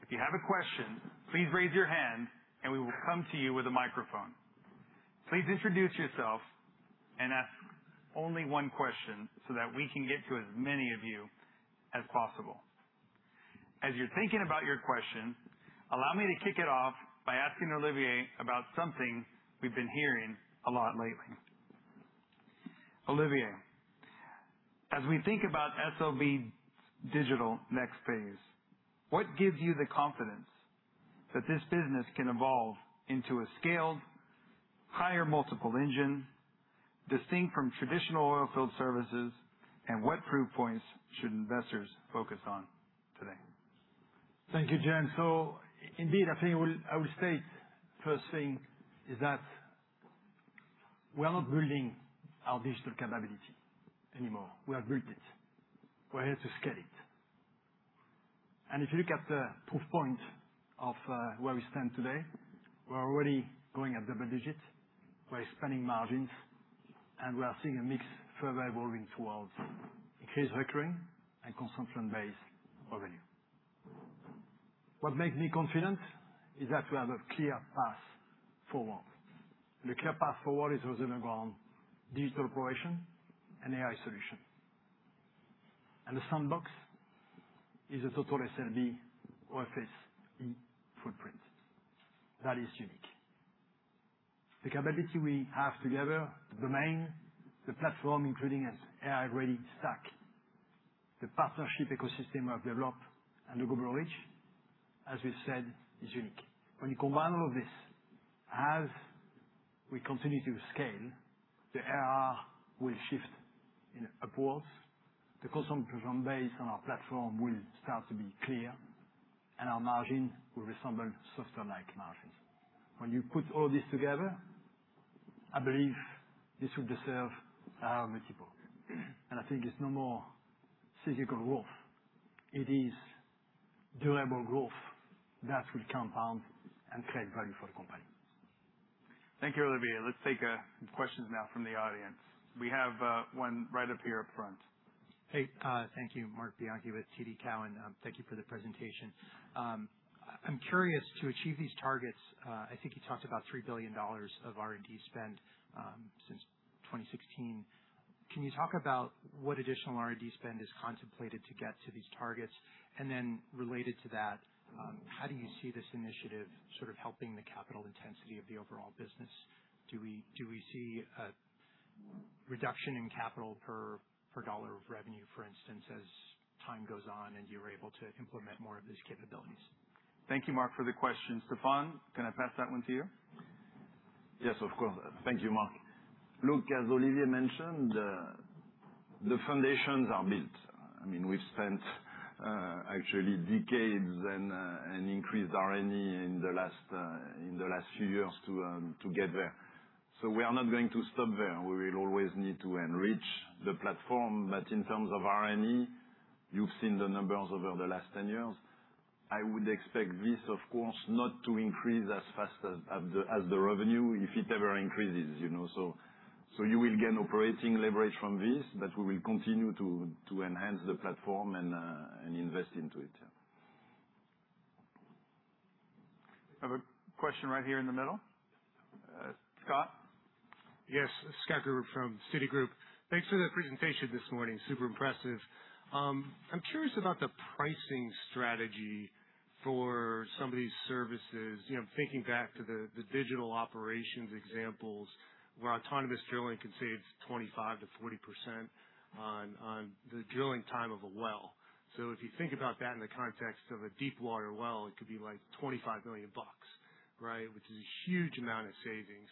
If you have a question, please raise your hand and we will come to you with a microphone. Please introduce yourselves and ask only one question so that we can get to as many of you as possible. As you're thinking about your question, allow me to kick it off by asking Olivier about something we've been hearing a lot lately. Olivier, as we think about SLB's digital next phase, what gives you the confidence that this business can evolve into a scaled higher multiple engine, distinct from traditional oil field services, and what proof points should investors focus on today? Thank you, James. Indeed, I think I would state first thing is that we are not building our digital capability anymore. We have built it. We're here to scale it. If you look at the proof point of where we stand today, we are already going at double digit with expanding margins, and we are seeing a mix further evolving towards increased recurring and consumption-based revenue. What makes me confident is that we have a clear path forward. The clear path forward is resilient on digital operation and AI solution. The sandbox is a total SLB OFE footprint. That is unique. The capability we have together, the domain, the platform, including AI-ready stack, the partnership ecosystem we have developed, and the global reach, as we said, is unique. When you combine all of this, as we continue to scale, the ARR will shift upwards. The consumption base on our platform will start to be clear, and our margins will resemble software-like margins. When you put all this together, I believe this will deserve a higher multiple. I think it's no more physical growth. It is durable growth that will compound and create value for the company. Thank you, Olivier. Let's take questions now from the audience. We have one right up here up front. Hey, thank you. Marc Bianchi with TD Cowen. Thank you for the presentation. I'm curious to achieve these targets, I think you talked about $3 billion of R&D spend since 2016. Can you talk about what additional R&D spend is contemplated to get to these targets? Related to that, how do you see this initiative sort of helping the capital intensity of the overall business? Do we see a reduction in capital per dollar of revenue, for instance, as time goes on and you're able to implement more of these capabilities? Thank you, Marc, for the question. Stéphane, can I pass that one to you? Yes, of course. Thank you, Marc. Look, as Olivier mentioned, the foundations are built. We've spent actually decades and increased R&D in the last few years to get there. We are not going to stop there. We will always need to enrich the platform. In terms of R&D, you've seen the numbers over the last 10 years. I would expect this, of course, not to increase as fast as the revenue, if it ever increases. You will gain operating leverage from this, but we will continue to enhance the platform and invest into it. I have a question right here in the middle. Scott? Yes. Scott Gruber from Citigroup. Thanks for the presentation this morning. Super impressive. I'm curious about the pricing strategy for some of these services. Thinking back to the digital operations examples where autonomous drilling can save 25%-40% on the drilling time of a well. If you think about that in the context of a deep water well, it could be like $25 million. Which is a huge amount of savings.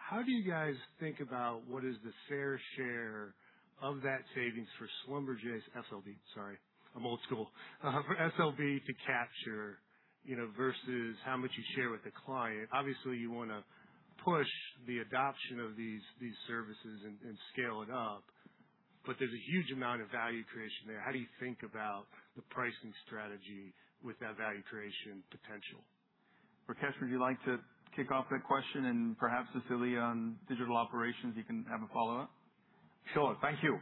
How do you guys think about what is the fair share of that savings for Schlumberger, SLB, sorry, I'm old school, for SLB to capture versus how much you share with the client? Obviously, you want to push the adoption of these services and scale it up, but there's a huge amount of value creation there. How do you think about the pricing strategy with that value creation potential? Rakesh, would you like to kick off that question and perhaps, Cecilia, on digital operations, you can have a follow-up? Thank you.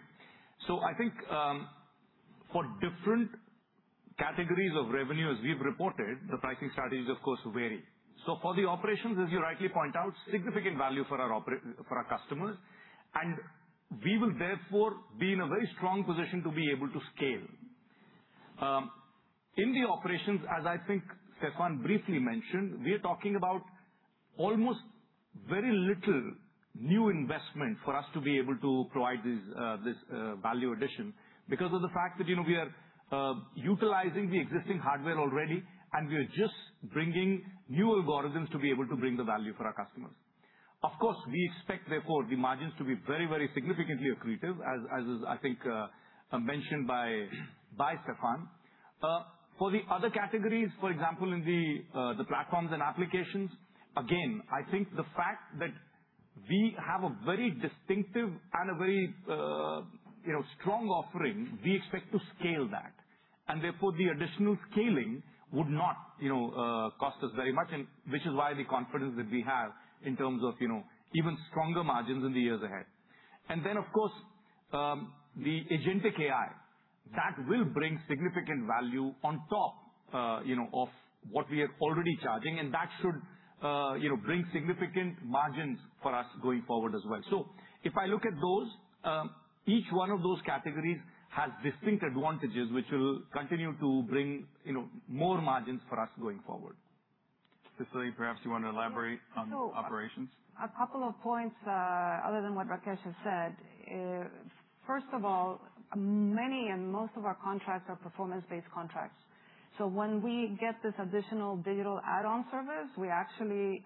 I think for different categories of revenue, as we've reported, the pricing strategies, of course, vary. For the operations, as you rightly point out, significant value for our customers, and we will therefore be in a very strong position to be able to scale. In the operations, as I think Stéphane briefly mentioned, we are talking about almost very little new investment for us to be able to provide this value addition because of the fact that we are utilizing the existing hardware already, and we are just bringing new algorithms to be able to bring the value for our customers. Of course, we expect, therefore, the margins to be very, very significantly accretive, as I think mentioned by Stéphane. For the other categories, for example, in the platforms and applications, again, I think the fact that we have a very distinctive and a very strong offering, we expect to scale that. Therefore, the additional scaling would not cost us very much, which is why the confidence that we have in terms of even stronger margins in the years ahead. Then, of course, the agentic AI, that will bring significant value on top of what we are already charging, and that should bring significant margins for us going forward as well. If I look at those, each one of those categories has distinct advantages, which will continue to bring more margins for us going forward. Cecilia, perhaps you want to elaborate on operations? A couple of points other than what Rakesh has said. First of all, many and most of our contracts are performance-based contracts. When we get this additional digital add-on service, we actually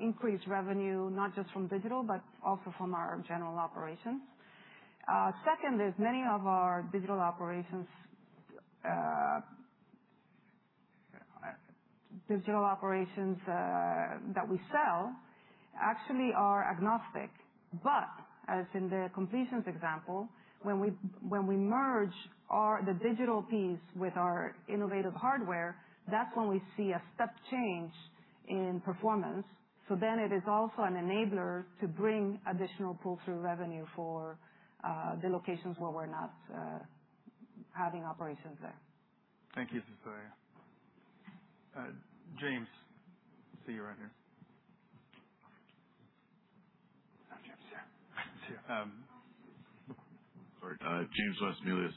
increase revenue not just from digital, but also from our general operations. Second is many of our digital operations that we sell actually are agnostic. As in the completions example, when we merge the digital piece with our innovative hardware, that's when we see a step change in performance. It is also an enabler to bring additional pull-through revenue for the locations where we're not having operations there. Thank you, Cecilia. James. See you right here. Not James, yeah. Yeah. Sorry. James,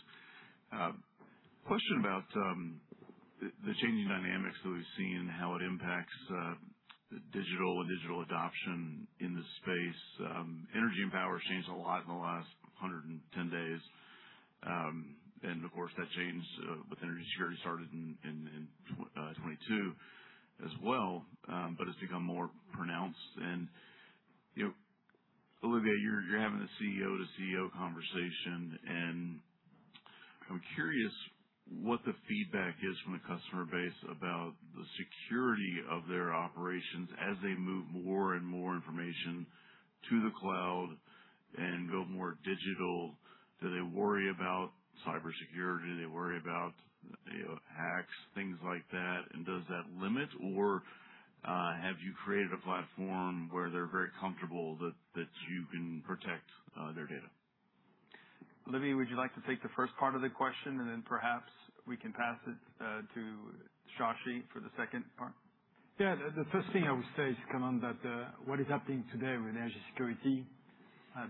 question about the changing dynamics that we've seen, how it impacts the digital adoption in this space. Energy and power has changed a lot in the last 110 days. Of course, that change with energy security started in 2022 as well but has become more pronounced. Olivier, you're having a CEO to CEO conversation, and I'm curious what the feedback is from the customer base about the security of their operations as they move more and more information to the cloud and go more digital. Do they worry about cybersecurity? Do they worry about hacks, things like that? Does that limit, or have you created a platform where they're very comfortable that you can protect their data? Olivier, would you like to take the first part of the question, then perhaps we can pass it to Shashi for the second part? Yeah. The first thing I would say is, Canon, that what is happening today with energy security,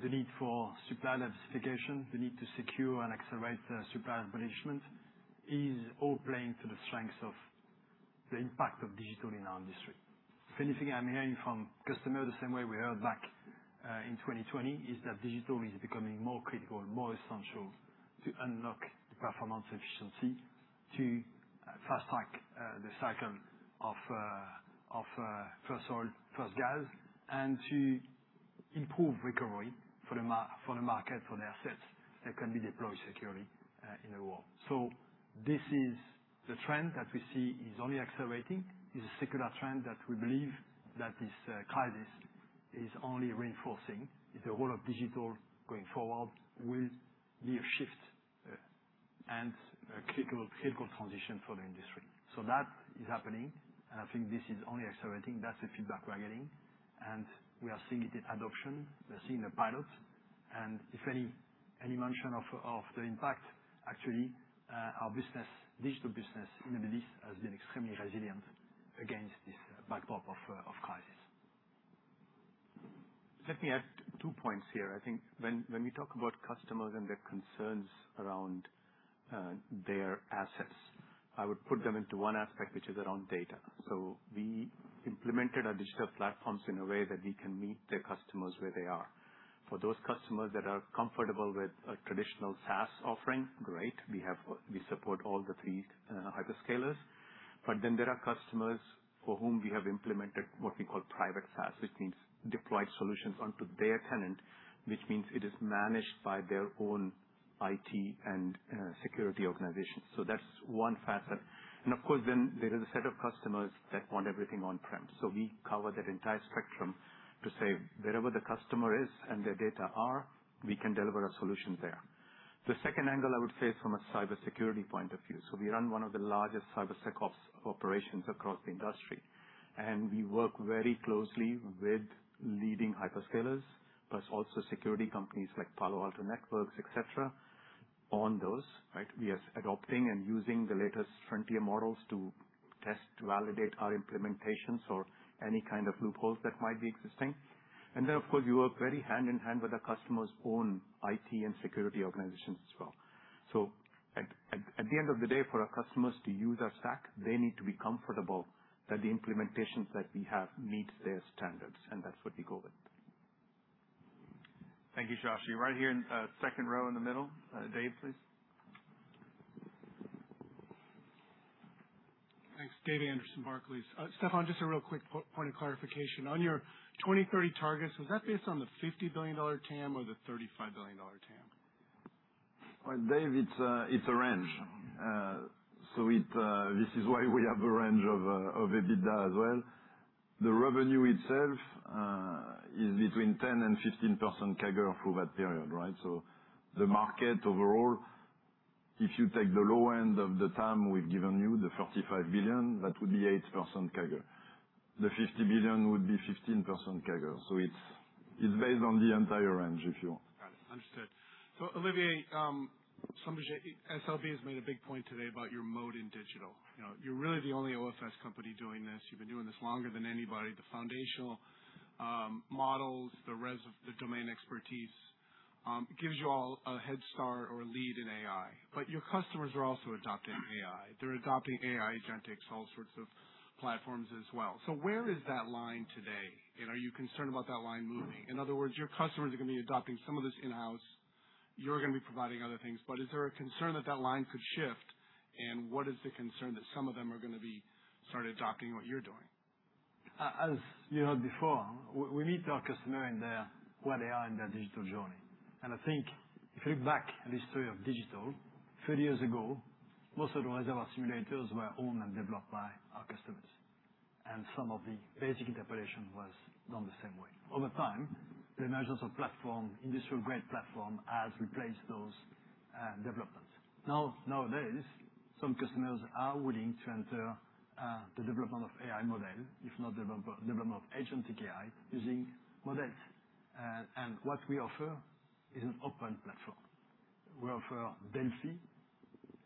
the need for supply diversification, the need to secure and accelerate supply management is all playing to the strengths of the impact of digital in our industry. Anything I'm hearing from customers, the same way we heard back in 2020, is that digital is becoming more critical and more essential to unlock the performance efficiency to fast-track the cycle of first oil, first gas, and to improve recovery for the market, for the assets that can be deployed securely in the world. This is the trend that we see is only accelerating, is a secular trend that we believe that this crisis is only reinforcing. The role of digital going forward will be a shift and a critical transition for the industry. That is happening, and I think this is only accelerating. That's the feedback we're getting, and we are seeing it in adoption. We are seeing the pilots. If any mention of the impact, actually, our digital business in the Middle East has been extremely resilient against this backdrop of crisis. Let me add two points here. I think when we talk about customers and their concerns around their assets, I would put them into one aspect, which is around data. We implemented our digital platforms in a way that we can meet the customers where they are. For those customers that are comfortable with a traditional SaaS offering, great, we support all the three hyperscalers. There are customers for whom we have implemented what we call private SaaS, which means deployed solutions onto their tenant, which means it is managed by their own IT and security organization. That's one facet. Of course, there is a set of customers that want everything on-prem. We cover that entire spectrum to say wherever the customer is and their data are, we can deliver a solution there. The second angle I would say is from a cybersecurity point of view. We run one of the largest cybersec ops operations across the industry, and we work very closely with leading hyperscalers, plus also security companies like Palo Alto Networks, et cetera, on those, right? We are adopting and using the latest frontier models to test to validate our implementations or any kind of loopholes that might be existing. Then, of course, we work very hand in hand with the customer's own IT and security organizations as well. At the end of the day, for our customers to use our stack, they need to be comfortable that the implementations that we have meet their standards, and that's what we go with. Thank you, Shashi. Right here in second row in the middle. Dave, please. Thanks. David Anderson, Barclays. Stéphane, just a real quick point of clarification. On your 2030 targets, was that based on the $50 billion TAM or the $35 billion TAM? Dave, it's a range. This is why we have a range of EBITDA as well. The revenue itself is between 10%-15% CAGR through that period, right? The market overall, if you take the low end of the TAM we've given you, the $35 billion, that would be 8% CAGR. The $50 billion would be 15% CAGR. It's based on the entire range, if you want. Got it. Understood. Olivier, SLB has made a big point today about your mode in digital. You're really the only OFS company doing this. You've been doing this longer than anybody. The foundational models, the domain expertise gives you all a head start or a lead in AI. Your customers are also adopting AI. They're adopting agentic AI, all sorts of platforms as well. Where is that line today? Are you concerned about that line moving? In other words, your customers are going to be adopting some of this in-house. You're going to be providing other things, but is there a concern that that line could shift? What is the concern that some of them are going to be start adopting what you're doing? As you heard before, we meet our customer where they are in their digital journey. I think if you look back at the history of digital, 30 years ago, most of the reservoir simulators were owned and developed by our customers. Some of the basic interpretation was done the same way. Over time, the emergence of platform, industrial-grade platform, has replaced those developments. Nowadays, some customers are willing to enter the development of AI model, if not development of agentic AI, using models. What we offer is an open platform. We offer Delfi,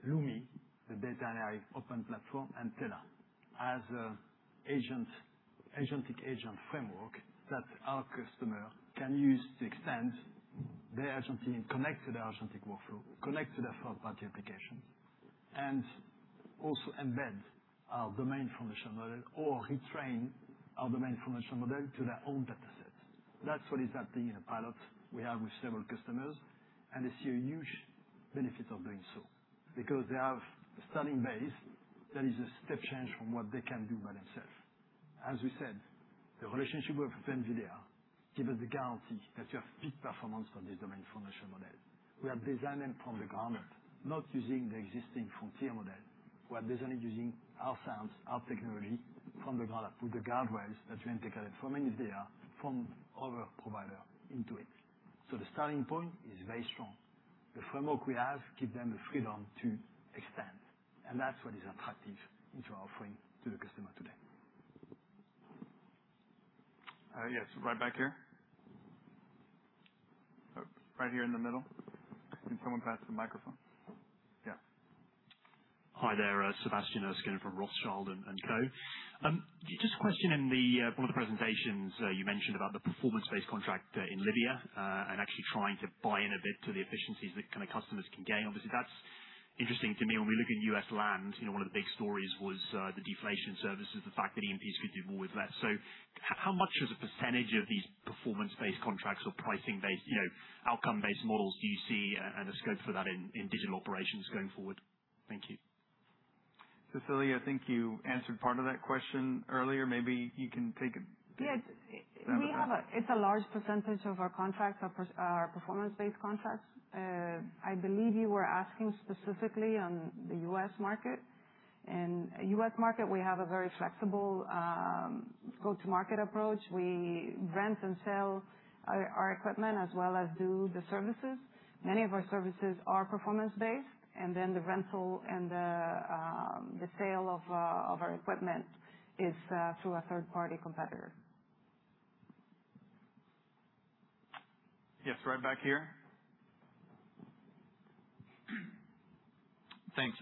Lumi, the data and AI open platform, and Tela as agentic agent framework that our customer can use to extend their agent team, connect to their agentic workflow, connect to their third-party applications, and also embed our domain foundation model or retrain our domain foundation model to their own data set. That's what is happening in a pilot we have with several customers, and they see a huge benefit of doing so because they have a starting base that is a step change from what they can do by themselves. As we said, the relationship with NVIDIA give us the guarantee that you have peak performance on the domain foundation model. We have designed it from the ground up, not using the existing Frontier model. We are designing using our science, our technology from the ground up with the guardrails that you integrate it from NVIDIA, from other provider into it. The starting point is very strong. The framework we have give them the freedom to extend, and that's what is attractive into our offering to the customer today. Yes. Right back here. Right here in the middle. Can someone pass the microphone? Yeah. Hi there. Sebastian Erskine from Rothschild & Co. Just a question. In one of the presentations, you mentioned about the performance-based contract in Libya, actually trying to buy in a bit to the efficiencies that customers can gain. Obviously, that's interesting to me. When we look at U.S. land, one of the big stories was the deflation services, the fact that E&Ps could do more with less. How much as a % of these performance-based contracts or pricing-based, outcome-based models do you see and a scope for that in digital operations going forward? Thank you. Cecilia, I think you answered part of that question earlier. Yeah. It's a large % of our contracts are performance-based contracts. I believe you were asking specifically on the U.S. market. In U.S. market, we have a very flexible go-to-market approach. We rent and sell our equipment as well as do the services. Many of our services are performance-based, then the rental and the sale of our equipment is through a third-party competitor. Yes. Right back here. Thanks.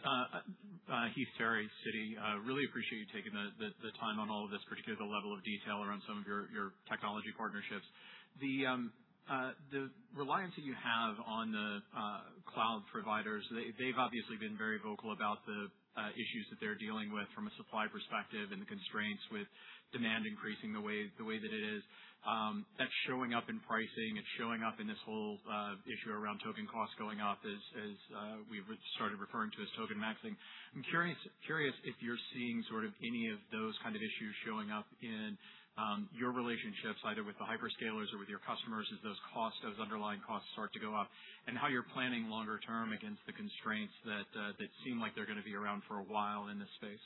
Heath Terry, Citi. Really appreciate you taking the time on all of this, particularly the level of detail around some of your technology partnerships. The reliance that you have on the cloud providers, they've obviously been very vocal about the issues that they're dealing with from a supply perspective and the constraints with demand increasing the way that it is. That's showing up in pricing. It's showing up in this whole issue around token costs going up as we've started referring to as token maxing. I'm curious if you're seeing any of those kind of issues showing up in your relationships, either with the hyperscalers or with your customers as those underlying costs start to go up and how you're planning longer term against the constraints that seem like they're going to be around for a while in this space.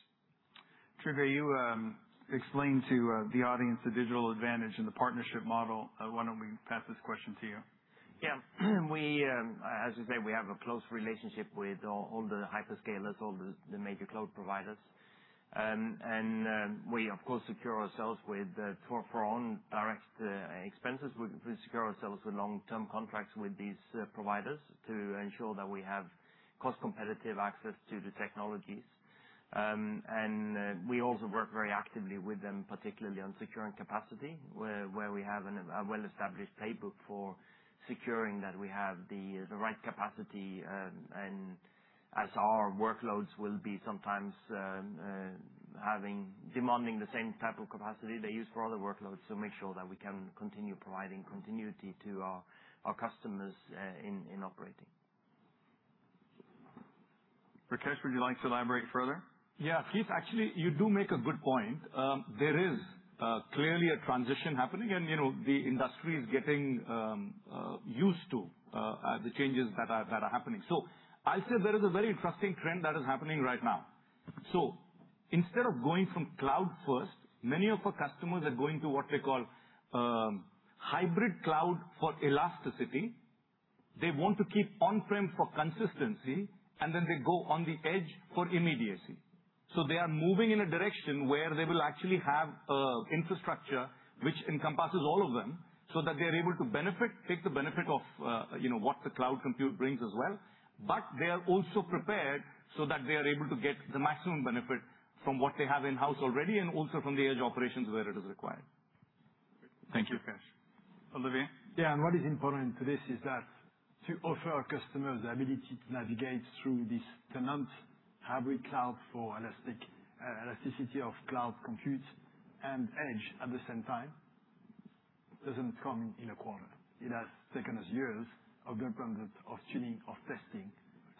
Trygve, you explained to the audience the digital advantage and the partnership model. Why don't we pass this question to you? Yeah. As you say, we have a close relationship with all the hyperscalers, all the major cloud providers. We, of course, secure ourselves for our own direct expenses. We secure ourselves with long-term contracts with these providers to ensure that we have cost-competitive access to the technologies. We also work very actively with them, particularly on securing capacity, where we have a well-established playbook for securing that we have the right capacity. As our workloads will be sometimes demanding the same type of capacity they use for other workloads, so make sure that we can continue providing continuity to our customers in operating. Rakesh, would you like to elaborate further? Heath, actually, you do make a good point. There is clearly a transition happening, and the industry is getting used to the changes that are happening. I'll say there is a very interesting trend that is happening right now. Instead of going from cloud first, many of our customers are going to what they call hybrid cloud for elasticity. They want to keep on-prem for consistency, and then they go on the edge for immediacy. They are moving in a direction where they will actually have infrastructure which encompasses all of them, so that they're able to take the benefit of what the cloud compute brings as well. They are also prepared so that they are able to get the maximum benefit from what they have in-house already, and also from the edge operations where it is required. Thank you, Rakesh. Olivier? What is important to this is that to offer our customers the ability to navigate through this tenant hybrid cloud for elasticity of cloud compute and edge at the same time, doesn't come in a quarter. It has taken us years of deployment, of tuning, of testing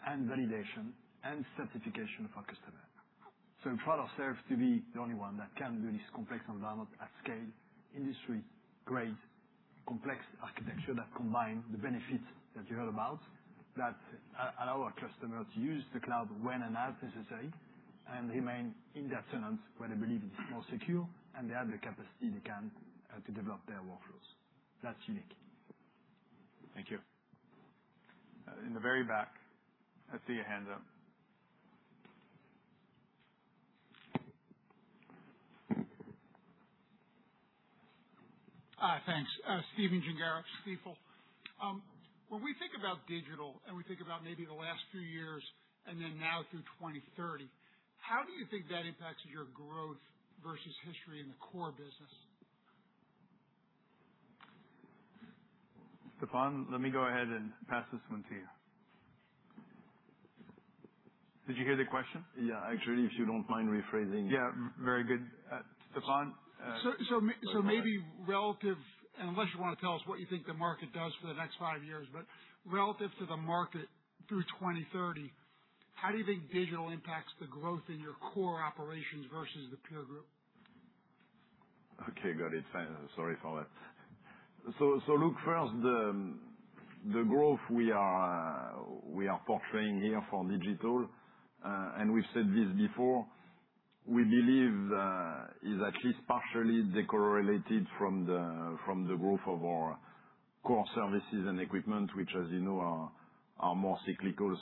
and validation, and certification for customer. Proud ourselves to be the only one that can do this complex environment at scale, industry grade, complex architecture that combine the benefits that you heard about, that allow our customers to use the cloud when and as necessary, and remain in that tenant where they believe it is more secure and they have the capacity they can to develop their workflows. That's unique. Thank you. In the very back, I see a hand up. Hi. Thanks. Stephen Gengaro, Stifel. When we think about digital and we think about maybe the last few years and then now through 2030, how do you think that impacts your growth versus history in the core business? Stéphane, let me go ahead and pass this one to you. Did you hear the question? Yeah. Actually, if you don't mind rephrasing. Yeah, very good. Stéphane? maybe relative, unless you want to tell us what you think the market does for the next 5 years, but relative to the market through 2030, how do you think digital impacts the growth in your core operations versus the peer group? Okay, got it. Sorry for that. Look, first, the growth we are portraying here for digital, and we've said this before, we believe is at least partially de-correlated from the growth of our core services and equipment, which as you know, are more cyclical.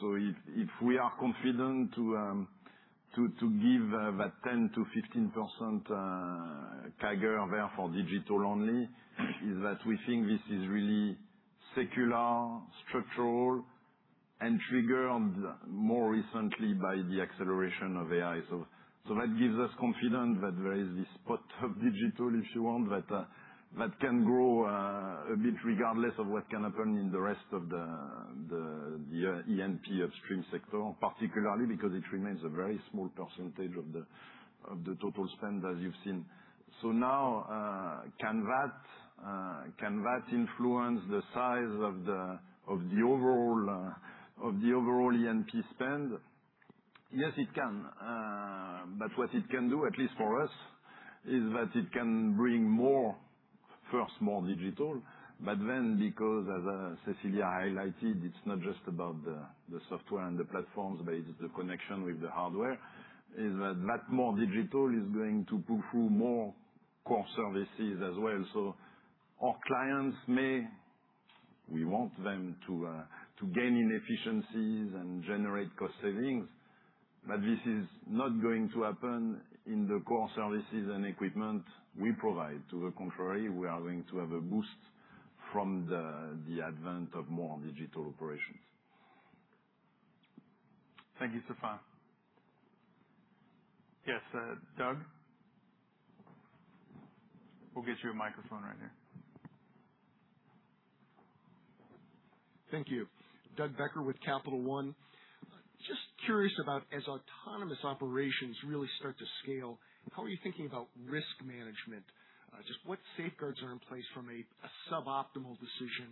If we are confident to give that 10%-15% CAGR there for digital only, is that we think this is really secular, structural, and triggered more recently by the acceleration of AI. That gives us confidence that there is this pot of digital, if you want, that can grow a bit regardless of what can happen in the rest of the E&P upstream sector. Particularly because it remains a very small % of the total spend, as you've seen. Now, can that influence the size of the overall E&P spend? Yes, it can. What it can do, at least for us, is that it can bring more, first more digital. Because, as Cecilia highlighted, it's not just about the software and the platforms, but it is the connection with the hardware, is that more digital is going to pull through more core services as well. We want them to gain in efficiencies and generate cost savings. This is not going to happen in the core services and equipment we provide. To the contrary, we are going to have a boost from the advent of more digital operations. Thank you, Stéphane. Yes, Doug. We'll get you a microphone right here. Thank you. Doug Becker with Capital One. Curious about, as autonomous operations really start to scale, how are you thinking about risk management? What safeguards are in place from a suboptimal decision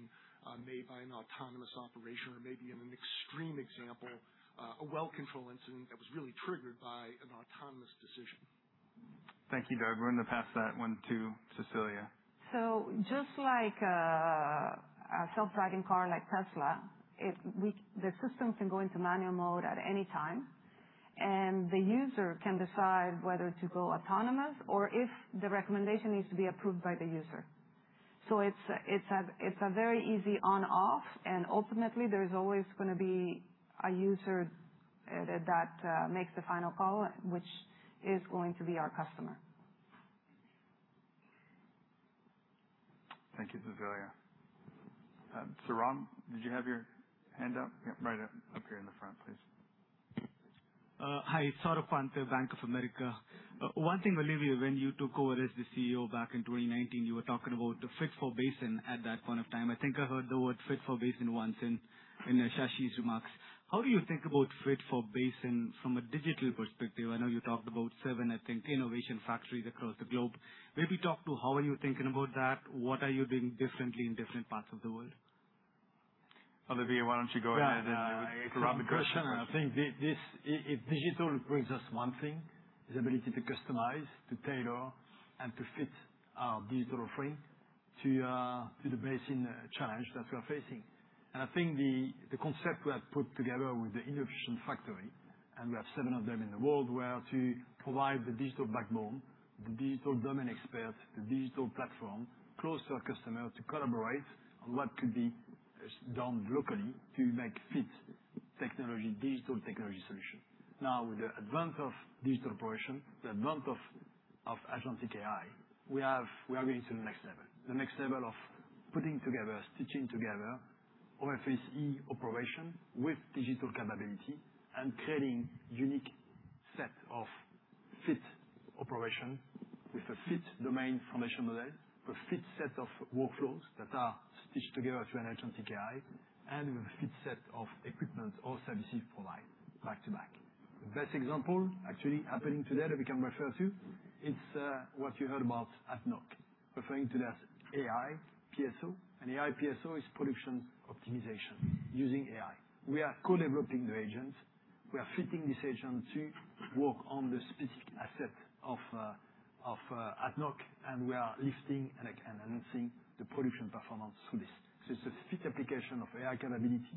made by an autonomous operation or maybe in an extreme example, a well control incident that was really triggered by an autonomous decision? Thank you, Doug. We're going to pass that one to Cecilia. Just like a self-driving car like Tesla, the system can go into manual mode at any time, and the user can decide whether to go autonomous or if the recommendation needs to be approved by the user. It's a very easy on/off, and ultimately, there's always going to be a user that makes the final call, which is going to be our customer. Thank you, Cecilia. Saurabh, did you have your hand up? Yeah, right up here in the front, please. Hi, Saurabh Pant, Bank of America. One thing, Olivier, when you took over as the CEO back in 2019, you were talking about the fit-for-basin at that point of time. I think I heard the word fit-for-basin once in Shashi's remarks. How do you think about fit-for-basin from a digital perspective? I know you talked about seven, I think, innovation factories across the globe. Maybe talk to how are you thinking about that? What are you doing differently in different parts of the world? Olivier, why don't you go ahead. Yeah. Great question. I think if digital brings us one thing, is ability to customize, to tailor, and to fit our digital frame to the basin challenge that we are facing. I think the concept we have put together with the industrial factory, and we have seven of them in the world, were to provide the digital backbone, the digital domain expert, the digital platform, close to our customer to collaborate on what could be done locally to make fit technology, digital technology solution. Now, with the advent of digital operation, the advent of agentic AI, we are going to the next level. The next level of putting together, stitching together OFE operation with digital capability and creating unique set of fit operation with a fit domain foundation model, with fit set of workflows that are stitched together through an agentic AI, and with a fit set of equipment or services provided back to back. The best example actually happening today that we can refer to, it's what you heard about at ADNOC, referring to it as AI PSO. An AI PSO is production optimization using AI. We are co-developing the agents. We are fitting this agent to work on the specific asset of ADNOC, and we are lifting and enhancing the production performance through this. It's a fit application of AI capability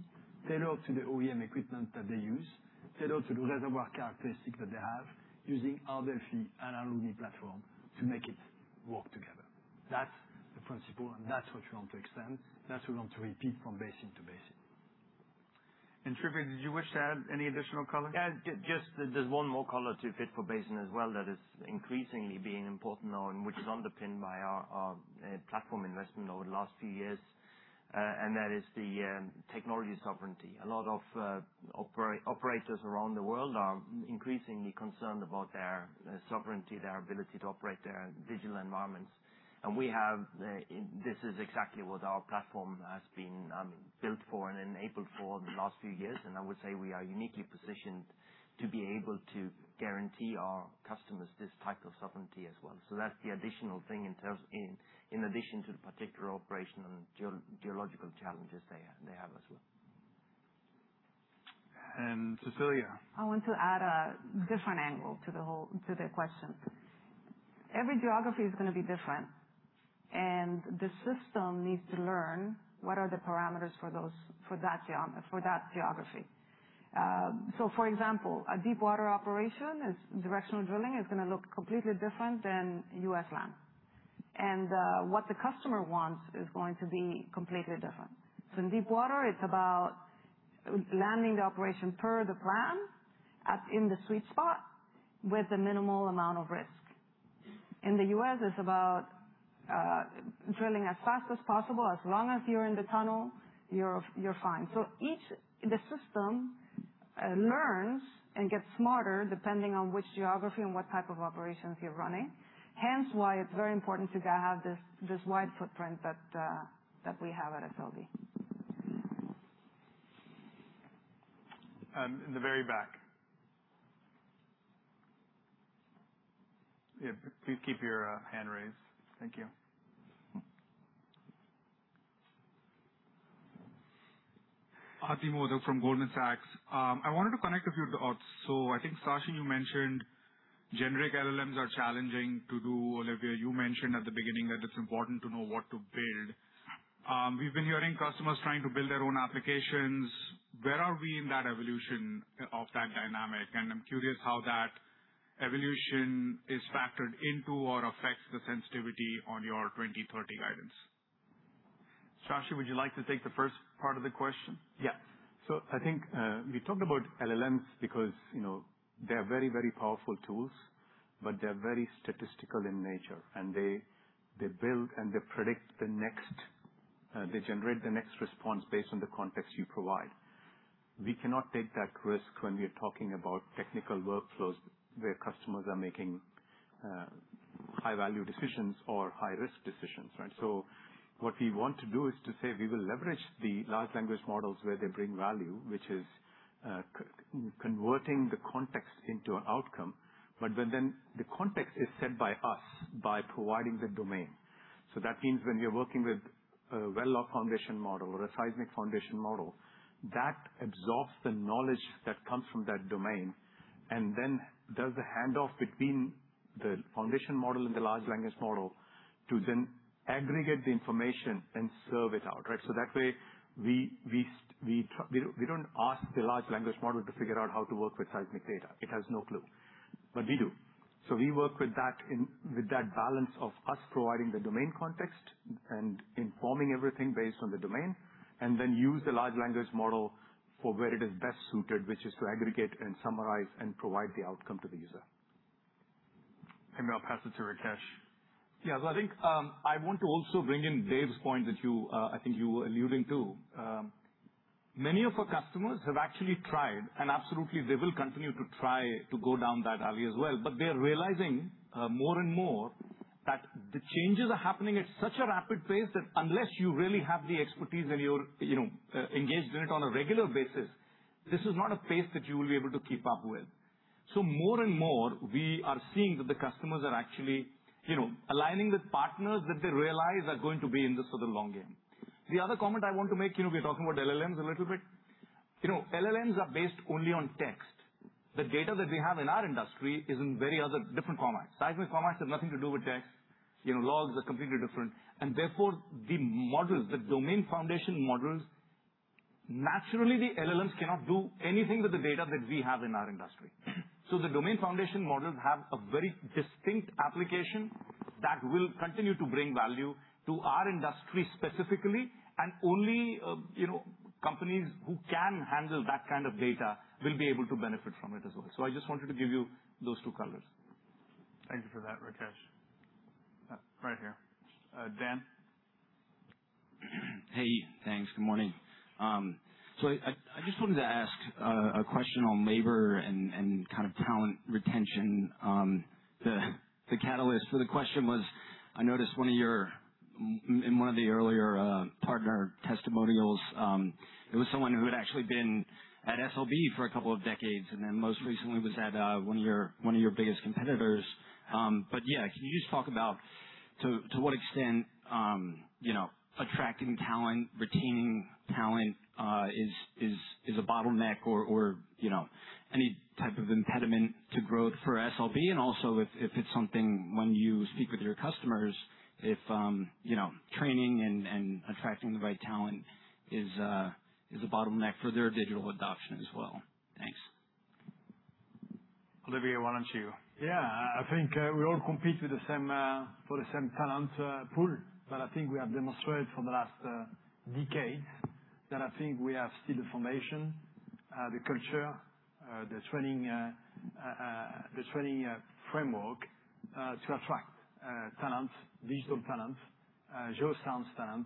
tailored to the OEM equipment that they use, tailored to the reservoir characteristics that they have, using our Delfi and our Lumi platform to make it work together. That's the principle, that's what we want to extend. That's what we want to repeat from basin to basin. Trygve, did you wish to add any additional color? Just there's one more color to fit for basin as well that is increasingly being important now and which is underpinned by our platform investment over the last few years, and that is the technology sovereignty. A lot of operators around the world are increasingly concerned about their sovereignty, their ability to operate their digital environments. This is exactly what our platform has been built for and enabled for the last few years, and I would say we are uniquely positioned to be able to guarantee our customers this type of sovereignty as well. That's the additional thing in addition to the particular operational and geological challenges they have as well. Cecilia. I want to add a different angle to the question. Every geography is going to be different, and the system needs to learn what are the parameters for that geography. For example, a deep water operation is directional drilling is going to look completely different than U.S. land. What the customer wants is going to be completely different. In deep water, it's about landing the operation per the plan in the sweet spot with a minimal amount of risk. In the U.S., it's about drilling as fast as possible. As long as you're in the tunnel, you're fine. The system learns and gets smarter depending on which geography and what type of operations you're running, hence why it's very important to have this wide footprint that we have at SLB. In the very back. Yeah, please keep your hand raised. Thank you. Ati Modak from Goldman Sachs. I wanted to connect a few dots. I think Shashi, you mentioned generic LLMs are challenging to do. Olivier, you mentioned at the beginning that it's important to know what to build. We've been hearing customers trying to build their own applications. Where are we in that evolution of that dynamic? I'm curious how that evolution is factored into or affects the sensitivity on your 2030 guidance. Shashi, would you like to take the first part of the question? Yeah. I think, we talked about LLMs because they are very powerful tools, but they're very statistical in nature. They build and they generate the next response based on the context you provide. We cannot take that risk when we are talking about technical workflows where customers are making high-value decisions or high-risk decisions, right? What we want to do is to say we will leverage the large language models where they bring value, which is converting the context into an outcome. When the context is set by us, by providing the domain. That means when we are working with a well log foundation model or a seismic foundation model, that absorbs the knowledge that comes from that domain and does the handoff between the foundation model and the large language model to aggregate the information and serve it out, right? That way, we don't ask the large language model to figure out how to work with seismic data. It has no clue, but we do. We work with that balance of us providing the domain context and informing everything based on the domain, and use the large language model for where it is best suited, which is to aggregate and summarize and provide the outcome to the user. I'll pass it to Rakesh. Yeah. I think, I want to also bring in Dave's point that I think you were alluding to. Many of our customers have actually tried, absolutely they will continue to try to go down that alley as well. They're realizing more and more that the changes are happening at such a rapid pace that unless you really have the expertise and you're engaged in it on a regular basis, this is not a pace that you will be able to keep up with. More and more, we are seeing that the customers are actually aligning with partners that they realize are going to be in this for the long game. The other comment I want to make, we're talking about LLMs a little bit. LLMs are based only on text. The data that we have in our industry is in very other different formats. seismic formats have nothing to do with text. Logs are completely different, and therefore the models, the domain foundation models, naturally, the LLMs cannot do anything with the data that we have in our industry. The domain foundation models have a very distinct application that will continue to bring value to our industry specifically, and only companies who can handle that kind of data will be able to benefit from it as well. I just wanted to give you those two colors. Thank you for that, Rakesh. Right here. Dan? Hey, thanks. Good morning. I just wanted to ask a question on labor and kind of talent retention. The catalyst for the question was, I noticed in one of the earlier partner testimonials, it was someone who had actually been at SLB for a couple of decades, and then most recently was at one of your biggest competitors. Yeah. Can you just talk about to what extent attracting talent, retaining talent is a bottleneck or any type of impediment to growth for SLB? Also, if it's something when you speak with your customers, if training and attracting the right talent is a bottleneck for their digital adoption as well? Thanks. Olivier, why don't you? I think we all compete for the same talent pool. I think we have demonstrated for the last decade that I think we have still the foundation, the culture, the training framework to attract talent, digital talent, geoscience talent,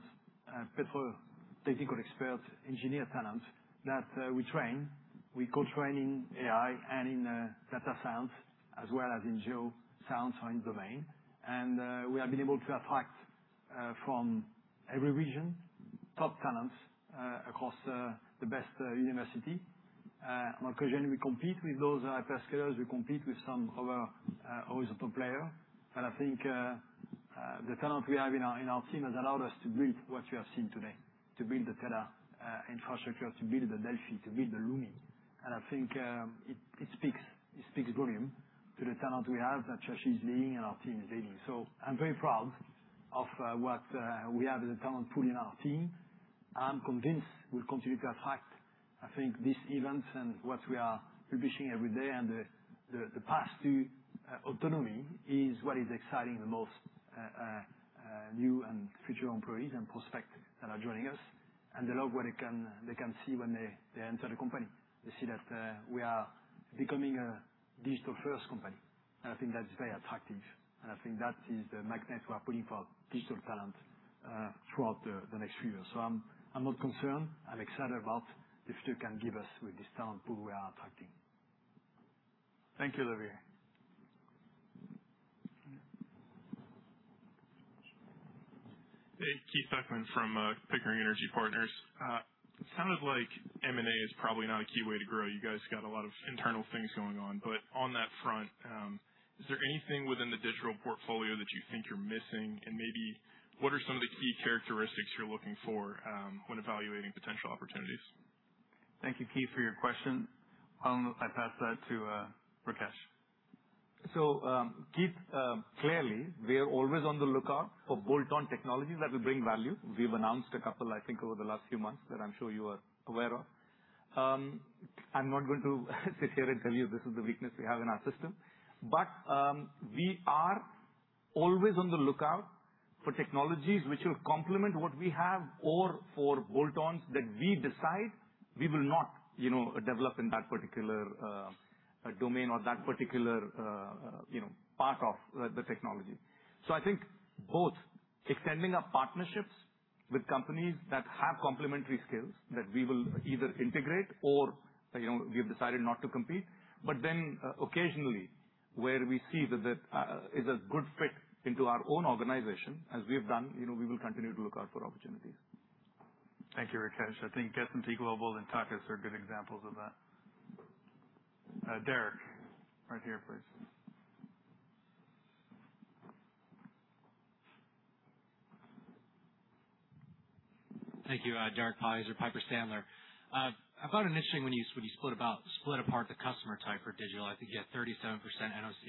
people, technical experts, engineer talent that we train. We co-train in AI and in data science as well as in geoscience domain. We have been able to attract from every region, top talents across the best university. Occasionally, we compete with those hyperscalers. We compete with some other horizontal player. I think the talent we have in our team has allowed us to build what you have seen today, to build the Tela infrastructure, to build the Delfi, to build the Lumi. I think it speaks volume to the talent we have that Shashi is leading and our team is leading. I'm very proud of what we have as a talent pool in our team. I'm convinced we'll continue to attract, I think, these events and what we are publishing every day and the path to autonomy is what is exciting the most new and future employees and prospects that are joining us. They love what they can see when they enter the company. They see that we are becoming a digital-first company, and I think that is very attractive, and I think that is the magnet we are putting for digital talent throughout the next few years. I'm not concerned. I'm excited about the future can give us with this talent pool we are attracting. Thank you, Olivier. Hey, Keith Beckmann from Pickering Energy Partners. It sounded like M&A is probably not a key way to grow. You guys got a lot of internal things going on. On that front, is there anything within the digital portfolio that you think you're missing? Maybe what are some of the key characteristics you're looking for when evaluating potential opportunities? Thank you, Keith, for your question. I'll pass that to Rakesh. Keith, clearly, we are always on the lookout for bolt-on technologies that will bring value. We've announced a couple, I think, over the last few months that I'm sure you are aware of. I'm not going to sit here and tell you this is the weakness we have in our system. We are always on the lookout for technologies which will complement what we have or for bolt-ons that we decide we will not develop in that particular domain or that particular part of the technology. I think both extending our partnerships with companies that have complementary skills that we will either integrate or we've decided not to compete. Occasionally, where we see that is a good fit into our own organization as we have done, we will continue to look out for opportunities. Thank you, Rakesh. I think Destiny Global and Tigo's are good examples of that. Derek. Right here first. Thank you. Derek Podhaizer, Piper Sandler. I found it interesting when you split apart the customer type for digital. I think you had 37% NOC,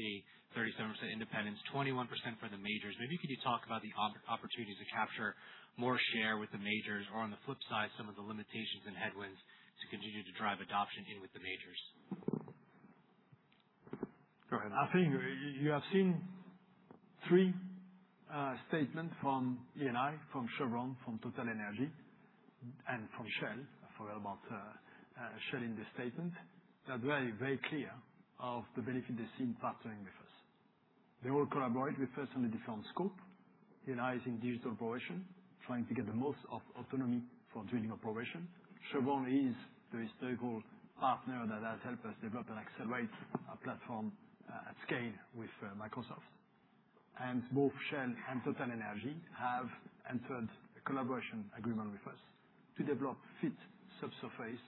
37% independents, 21% for the majors. Maybe could you talk about the opportunities to capture more share with the majors or on the flip side, some of the limitations and headwinds to continue to drive adoption in with the majors? Go ahead. I think you have seen three statements from Eni, from Chevron, from TotalEnergies, and from Shell. I forgot about Shell in this statement. They're very, very clear of the benefit they've seen partnering with us. They all collaborate with us on a different scope, utilizing digital operation, trying to get the most of autonomy for drilling operations. Chevron is the historical partner that has helped us develop and accelerate our platform at scale with Microsoft. Both Shell and TotalEnergies have entered a collaboration agreement with us to develop fit subsurface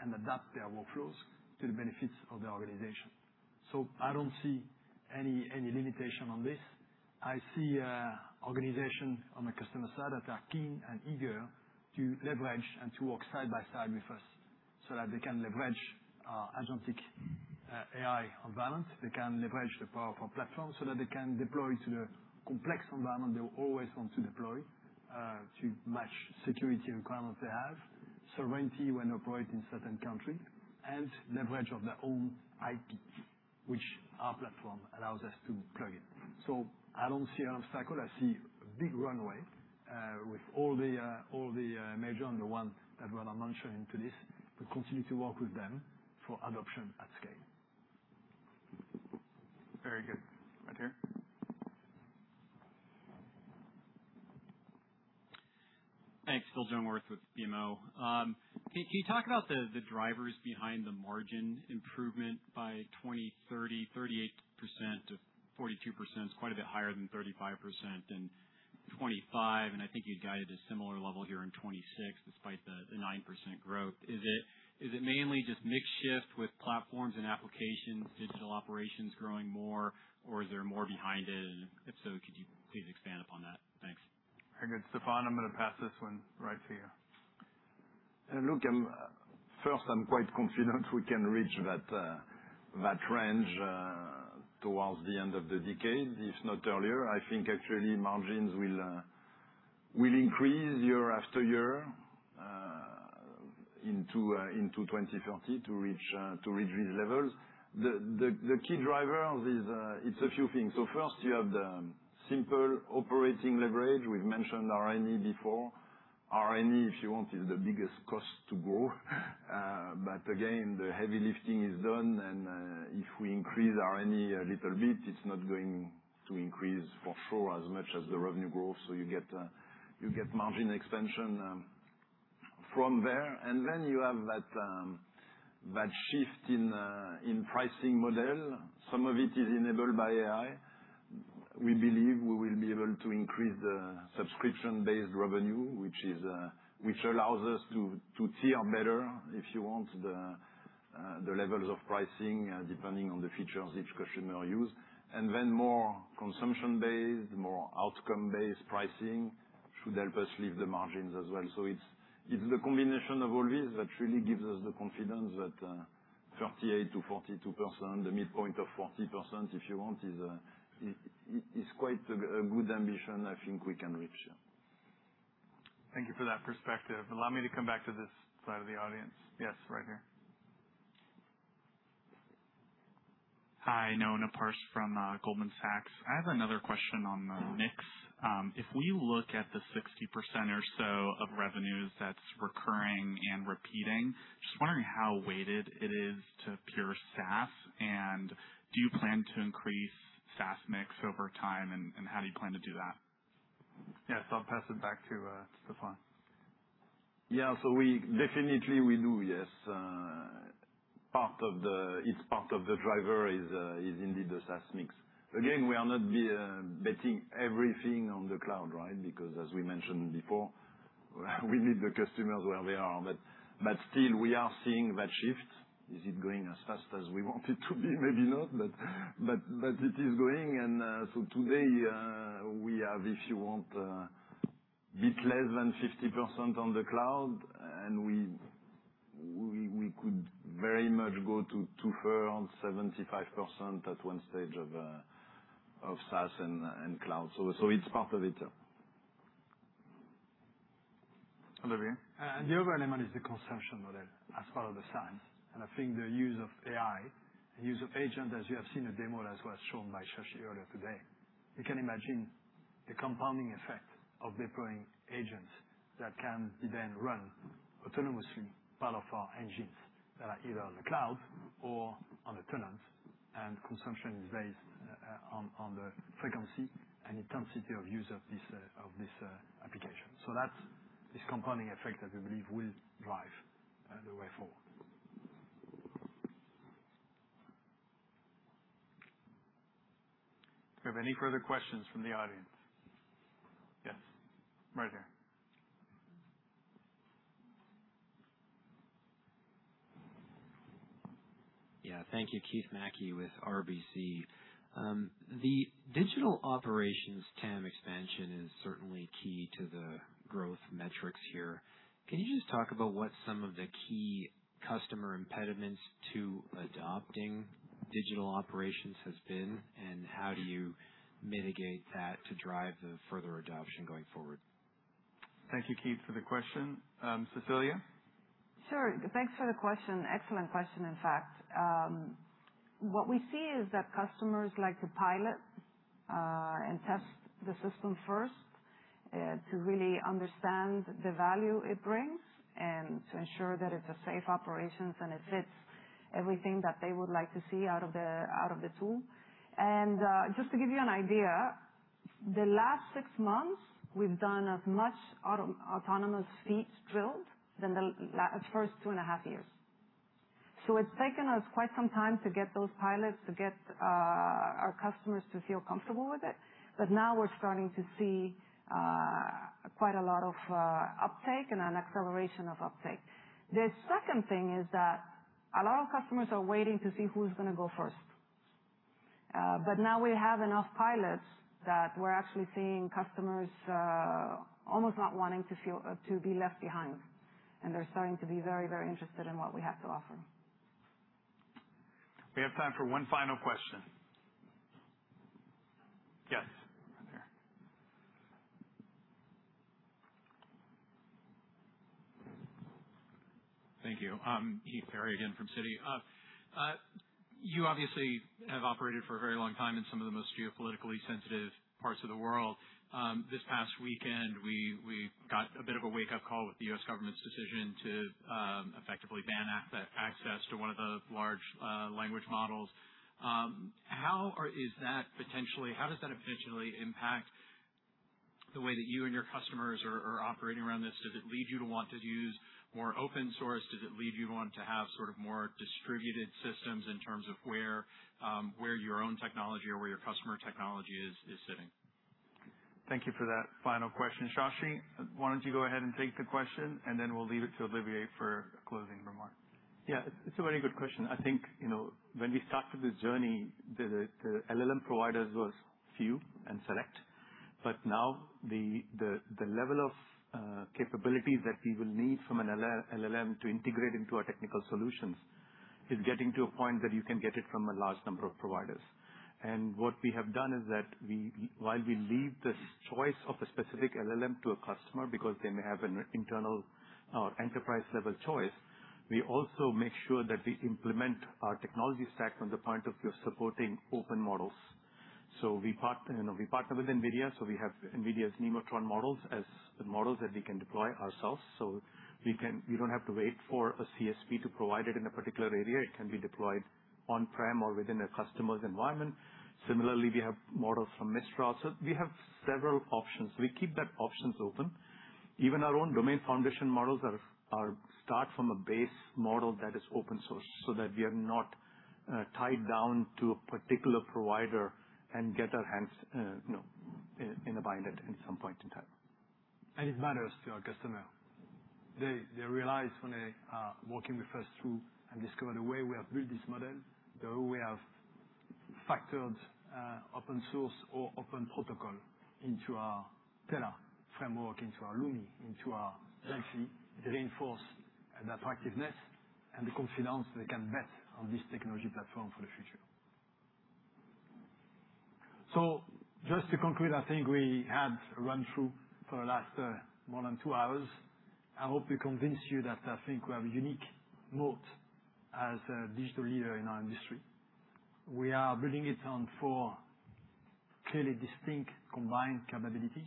and adapt their workflows to the benefits of the organization. I don't see any limitation on this. I see organization on the customer side that are keen and eager to leverage and to work side by side with us so that they can leverage agentic AI environment. They can leverage the powerful platform so that they can deploy to the complex environment they will always want to deploy to match security requirements they have, sovereignty when operate in certain country, and leverage of their own IP, which our platform allows us to plug in. I don't see a cycle. I see a big runway with all the major and the ones that were mentioned into this to continue to work with them for adoption at scale. Very good. Right here. Thanks. Phillip Jungwirth with BMO. Can you talk about the drivers behind the margin improvement by 2030, 38%-42% is quite a bit higher than 35% in 2025, and I think you guided a similar level here in 2026, despite the 9% growth. Is it mainly just mix shift with platforms and applications, digital operations growing more, or is there more behind it? If so, could you please expand upon that? Thanks. Very good. Stéphane, I'm going to pass this one right to you. Look, first, I'm quite confident we can reach that range towards the end of the decade, if not earlier. I think actually margins will increase year after year into 2030 to reach these levels. The key driver is a few things. First, you have the simple operating leverage. We've mentioned R&D before. R&D, if you want, is the biggest cost to grow. Again, the heavy lifting is done, and if we increase R&D a little bit, it's not going to increase for sure as much as the revenue growth. You get margin expansion from there, you have that shift in pricing model. Some of it is enabled by AI. We believe we will be able to increase the subscription-based revenue, which allows us to tier better, if you want, the levels of pricing, depending on the features each customer use. More consumption-based, more outcome-based pricing should help us lift the margins as well. It's the combination of all this that really gives us the confidence that 38%-42%, the midpoint of 40%, if you want, is quite a good ambition I think we can reach. Thank you for that perspective. Allow me to come back to this side of the audience. Yes, right here. Hi. Noah Naparstek from Goldman Sachs. I have another question on the mix. If we look at the 60% or so of revenues that's recurring and repeating, just wondering how weighted it is to pure SaaS. Do you plan to increase SaaS mix over time? How do you plan to do that? Yes. I'll pass it back to Stéphane. Yeah. Definitely we do, yes. It's part of the driver is indeed the SaaS mix. Again, we are not betting everything on the cloud, right? Because as we mentioned before, we leave the customers where they are. Still, we are seeing that shift. Is it going as fast as we want it to be? Maybe not, but it is going. Today, we have, if you want, a bit less than 50% on the cloud, and we could very much go to around 75% at one stage of SaaS and cloud. It's part of it. Olivier. The other element is the consumption model as part of the science. I think the use of AI, the use of agent, as you have seen a demo, as was shown by Shashi earlier today, you can imagine the compounding effect of deploying agents that can then run autonomously part of our engines that are either on the cloud or on the tenants, and consumption is based on the frequency and intensity of use of this application. That's this compounding effect that we believe will drive the way forward. Do we have any further questions from the audience? Yes. Right here. Thank you. Keith Mackey with RBC. The digital operations TAM expansion is certainly key to the growth metrics here. Can you just talk about what some of the key customer impediments to adopting digital operations has been, and how do you mitigate that to drive the further adoption going forward? Thank you, Keith, for the question. Cecilia? Sure. Thanks for the question. Excellent question, in fact. What we see is that customers like to pilot and test the system first to really understand the value it brings and to ensure that it's a safe operations and it fits everything that they would like to see out of the tool. Just to give you an idea, the last 6 months, we've done as much autonomous feats drilled than the first 2 and a half years. It's taken us quite some time to get those pilots, to get our customers to feel comfortable with it. Now we're starting to see quite a lot of uptake and an acceleration of uptake. The second thing is that a lot of customers are waiting to see who's going to go first. Now we have enough pilots that we're actually seeing customers almost not wanting to be left behind, and they're starting to be very interested in what we have to offer. We have time for one final question. Yes. Right there. Thank you. Heath Terry again from Citi. You obviously have operated for a very long time in some of the most geopolitically sensitive parts of the world. This past weekend, we got a bit of a wake-up call with the U.S. government's decision to effectively ban access to one of the large language models. How does that potentially impact the way that you and your customers are operating around this? Does it lead you to want to use more open source? Does it lead you to want to have more distributed systems in terms of where your own technology or where your customer technology is sitting? Thank you for that final question. Shashi, why don't you go ahead and take the question, and then we'll leave it to Olivier for closing remarks. Yeah. It's a very good question. I think when we started this journey, the LLM providers was few and select, but now the level of capabilities that we will need from an LLM to integrate into our technical solutions is getting to a point that you can get it from a large number of providers. What we have done is that while we leave this choice of a specific LLM to a customer because they may have an internal enterprise-level choice, we also make sure that we implement our technology stack from the point of view of supporting open models. We partner with NVIDIA, we have NVIDIA's Nemotron models as the models that we can deploy ourselves. We don't have to wait for a CSP to provide it in a particular area. It can be deployed on-prem or within a customer's environment. Similarly, we have models from Mistral. We have several options. We keep that options open. Even our own domain foundation models start from a base model that is open source, so that we are not tied down to a particular provider and get our hands in a bind at some point in time. It matters to our customer. They realize when they are walking with us through and discover the way we have built this model, the way we have factored open source or open protocol into our Tela framework, into our Lumi, into our GenAI, reinforce the attractiveness and the confidence they can bet on this technology platform for the future. Just to conclude, I think we had run through for the last more than two hours. I hope we convince you that I think we have a unique moat as a digital leader in our industry. We are building it on four clearly distinct combined capabilities,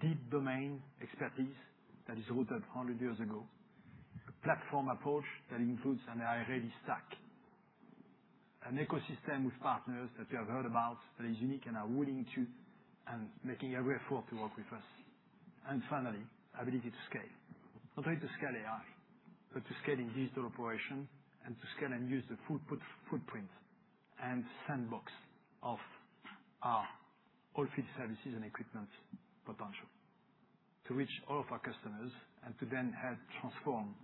deep domain expertise that is rooted 100 years ago, a platform approach that includes an AI-ready stack, an ecosystem with partners that you have heard about that is unique and are willing to, and making every effort to work with us. Finally, ability to scale. Not only to scale AI, but to scale in digital operation and to scale and use the footprint and sandbox of our oilfield services and equipment potential. To reach all of our customers and to then help transform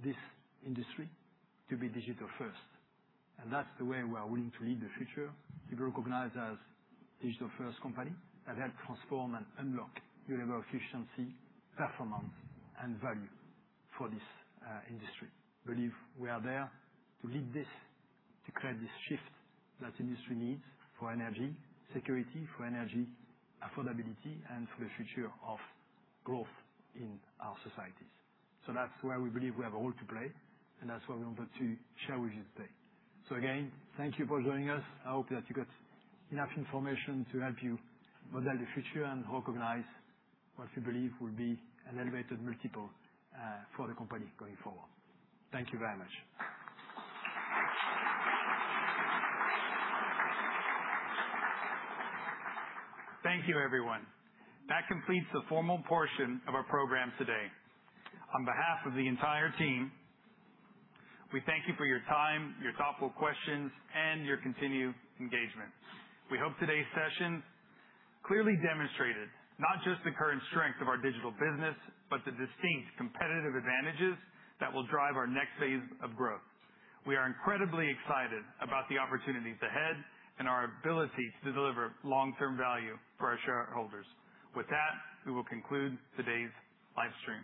this industry to be digital first. That's the way we are willing to lead the future, to be recognized as digital-first company that help transform and unlock new level of efficiency, performance, and value for this industry. We believe we are there to lead this, to create this shift that industry needs for energy security, for energy affordability, and for the future of growth in our societies. That's where we believe we have a role to play, and that's what we wanted to share with you today. Again, thank you for joining us. I hope that you got enough information to help you model the future and recognize what you believe will be an elevated multiple for the company going forward. Thank you very much. Thank you, everyone. That completes the formal portion of our program today. On behalf of the entire team, we thank you for your time, your thoughtful questions, and your continued engagement. We hope today's session clearly demonstrated not just the current strength of our digital business, but the distinct competitive advantages that will drive our next phase of growth. We are incredibly excited about the opportunities ahead and our ability to deliver long-term value for our shareholders. With that, we will conclude today's livestream.